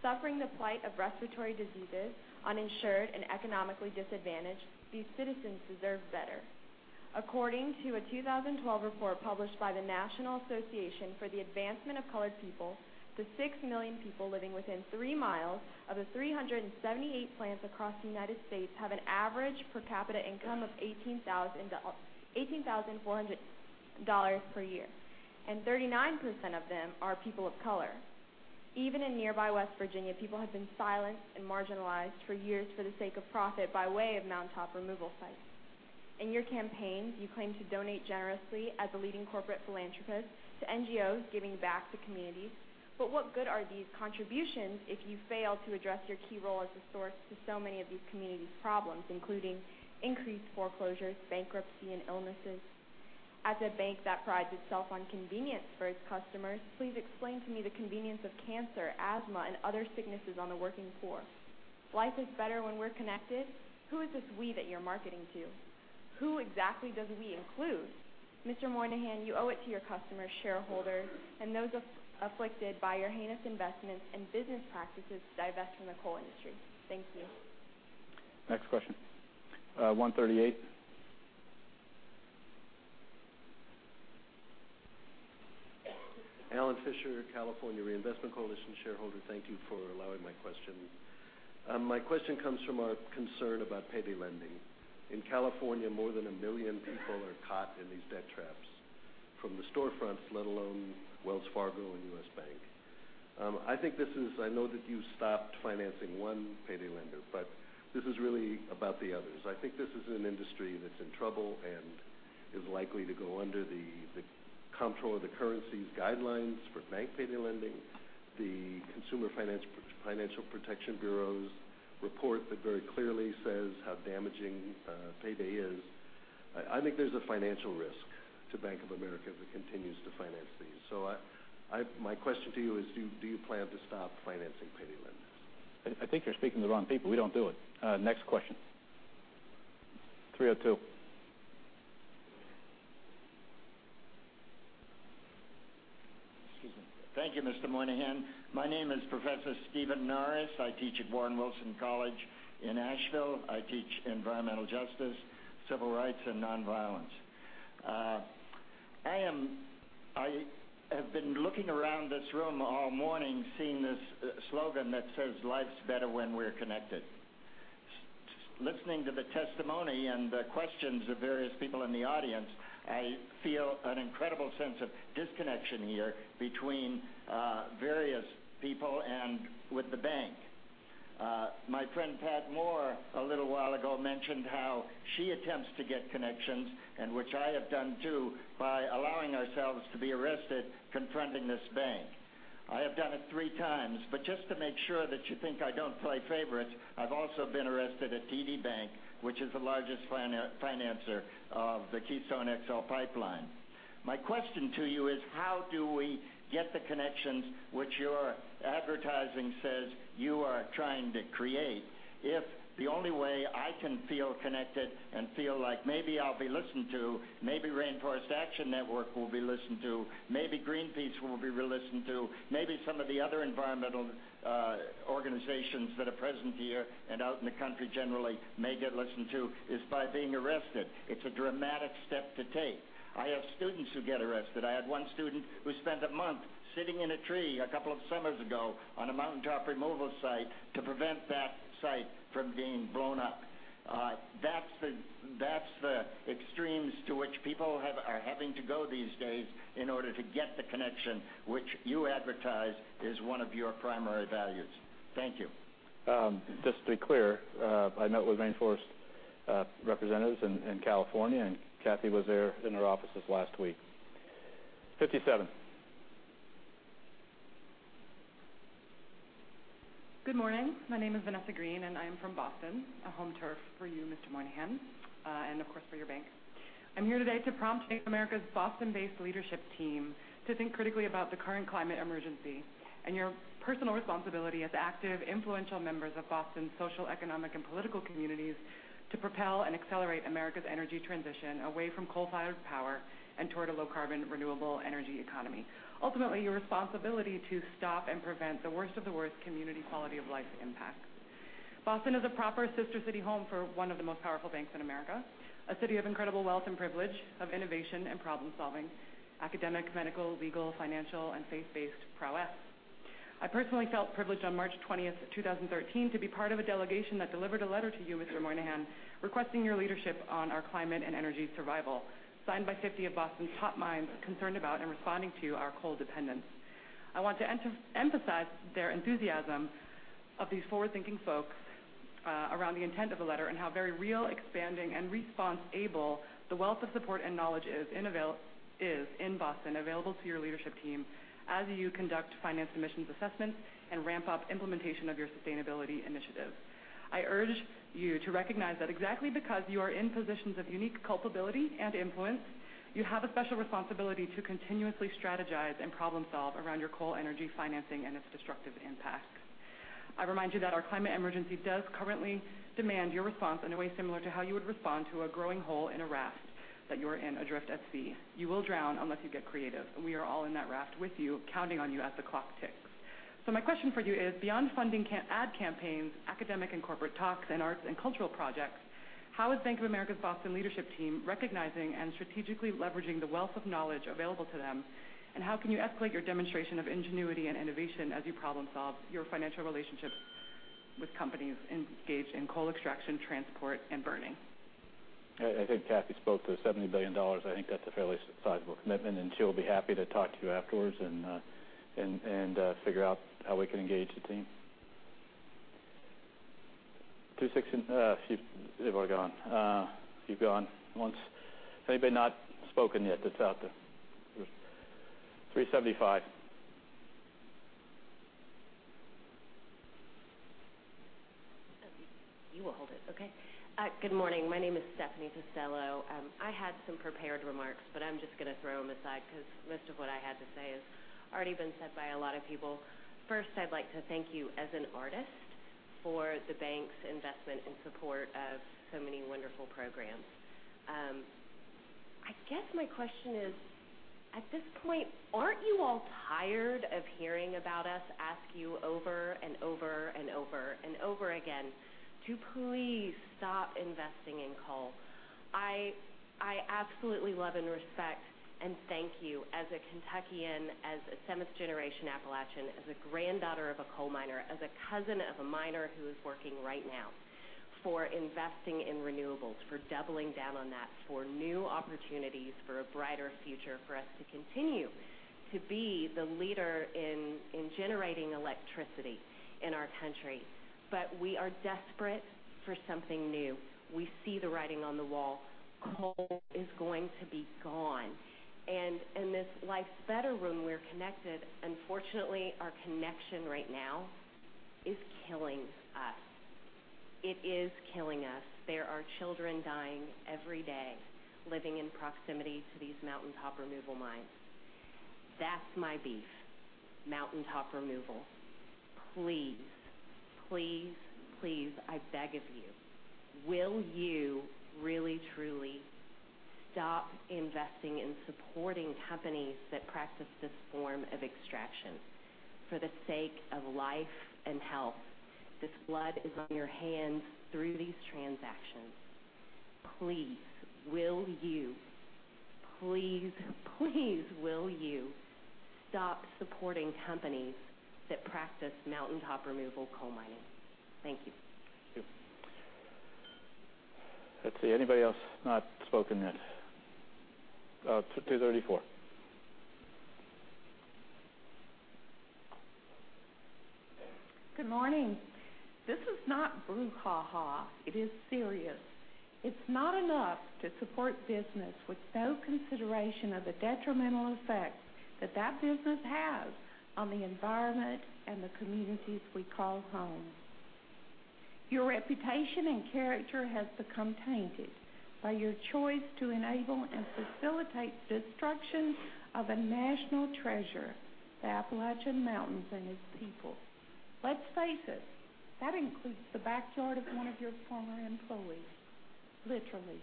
Suffering the plight of respiratory diseases, uninsured and economically disadvantaged, these citizens deserve better. According to a 2012 report published by the National Association for the Advancement of Colored People, the 6 million people living within three miles of the 378 plants across the U.S. have an average per capita income of $18,400 per year, and 39% of them are people of color. Even in nearby West Virginia, people have been silenced and marginalized for years for the sake of profit by way of mountaintop removal sites. In your campaigns, you claim to donate generously as a leading corporate philanthropist to NGOs giving back to communities. What good are these contributions if you fail to address your key role as a source to so many of these communities' problems, including increased foreclosures, bankruptcy, and illnesses? As a bank that prides itself on convenience for its customers, please explain to me the convenience of cancer, asthma, and other sicknesses on the working poor. Life is better when we're connected? Who is this we that you're marketing to? Who exactly does we include? Mr. Moynihan, you owe it to your customers, shareholders, and those afflicted by your heinous investments and business practices to divest from the coal industry. Thank you. Next question, 138. Alan Fisher, California Reinvestment Coalition shareholder. Thank you for allowing my question. My question comes from our concern about payday lending. In California, more than a million people are caught in these debt traps from the storefronts, let alone Wells Fargo and U.S. Bank. I know that you stopped financing one payday lender, but this is really about the others. I think this is an industry that's in trouble and is likely to go under the Comptroller of the Currency's guidelines for bank payday lending. The Consumer Financial Protection Bureau's report that very clearly says how damaging payday is. I think there's a financial risk to Bank of America if it continues to finance these. My question to you is, do you plan to stop financing payday lenders? I think you're speaking to the wrong people. We don't do it. Next question, 302. Excuse me. Thank you, Mr. Moynihan. My name is Professor Steven Norris. I teach at Warren Wilson College in Asheville. I teach environmental justice, civil rights, and nonviolence. I have been looking around this room all morning seeing this slogan that says, "Life's better when we're connected." Listening to the testimony and the questions of various people in the audience, I feel an incredible sense of disconnection here between various people and with the bank. My friend Pat Moore a little while ago mentioned how she attempts to get connections, and which I have done too, by allowing ourselves to be arrested confronting this bank. I have done it three times. Just to make sure that you think I don't play favorites, I've also been arrested at TD Bank, which is the largest financer of the Keystone XL Pipeline. My question to you is, how do we get the connections which your advertising says you are trying to create if the only way I can feel connected and feel like maybe I'll be listened to, maybe Rainforest Action Network will be listened to, maybe Greenpeace will be listened to, maybe some of the other environmental organizations that are present here and out in the country generally may get listened to, is by being arrested? It's a dramatic step to take. I have students who get arrested. I had one student who spent a month sitting in a tree a couple of summers ago on a mountaintop removal site to prevent that site from being blown up. That's the extremes to which people are having to go these days in order to get the connection, which you advertise is one of your primary values. Thank you. Just to be clear, I met with Rainforest representatives in California, and Cathy was there in their offices last week. 57. Good morning. My name is Vanessa Green, and I am from Boston, a home turf for you, Mr. Moynihan, and of course, for your bank. I'm here today to prompt Bank of America's Boston-based leadership team to think critically about the current climate emergency and your personal responsibility as active, influential members of Boston's social, economic, and political communities to propel and accelerate America's energy transition away from coal-fired power and toward a low-carbon, renewable energy economy. Ultimately, your responsibility to stop and prevent the worst of the worst community quality of life impacts. Boston is a proper sister city home for one of the most powerful banks in America, a city of incredible wealth and privilege, of innovation and problem-solving, academic, medical, legal, financial, and faith-based prowess. I personally felt privileged on March 20th, 2013, to be part of a delegation that delivered a letter to you, Mr. Moynihan, requesting your leadership on our climate and energy survival, signed by 50 of Boston's top minds concerned about and responding to our coal dependence. I want to emphasize their enthusiasm of these forward-thinking folks around the intent of the letter and how very real, expanding, and responsible the wealth of support and knowledge is in Boston available to your leadership team as you conduct finance emissions assessments and ramp up implementation of your sustainability initiative. I urge you to recognize that exactly because you are in positions of unique culpability and influence, you have a special responsibility to continuously strategize and problem solve around your coal energy financing and its destructive impact. I remind you that our climate emergency does currently demand your response in a way similar to how you would respond to a growing hole in a raft that you're in adrift at sea. You will drown unless you get creative. We are all in that raft with you, counting on you as the clock ticks. My question for you is, beyond funding ad campaigns, academic and corporate talks, and arts and cultural projects, how is Bank of America's Boston leadership team recognizing and strategically leveraging the wealth of knowledge available to them, and how can you escalate your demonstration of ingenuity and innovation as you problem solve your financial relationships with companies engaged in coal extraction, transport, and burning? I think Kathy spoke to the $70 billion. I think that's a fairly sizable commitment, and she'll be happy to talk to you afterwards and figure out how we can engage the team. They've all gone. You've gone. Anybody not spoken yet that's out there? 375. You will hold it. Okay. Good morning. My name is Stephanie Pistello. I had some prepared remarks, but I'm just going to throw them aside because most of what I had to say has already been said by a lot of people. First, I'd like to thank you as an artist for the bank's investment and support of so many wonderful programs. I guess my question is, at this point, aren't you all tired of hearing about us ask you over and over and over and over again to please stop investing in coal? I absolutely love and respect and thank you as a Kentuckian, as a seventh-generation Appalachian, as a granddaughter of a coal miner, as a cousin of a miner who is working right now, for investing in renewables, for doubling down on that, for new opportunities, for a brighter future, for us to continue to be the leader in generating electricity in our country. We are desperate for something new. We see the writing on the wall. Coal is going to be gone. In this life's better room, we're connected. Unfortunately, our connection right now is killing us. It is killing us. There are children dying every day living in proximity to these mountaintop removal mines. That's my beef, mountaintop removal. Please, please, I beg of you, will you really, truly stop investing in supporting companies that practice this form of extraction? For the sake of life and health, this blood is on your hands through these transactions. Please, will you, please, will you stop supporting companies that practice mountaintop removal coal mining? Thank you. Thank you. Let's see. Anybody else not spoken yet? 234. Good morning. This is not brouhaha. It is serious. It is not enough to support business with no consideration of the detrimental effect that that business has on the environment and the communities we call home. Your reputation and character has become tainted by your choice to enable and facilitate destruction of a national treasure, the Appalachian Mountains and its people. Let's face it, that includes the backyard of one of your former employees, literally.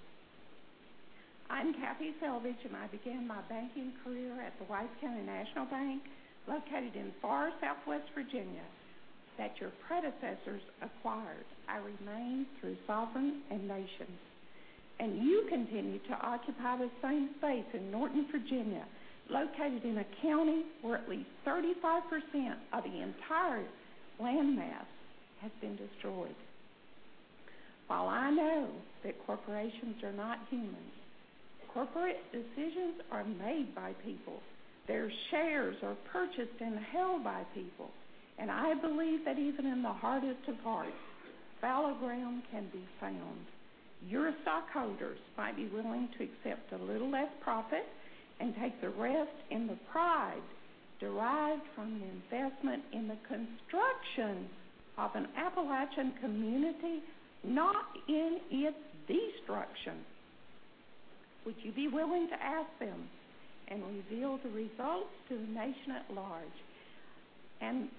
I'm Kathy Selvidge, and I began my banking career at the White County National Bank, located in far southwest Virginia, that your predecessors acquired. I remained through Sovran and NationsBank, and you continue to occupy the same space in Norton, Virginia, located in a county where at least 35% of the entire land mass has been destroyed. While I know that corporations are not humans, corporate decisions are made by people. Their shares are purchased and held by people. I believe that even in the hardest of hearts, fallow ground can be found. Your stockholders might be willing to accept a little less profit and take the rest in the pride derived from the investment in the construction of an Appalachian community, not in its destruction. Would you be willing to ask them and reveal the results to the nation at large?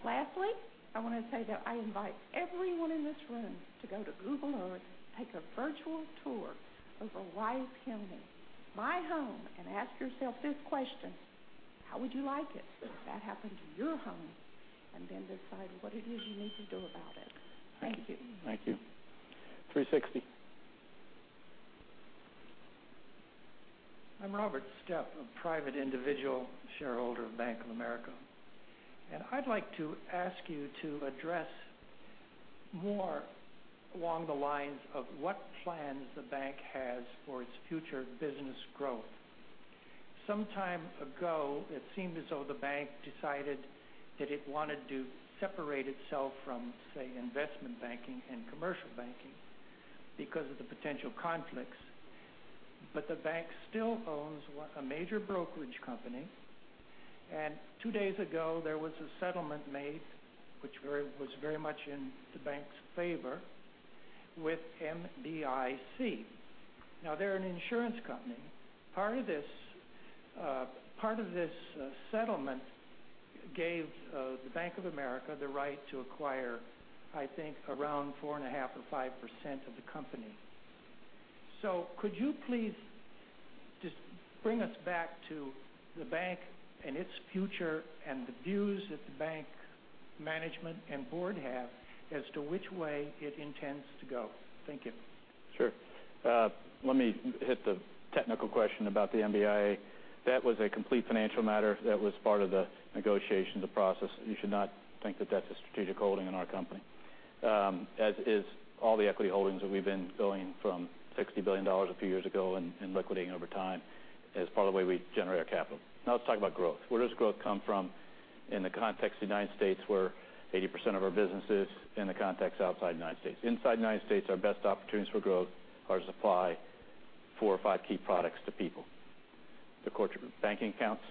Lastly, I want to say that I invite everyone in this room to go to Google Earth, take a virtual tour over Wise County, my home, and ask yourself this question: how would you like it if that happened to your home? Then decide what it is you need to do about it. Thank you. Thank you. 360. I'm Robert Stepp, a private individual shareholder of Bank of America. I'd like to ask you to address more along the lines of what plans the bank has for its future business growth. Some time ago, it seemed as though the bank decided that it wanted to separate itself from, say, investment banking and commercial banking because of the potential conflicts. The bank still owns a major brokerage company, and two days ago, there was a settlement made, which was very much in the bank's favor, with MBIA. They're an insurance company. Part of this settlement gave the Bank of America the right to acquire, I think, around 4.5% or 5% of the company. Could you please just bring us back to the bank and its future and the views that the bank management and board have as to which way it intends to go? Thank you. Sure. Let me hit the technical question about the MBIA. That was a complete financial matter that was part of the negotiations, the process. You should not think that that's a strategic holding in our company, as is all the equity holdings that we've been going from $60 billion a few years ago and liquidating over time as part of the way we generate our capital. Now let's talk about growth. Where does growth come from in the context of the United States, where 80% of our business is, in the context outside the United States. Inside the United States, our best opportunities for growth are to supply four or five key products to people. The core group, banking accounts,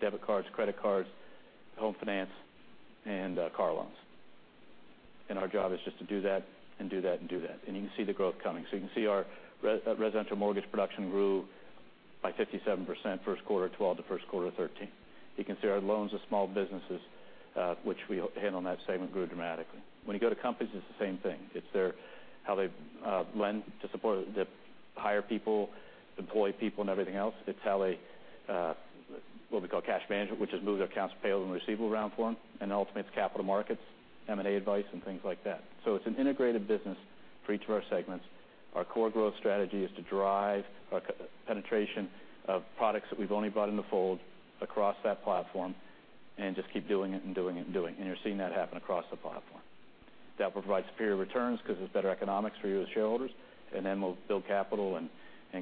debit cards, credit cards, home finance, and car loans. Our job is just to do that and do that and do that. You can see the growth coming. You can see our residential mortgage production grew by 57% first quarter 2012 to first quarter 2013. You can see our loans to small businesses, which we hit on that segment, grew dramatically. When you go to companies, it's the same thing. It's how they lend to hire people, employ people, and everything else. It's how they, what we call cash management, which is move their accounts payable and receivable around for them, and ultimately, it's capital markets, M&A advice, and things like that. It's an integrated business for each of our segments. Our core growth strategy is to drive penetration of products that we've only brought into fold across that platform and just keep doing it and doing it and doing. You're seeing that happen across the platform. That will provide superior returns because it's better economics for you as shareholders, we'll build capital and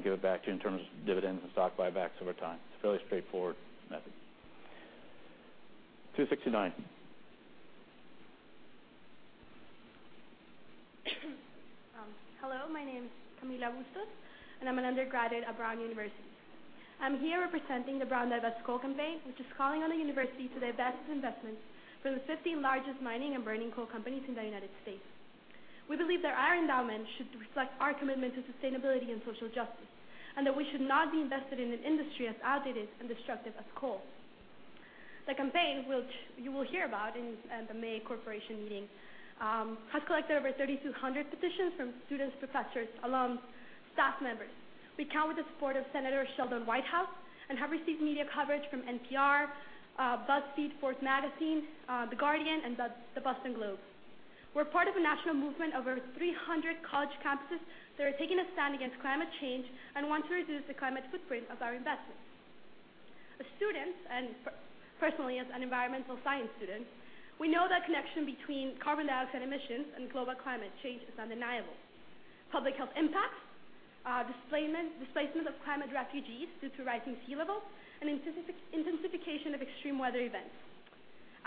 give it back to you in terms of dividends and stock buybacks over time. It's a fairly straightforward method. 269. Hello, my name is Camila Bustos, and I'm an undergraduate at Brown University. I'm here representing the Brown Divest Coal Campaign, which is calling on the university to divest its investments for the 15 largest mining and burning coal companies in the United States. We believe that our endowment should reflect our commitment to sustainability and social justice, that we should not be invested in an industry as outdated and destructive as coal. The campaign, which you will hear about in the May corporation meeting, has collected over 3,200 petitions from students, professors, alums, staff members. We count with the support of Senator Sheldon Whitehouse, have received media coverage from NPR, BuzzFeed, Forbes magazine, The Guardian, and The Boston Globe. We're part of a national movement of over 300 college campuses that are taking a stand against climate change, want to reduce the climate footprint of our investments. As students, personally as an environmental science student, we know that connection between carbon dioxide emissions and global climate change is undeniable, public health impacts, displacement of climate refugees due to rising sea levels, and intensification of extreme weather events.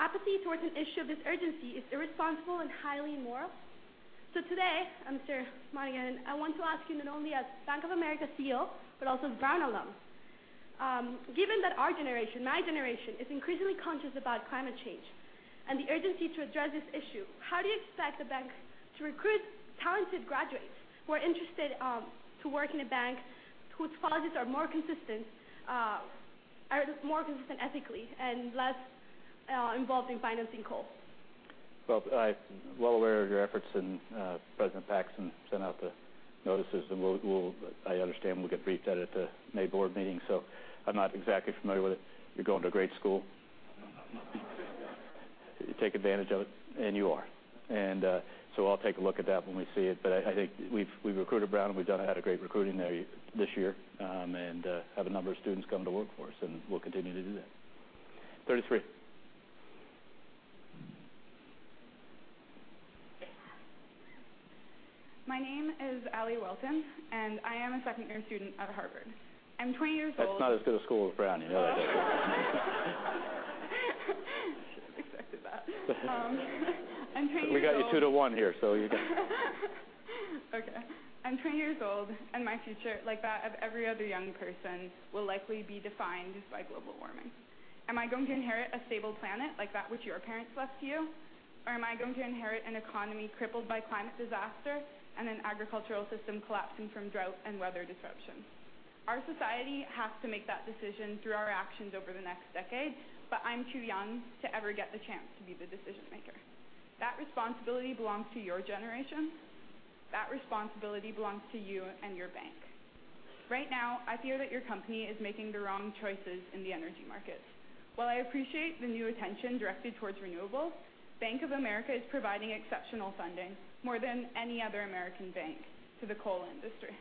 Apathy towards an issue of this urgency is irresponsible and highly immoral. Today, Mr. Moynihan, I want to ask you not only as Bank of America CEO, but also as Brown alum. Given that our generation, my generation, is increasingly conscious about climate change and the urgency to address this issue, how do you expect the bank to recruit talented graduates who are interested to work in a bank whose policies are more consistent ethically and less involved in financing coal? I'm well aware of your efforts and President Paxson sent out the notices and I understand we'll get briefed at it at the May board meeting, I'm not exactly familiar with it. You're going to a great school. Take advantage of it, and you are. I'll take a look at that when we see it, but I think we've recruited Brown. We've had great recruiting there this year, and have a number of students coming to work for us, and we'll continue to do that. 33. My name is Allie Wilton, I am a second-year student at Harvard. I'm 20 years old. That's not as good a school as Brown, you know that. We got you 2 to 1 here, you got it. Okay. I'm 20 years old, My future, like that of every other young person, will likely be defined by global warming. Am I going to inherit a stable planet like that which your parents left you? Am I going to inherit an economy crippled by climate disaster and an agricultural system collapsing from drought and weather disruption? Our society has to make that decision through our actions over the next decade, I'm too young to ever get the chance to be the decision-maker. That responsibility belongs to your generation. That responsibility belongs to you and your bank. Right now, I fear that your company is making the wrong choices in the energy market. While I appreciate the new attention directed towards renewables, Bank of America is providing exceptional funding, more than any other American bank, to the coal industry.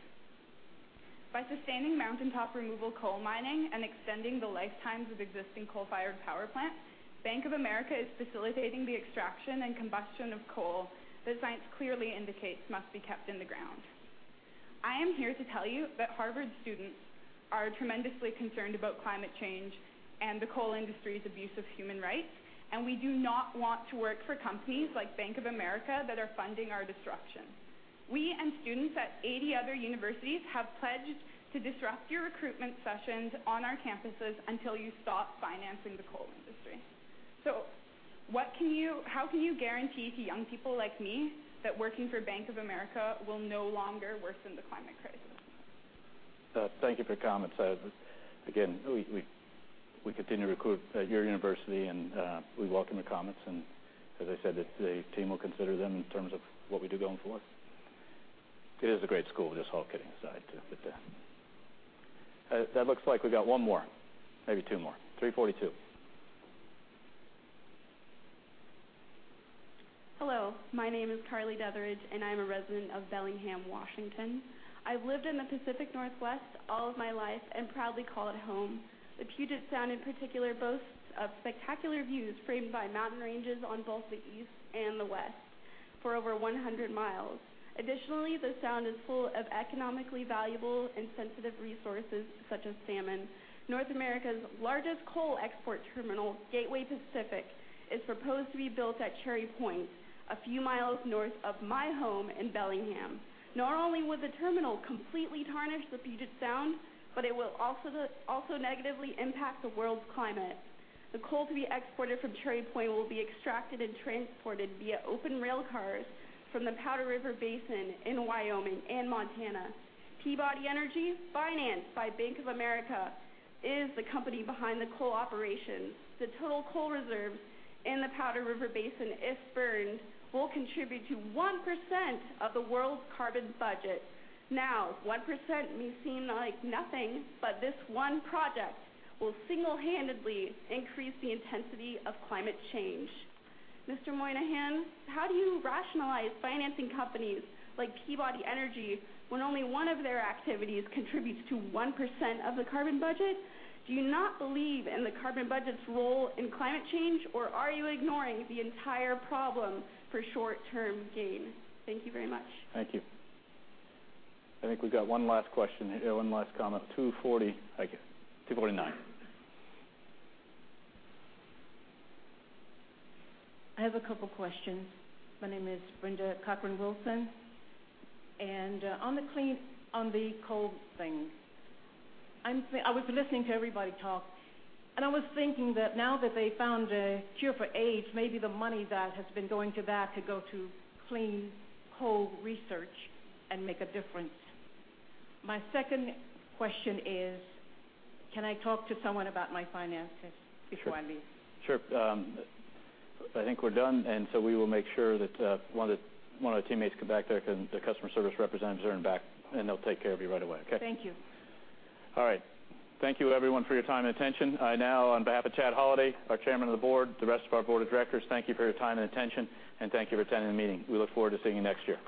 By sustaining mountaintop removal coal mining and extending the lifetimes of existing coal-fired power plants, Bank of America is facilitating the extraction and combustion of coal that science clearly indicates must be kept in the ground. I am here to tell you that Harvard students are tremendously concerned about climate change and the coal industry's abuse of human rights, and we do not want to work for companies like Bank of America that are funding our destruction. We and students at 80 other universities have pledged to disrupt your recruitment sessions on our campuses until you stop financing the coal industry. How can you guarantee to young people like me that working for Bank of America will no longer worsen the climate crisis? Thank you for your comments. Again, we continue to recruit at your university, we welcome your comments. As I said, the team will consider them in terms of what we do going forward. It is a great school, just all kidding aside. It looks like we got one more, maybe two more. 342. Hello, my name is Carly Devery, and I'm a resident of Bellingham, Washington. I've lived in the Pacific Northwest all of my life and proudly call it home. The Puget Sound in particular boasts spectacular views framed by mountain ranges on both the east and the west for over 100 miles. Additionally, the sound is full of economically valuable and sensitive resources, such as salmon. North America's largest coal export terminal, Gateway Pacific, is proposed to be built at Cherry Point, a few miles north of my home in Bellingham. Not only would the terminal completely tarnish the Puget Sound, but it will also negatively impact the world's climate. The coal to be exported from Cherry Point will be extracted and transported via open rail cars from the Powder River Basin in Wyoming and Montana. Peabody Energy, financed by Bank of America, is the company behind the coal operations. The total coal reserve in the Powder River Basin, if burned, will contribute to 1% of the world's carbon budget. Now, 1% may seem like nothing, but this one project will single-handedly increase the intensity of climate change. Mr. Moynihan, how do you rationalize financing companies like Peabody Energy when only one of their activities contributes to 1% of the carbon budget? Do you not believe in the carbon budget's role in climate change, or are you ignoring the entire problem for short-term gain? Thank you very much. Thank you. I think we've got one last question, one last comment, 249. I have a couple questions. My name is Brenda Cochran Wilson. On the coal thing, I was listening to everybody talk, and I was thinking that now that they found a cure for AIDS, maybe the money that has been going to that could go to clean coal research and make a difference. My second question is, can I talk to someone about my finances before I leave? Sure. I think we're done. We will make sure that one of the teammates come back there, the customer service representatives are in back, and they'll take care of you right away, okay? Thank you. All right. Thank you everyone for your time and attention. I now, on behalf of Chad Holliday, our Chairman of the Board, the rest of our board of directors, thank you for your time and attention, and thank you for attending the meeting. We look forward to seeing you next year.